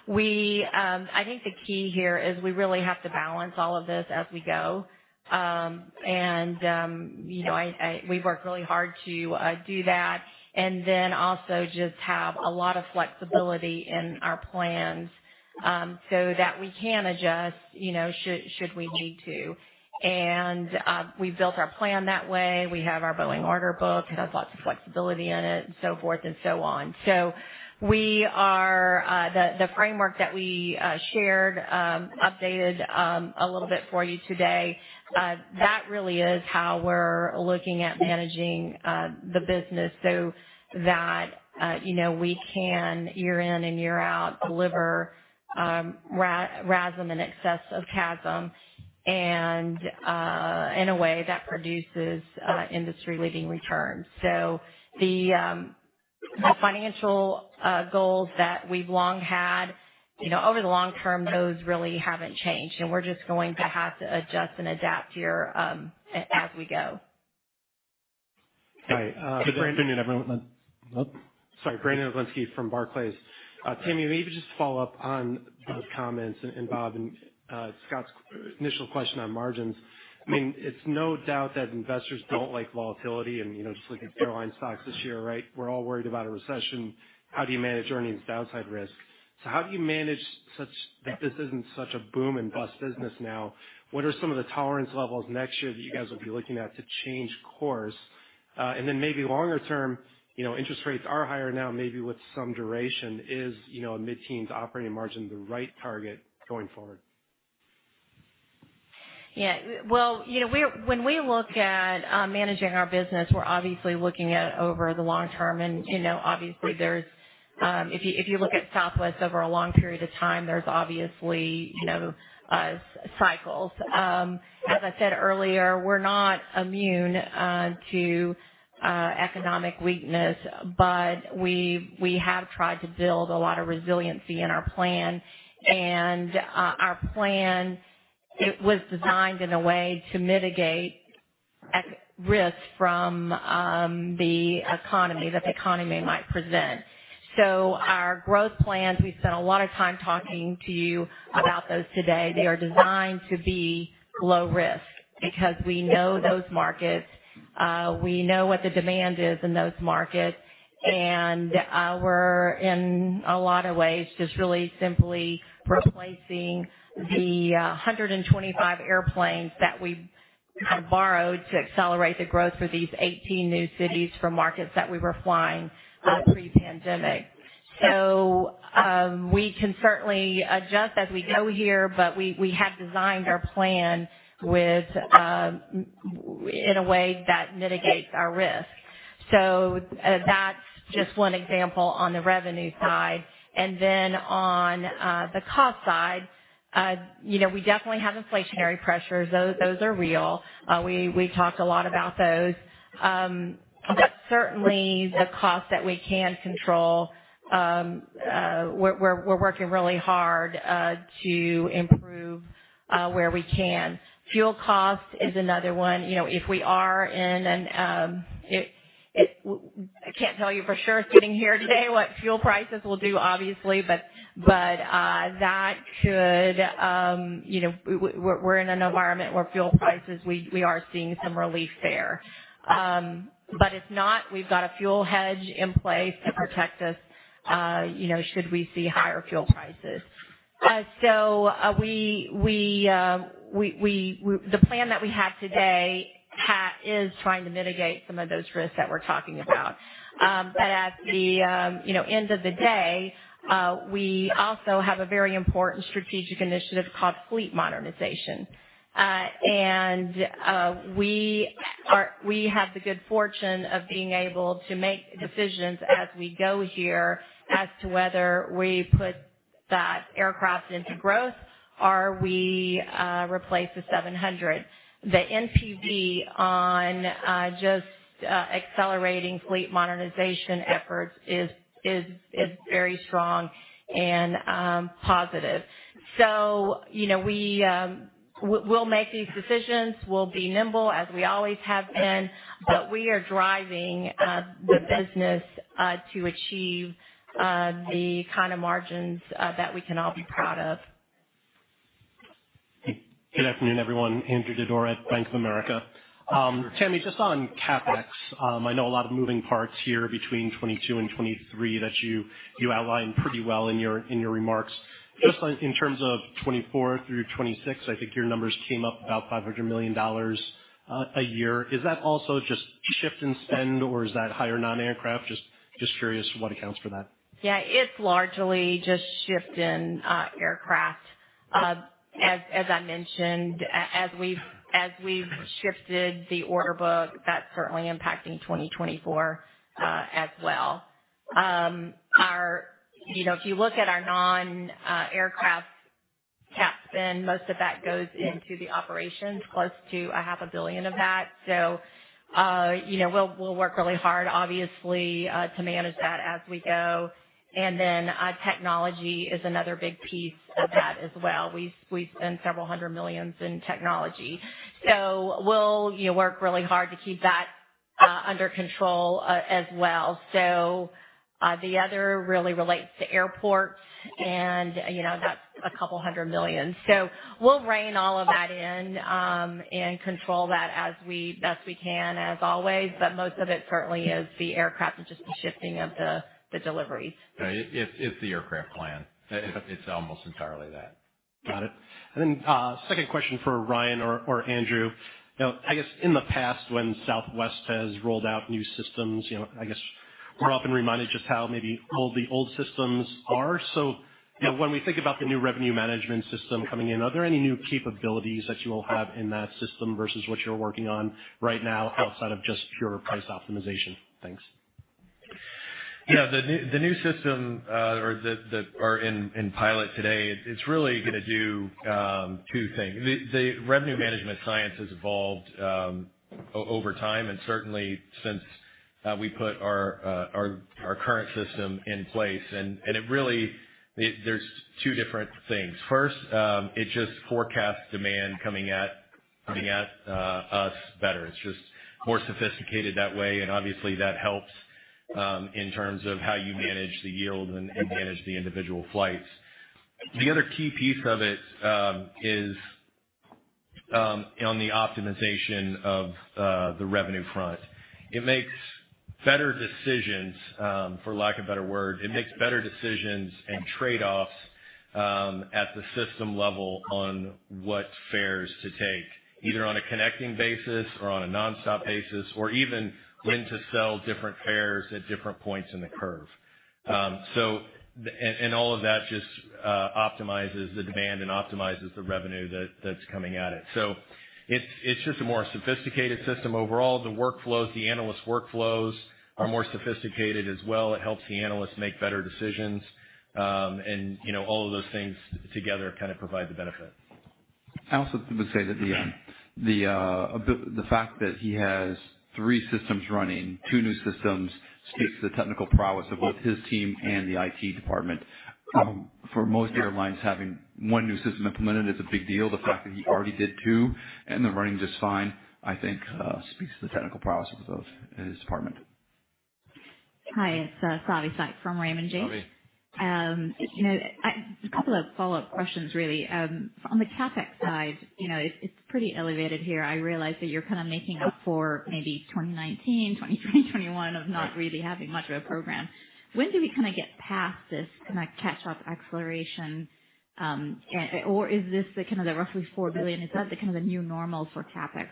We, I think the key here is we really have to balance all of this as we go. You know, we've worked really hard to do that and then also just have a lot of flexibility in our plans, so that we can adjust, you know, should we need to. We built our plan that way. We have our Boeing order book. It has lots of flexibility in it and so forth and so on. We are the framework that we shared updated a little bit for you today that really is how we're looking at managing the business so that, you know, we can year in and year out, deliver RASM in excess of CASM and in a way that produces industry-leading returns. The financial goals that we've long had, you know, over the long term, those really haven't changed, and we're just going to have to adjust and adapt here as we go. Hi. Good afternoon, everyone. Oh. Sorry. Brandon Oglenski from Barclays. Tammy, maybe just to follow up on those comments and Bob and Scott's initial question on margins. It's no doubt that investors don't like volatility and, you know, just looking at airline stocks this year, right? We're all worried about a recession. How do you manage earnings downside risk? How do you manage such that this isn't such a boom and bust business now? What are some of the tolerance levels next year that you guys will be looking at to change course? Then maybe longer term, you know, interest rates are higher now, maybe with some duration is, you know, a mid-teens operating margin the right target going forward? Well, you know, when we look at managing our business, we're obviously looking at over the long term. You know, obviously there's, if you, if you look at Southwest over a long period of time, there's obviously, you know, cycles. As I said earlier, we're not immune to economic weakness, but we have tried to build a lot of resiliency in our plan. Our plan, it was designed in a way to mitigate risk from the economy, that the economy might present. Our growth plans, we've spent a lot of time talking to you about those today. They are designed to be low risk because we know those markets, we know what the demand is in those markets, and we're in a lot of ways just really simply replacing the 125 airplanes that we kind of borrowed to accelerate the growth for these 18 new cities from markets that we were flying pre-pandemic. We can certainly adjust as we go here, but we have designed our plan with in a way that mitigates our risk. That's just one example on the revenue side. Then on the cost side, you know, we definitely have inflationary pressures. Those are real. We talked a lot about those. Certainly the cost that we can control, we're working really hard to improve where we can. Fuel cost is another one. You know, if we are in an, I can't tell you for sure sitting here today what fuel prices will do, obviously, but that could, you know, we're in an environment where fuel prices, we are seeing some relief there. If not, we've got a fuel hedge in place to protect us, you know, should we see higher fuel prices. We the plan that we have today is trying to mitigate some of those risks that we're talking about. At the, you know, end of the day, we also have a very important strategic initiative called fleet modernization. We have the good fortune of being able to make decisions as we go here as to whether we put that aircraft into growth or we replace the 700. The NPV on just accelerating fleet modernization efforts is very strong and positive. You know, we'll make these decisions. We'll be nimble, as we always have been, but we are driving the business to achieve the kind of margins that we can all be proud of. Good afternoon, everyone. Andrew Didora at Bank of America. Tammy, just on CapEx. I know a lot of moving parts here between 2022 and 2023 that you outlined pretty well in your remarks. In terms of 2024 through 2026, I think your numbers came up about $500 million a year. Is that also just shift in spend, or is that higher non-aircraft? Just curious what accounts for that. Yeah, it's largely just shift in aircraft. As I mentioned, as we've shifted the order book, that's certainly impacting 2024 as well. You know, if you look at our non-aircraft CapEx spend, most of that goes into the operations, close to a half a billion of that. You know, we'll work really hard, obviously, to manage that as we go. Technology is another big piece of that as well. We spend several hundred millions in technology. We'll, you know, work really hard to keep that under control as well. The other really relates to airports and, you know, that's a couple hundred million. We'll rein all of that in and control that as best we can, as always. Most of it certainly is the aircraft and just the shifting of the deliveries. Right. It's the aircraft plan. It's almost entirely that. Got it. Second question for Ryan or Andrew. You know, I guess in the past, when Southwest has rolled out new systems, you know, I guess we're often reminded just how maybe old the old systems are. You know, when we think about the new revenue management system coming in, are there any new capabilities that you will have in that system versus what you're working on right now outside of just pure price optimization? Thanks. Yeah. The new system, or that are in pilot today, it's really gonna do two things. The revenue management science has evolved over time and certainly since we put our current system in place. It really... There's two different things. First, it just forecasts demand coming at us better. It's just more sophisticated that way, and obviously that helps in terms of how you manage the yield and manage the individual flights. The other key piece of it is on the optimization of the revenue front. It makes better decisions for lack of a better word. It makes better decisions and trade-offs, at the system level on what fares to take, either on a connecting basis or on a nonstop basis, or even when to sell different fares at different points in the curve. All of that just optimizes the demand and optimizes the revenue that's coming at it. It's just a more sophisticated system overall. The workflows, the analyst workflows are more sophisticated as well. It helps the analysts make better decisions. You know, all of those things together kind of provide the benefit. I also would say that the fact that he has three systems running, two new systems, speaks to the technical prowess of both his team and the IT department. For most airlines, having one new system implemented is a big deal. The fact that he already did two and they're running just fine, I think, speaks to the technical prowess of his department. Hi, it's, Savanthi Syth from Raymond James. Savi. You know, A couple of follow-up questions, really. On the CapEx side, you know, it's pretty elevated here. I realize that you're kind of making up for maybe 2019, 2020, 2021. Right. Of not really having much of a program. When do we kind of get past this kind of catch-up acceleration, is this the kind of the roughly $4 billion, is that the kind of the new normal for CapEx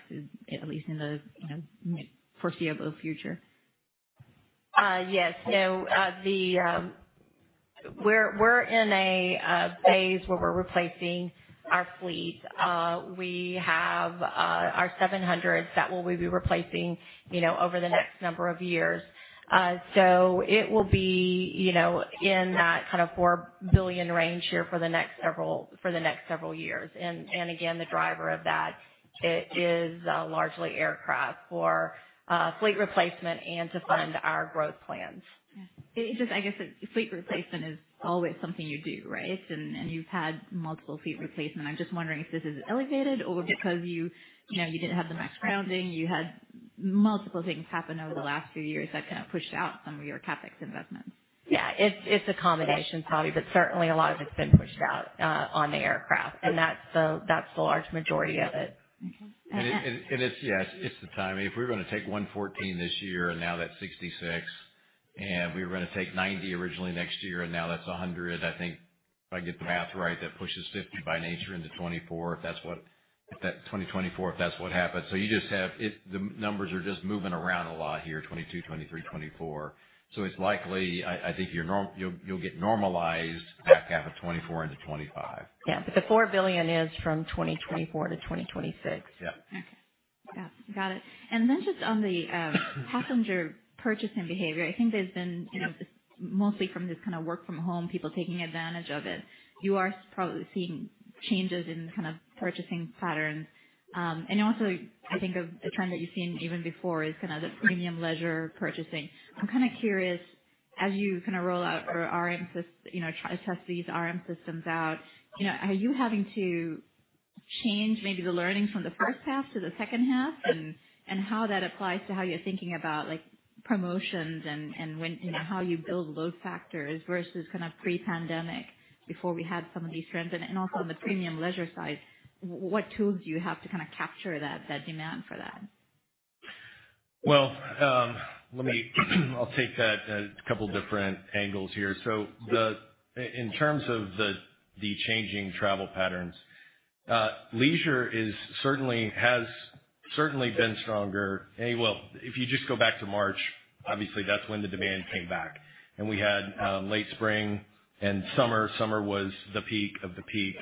at least in the, you know, foreseeable future? Yes. We're in a phase where we're replacing our fleet. We have our 700s that we'll be replacing, you know, over the next number of years. It will be, you know, in that kind of $4 billion range here for the next several years. Again, the driver of that is largely aircraft for fleet replacement and to fund our growth plans. I guess fleet replacement is always something you do, right? You've had multiple fleet replacement. I'm just wondering if this is elevated or because you know, you didn't have the MAX grounding, you had multiple things happen over the last few years that kind of pushed out some of your CapEx investments. Yeah. It's a combination, Savi, but certainly a lot of it's been pushed out on the aircraft, and that's the large majority of it. Okay. Yes, it's the timing. If we were gonna take 114 this year and now that's 66, and we were gonna take 90 originally next year, and now that's 100, I think if I get the math right, that pushes 50 by nature into 2024, if that's what happens. The numbers are just moving around a lot here, 2022, 2023, 2024. It's likely, I think you'll get normalized back half of 2024 into 2025. Yeah. The $4 billion is from 2024 to 2026. Yeah. Okay. Yeah. Got it. Then just on the passenger purchasing behavior, I think there's been, you know, mostly from this kind of work from home, people taking advantage of it. You are probably seeing changes in kind of purchasing patterns. Also I think of a trend that you've seen even before is kind of the premium leisure purchasing. I'm kind of curious, as you kind of roll out, you know, test these RM systems out, you know, are you having to change maybe the learnings from the first half to the second half and how that applies to how you're thinking about, like, promotions and when, you know, how you build load factors versus kind of pre-pandemic before we had some of these trends? Also on the premium leisure side, what tools do you have to kind of capture that demand for that? I'll take that at a couple different angles here. In terms of the changing travel patterns, leisure has certainly been stronger. If you just go back to March, obviously that's when the demand came back. We had late spring and summer. Summer was the peak of the peak.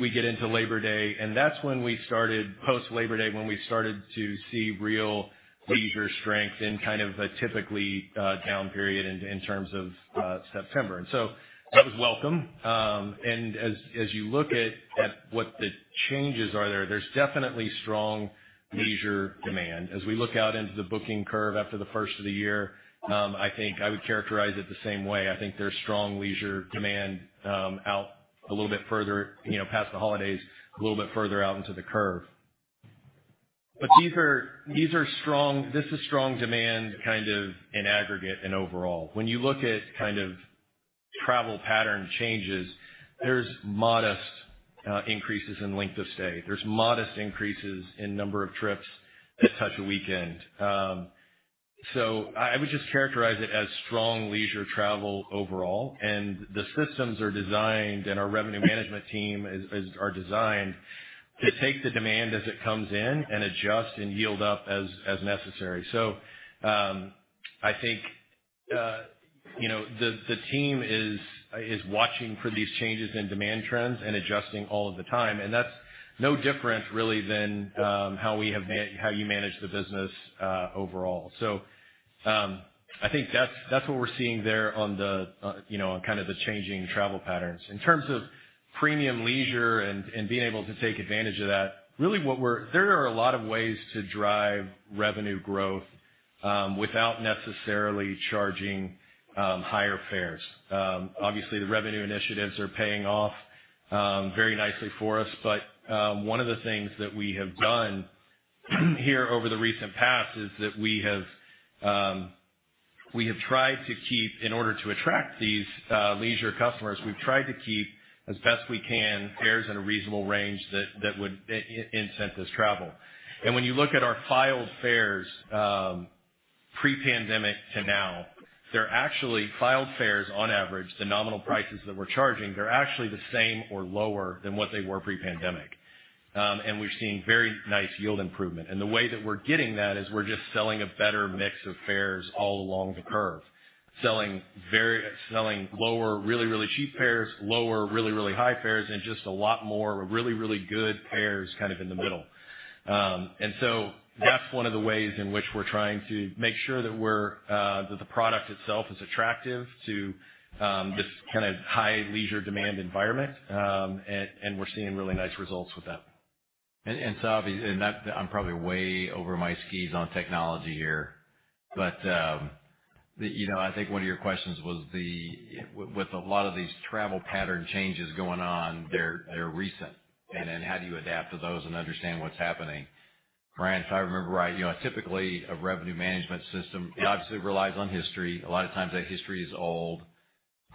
We get into Labor Day, and that's when we started post-Labor Day, when we started to see real leisure strength in kind of a typically down period in terms of September. That was welcome. As you look at what the changes are there's definitely strong leisure demand. As we look out into the booking curve after the first of the year, I think I would characterize it the same way. I think there's strong leisure demand, out a little bit further, you know, past the holidays, a little bit further out into the curve. This is strong demand kind of in aggregate and overall. When you look at kind of travel pattern changes, there's modest increases in length of stay. There's modest increases in number of trips that touch a weekend. I would just characterize it as strong leisure travel overall. The systems are designed and our revenue management team are designed to take the demand as it comes in and adjust and yield up as necessary. I think, you know, the team is watching for these changes in demand trends and adjusting all of the time, and that's no different really than how you manage the business overall. I think that's what we're seeing there on the, you know, on kind of the changing travel patterns. In terms of premium leisure and being able to take advantage of that, really there are a lot of ways to drive revenue growth without necessarily charging higher fares. Obviously, the revenue initiatives are paying off very nicely for us. One of the things that we have done here over the recent past is that we have tried to keep... In order to attract these leisure customers, we've tried to keep, as best we can, fares in a reasonable range that would incent this travel. When you look at our filed fares, pre-pandemic to now, filed fares on average, the nominal prices that we're charging, they're actually the same or lower than what they were pre-pandemic. We're seeing very nice yield improvement. The way that we're getting that is we're just selling a better mix of fares all along the curve, selling lower, really cheap fares, lower really high fares, and just a lot more really good fares kind of in the middle. That's one of the ways in which we're trying to make sure that the product itself is attractive to this kind of high leisure demand environment. We're seeing really nice results with that. Savi, I'm probably way over my skis on technology here, but, you know, I think one of your questions was the. With a lot of these travel pattern changes going on, they're recent. How do you adapt to those and understand what's happening? Ryan, if I remember right, you know, typically a revenue management system- Yeah. It obviously relies on history. A lot of times that history is old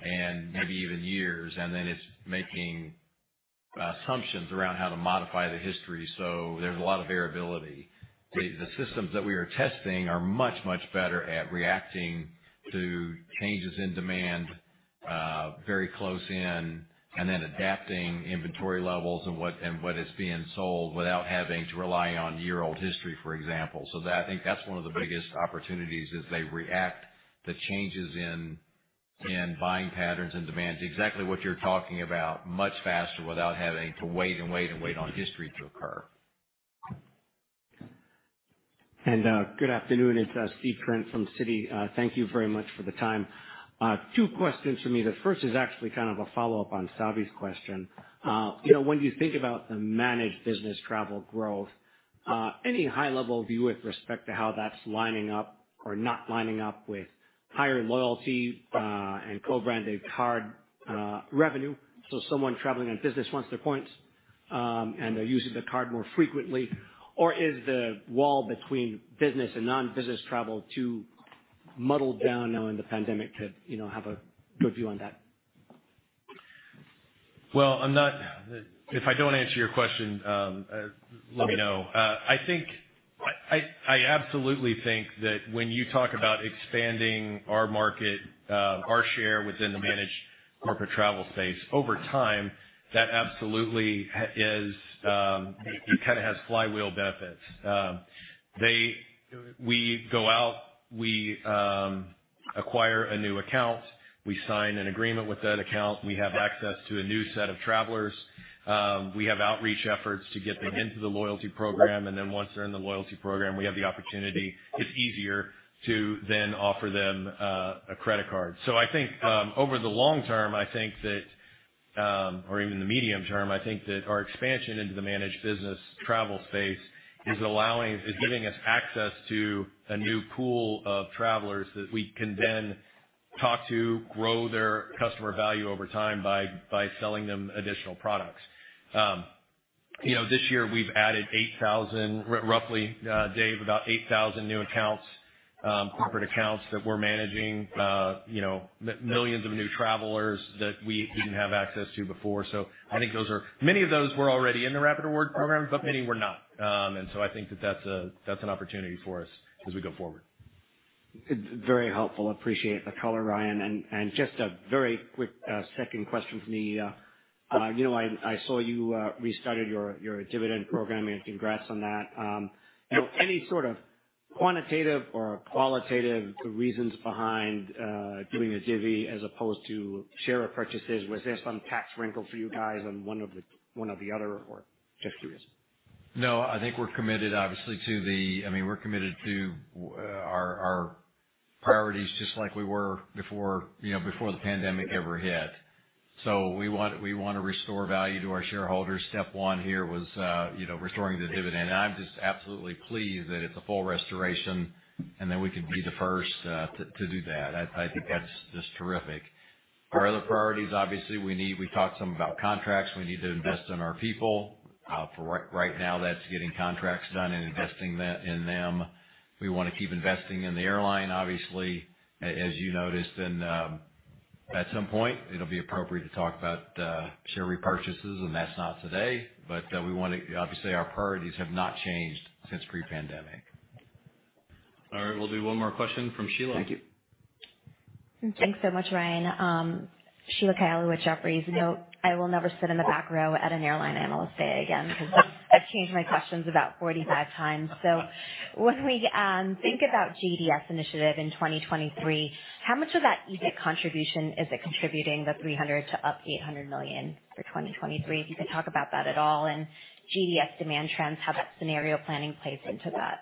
and maybe even years, and then it's making assumptions around how to modify the history. There's a lot of variability. Yeah. The systems that we are testing are much, much better at reacting to changes in demand, very close in and then adapting inventory levels and what is being sold without having to rely on year-old history, for example. I think that's one of the biggest opportunities as they react to changes in buying patterns and demands, exactly what you're talking about much faster without having to wait on history to occur. Good afternoon, it's Stephen Trent from Citi. Thank you very much for the time. Two questions from me. The first is actually kind of a follow-up on Savi's question. You know, when you think about the managed business travel growth, any high-level view with respect to how that's lining up or not lining up with higher loyalty, and co-branded card, revenue? Someone traveling on business wants the points, and they're using the card more frequently. Is the wall between business and non-business travel too muddled down now in the pandemic to, you know, have a good view on that? If I don't answer your question, let me know. Okay. I absolutely think that when you talk about expanding our market, our share within the managed corporate travel space, over time, that absolutely is, it kind of has flywheel benefits. We go out, we acquire a new account, we sign an agreement with that account, we have access to a new set of travelers, we have outreach efforts to get them into the loyalty program. Once they're in the loyalty program, we have the opportunity, it's easier to then offer them a credit card. I think, over the long term, I think that, or even the medium term, I think that our expansion into the managed business travel space is giving us access to a new pool of travelers that we can then talk to, grow their customer value over time by selling them additional products. You know, this year we've added 8,000, roughly, Dave, about 8,000 new accounts, corporate accounts that we're managing, you know, millions of new travelers that we didn't have access to before. Many of those were already in the Rapid Rewards program, but many were not. I think that's an opportunity for us as we go forward. Very helpful. Appreciate the color, Ryan. Just a very quick second question from me. You know, I saw you restarted your dividend program, and congrats on that. Any sort of quantitative or qualitative reasons behind doing a divvy as opposed to share repurchases? Was there some tax wrinkle for you guys on one of the other? Just curious. No, I think we're committed obviously. I mean, we're committed to our priorities just like we were before, you know, before the pandemic ever hit. We wanna restore value to our shareholders. Step one here was, you know, restoring the dividend. I'm just absolutely pleased that it's a full restoration, and that we could be the first to do that. I think that's just terrific. Our other priorities, obviously, we talked some about contracts. We need to invest in our people. For right now, that's getting contracts done and investing in them. We wanna keep investing in the airline, obviously. As you noticed, and at some point it'll be appropriate to talk about share repurchases, and that's not today. Obviously, our priorities have not changed since pre-pandemic. All right. We'll do one more question from Sheila. Thank you. Thanks so much, Ryan. Sheila Kahyaoglu with Jefferies. Note, I will never sit in the back row at an airline analyst day again because I've changed my questions about 45x. When we think about GDS initiative in 2023, how much of that EBIT contribution is it contributing, the $300 million to up to $800 million for 2023? If you can talk about that at all? GDS demand trends, how that scenario planning plays into that?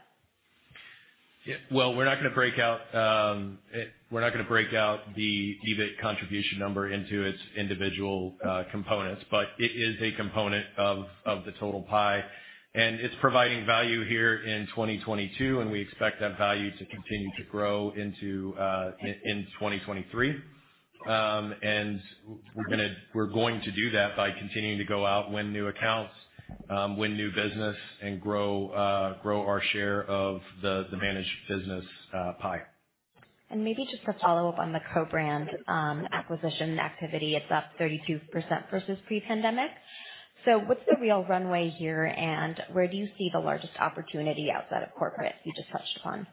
Yeah. Well, we're not gonna break out, we're not gonna break out the EBIT contribution number into its individual components, but it is a component of the total pie. It's providing value here in 2022, and we expect that value to continue to grow into 2023. We're going to do that by continuing to go out, win new accounts, win new business and grow our share of the managed business pie. Maybe just a follow-up on the co-brand acquisition activity. It's up 32% versus pre-pandemic. What's the real runway here, and where do you see the largest opportunity outside of corporate you just touched upon?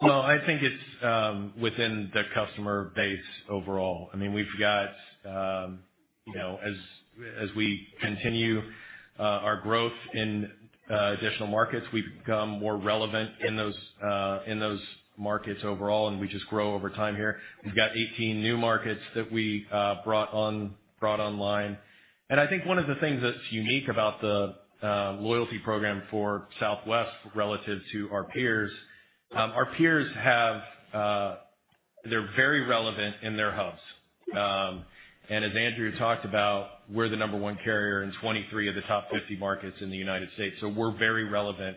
Well, I think it's within the customer base overall. I mean, we've got, you know, as we continue our growth in additional markets, we've become more relevant in those in those markets overall, and we just grow over time here. We've got 18 new markets that we brought online. I think one of the things that's unique about the loyalty program for Southwest relative to our peers, our peers have, they're very relevant in their hubs. As Andrew talked about, we're the number one carrier in 23 of the top 50 markets in the United States. We're very relevant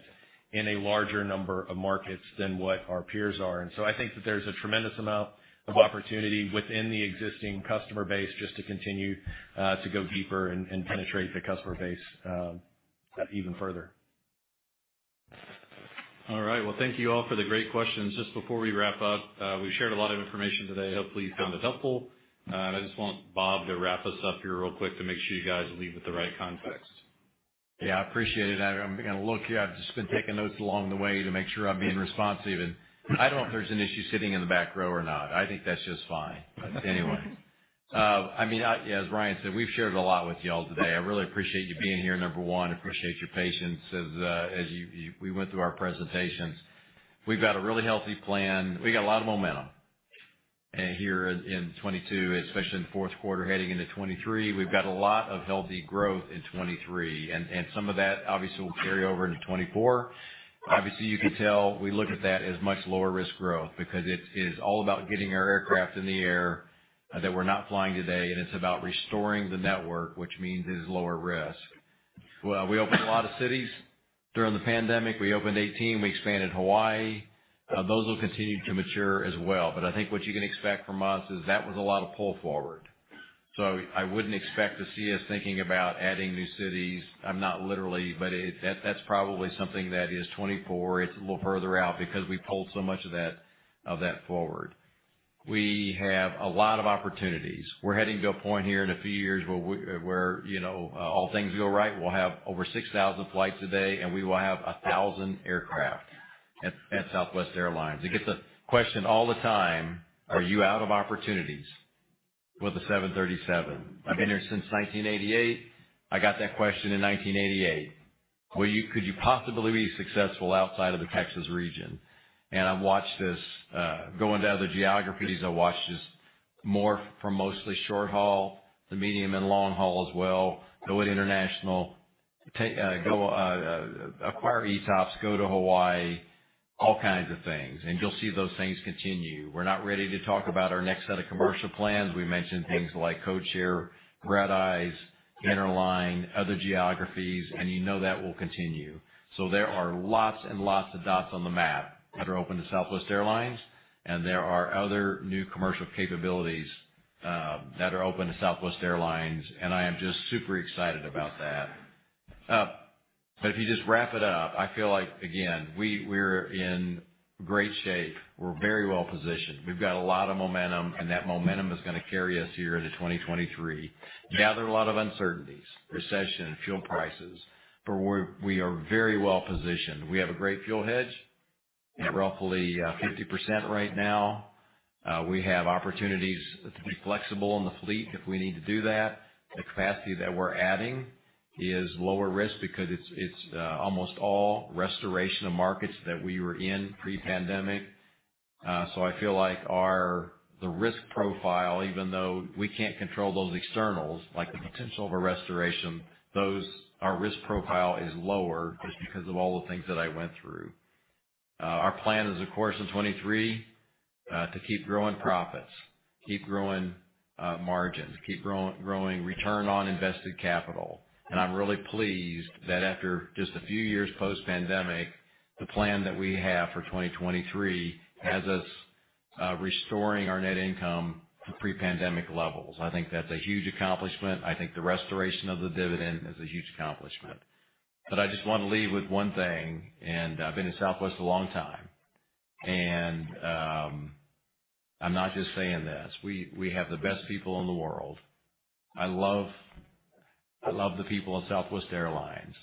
in a larger number of markets than what our peers are. I think that there's a tremendous amount of opportunity within the existing customer base just to continue to go deeper and penetrate the customer base even further. All right. Well, thank you all for the great questions. Just before we wrap up, we've shared a lot of information today. Hopefully you found it helpful. I just want Bob to wrap us up here real quick to make sure you guys leave with the right context. Yeah, I appreciate it. I'm gonna look here. I've just been taking notes along the way to make sure I'm being responsive. I don't know if there's an issue sitting in the back row or not. I think that's just fine. I mean, as Ryan said, we've shared a lot with y'all today. I really appreciate you being here, number one. Appreciate your patience as you went through our presentations. We've got a really healthy plan. We got a lot of momentum here in 2022, especially in the fourth quarter heading into 2023. We've got a lot of healthy growth in 2023, and some of that obviously will carry over into 2024. Obviously, you can tell we look at that as much lower risk growth because it is all about getting our aircraft in the air that we're not flying today, and it's about restoring the network, which means it is lower risk. We opened a lot of cities during the pandemic. We opened 18. We expanded Hawaii. Those will continue to mature as well. I think what you can expect from us is that was a lot of pull forward. I wouldn't expect to see us thinking about adding new cities. Not literally, but that's probably something that is 2024. It's a little further out because we pulled so much of that forward. We have a lot of opportunities. We're heading to a point here in a few years where, you know, all things go right, we'll have over 6,000 flights a day, and we will have 1,000 aircraft at Southwest Airlines. I get the question all the time: Are you out of opportunities? With the 737. I've been here since 1988. I got that question in 1988. Could you possibly be successful outside of the Texas region? I've watched us go into other geographies. I've watched us morph from mostly short haul to medium and long haul as well. Go into international, go, acquire ETOPS, go to Hawaii, all kinds of things, and you'll see those things continue. We're not ready to talk about our next set of commercial plans. We mentioned things like codeshare, red-eyes, interline, other geographies, you know that will continue. There are lots and lots of dots on the map that are open to Southwest Airlines. There are other new commercial capabilities that are open to Southwest Airlines. I am just super excited about that. If you just wrap it up, I feel like, again, we're in great shape. We're very well-positioned. We've got a lot of momentum. That momentum is gonna carry us here into 2023. Now, there are a lot of uncertainties: recession, fuel prices. We are very well-positioned. We have a great fuel hedge at roughly 50% right now. We have opportunities to be flexible in the fleet if we need to do that. The capacity that we're adding is lower risk because it's almost all restoration of markets that we were in pre-pandemic. So I feel like our the risk profile, even though we can't control those externals, like the potential of a restoration, those our risk profile is lower just because of all the things that I went through. Our plan is, of course, in 2023, to keep growing profits, keep growing margins, keep growing return on invested capital. I'm really pleased that after just a few years post-pandemic, the plan that we have for 2023 has us restoring our net income to pre-pandemic levels. I think that's a huge accomplishment. I think the restoration of the dividend is a huge accomplishment. I just want to leave with one thing, I've been at Southwest a long time, I'm not just saying this, we have the best people in the world. I love the people of Southwest Airlines.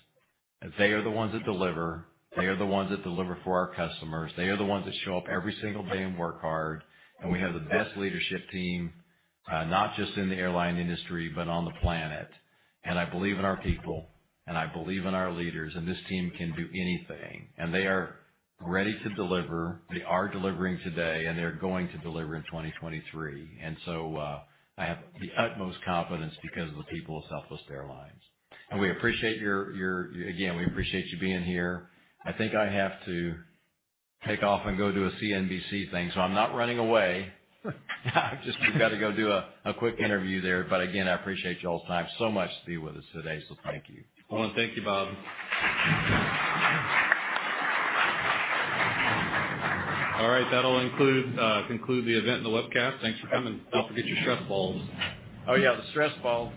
They are the ones that deliver. They are the ones that deliver for our customers. They are the ones that show up every single day and work hard. We have the best leadership team, not just in the airline industry, but on the planet. I believe in our people, I believe in our leaders, this team can do anything. They are ready to deliver, they are delivering today, and they're going to deliver in 2023. I have the utmost confidence because of the people of Southwest Airlines. We appreciate again, we appreciate you being here. I think I have to take off and go do a CNBC thing. I'm not running away. I've just got to go do a quick interview there. Again, I appreciate y'all's time so much to be with us today. Thank you. I wanna thank you, Bob. All right. That'll include, conclude the event and the webcast. Thanks for coming. Don't forget your stress balls. Oh, yeah, the stress ball.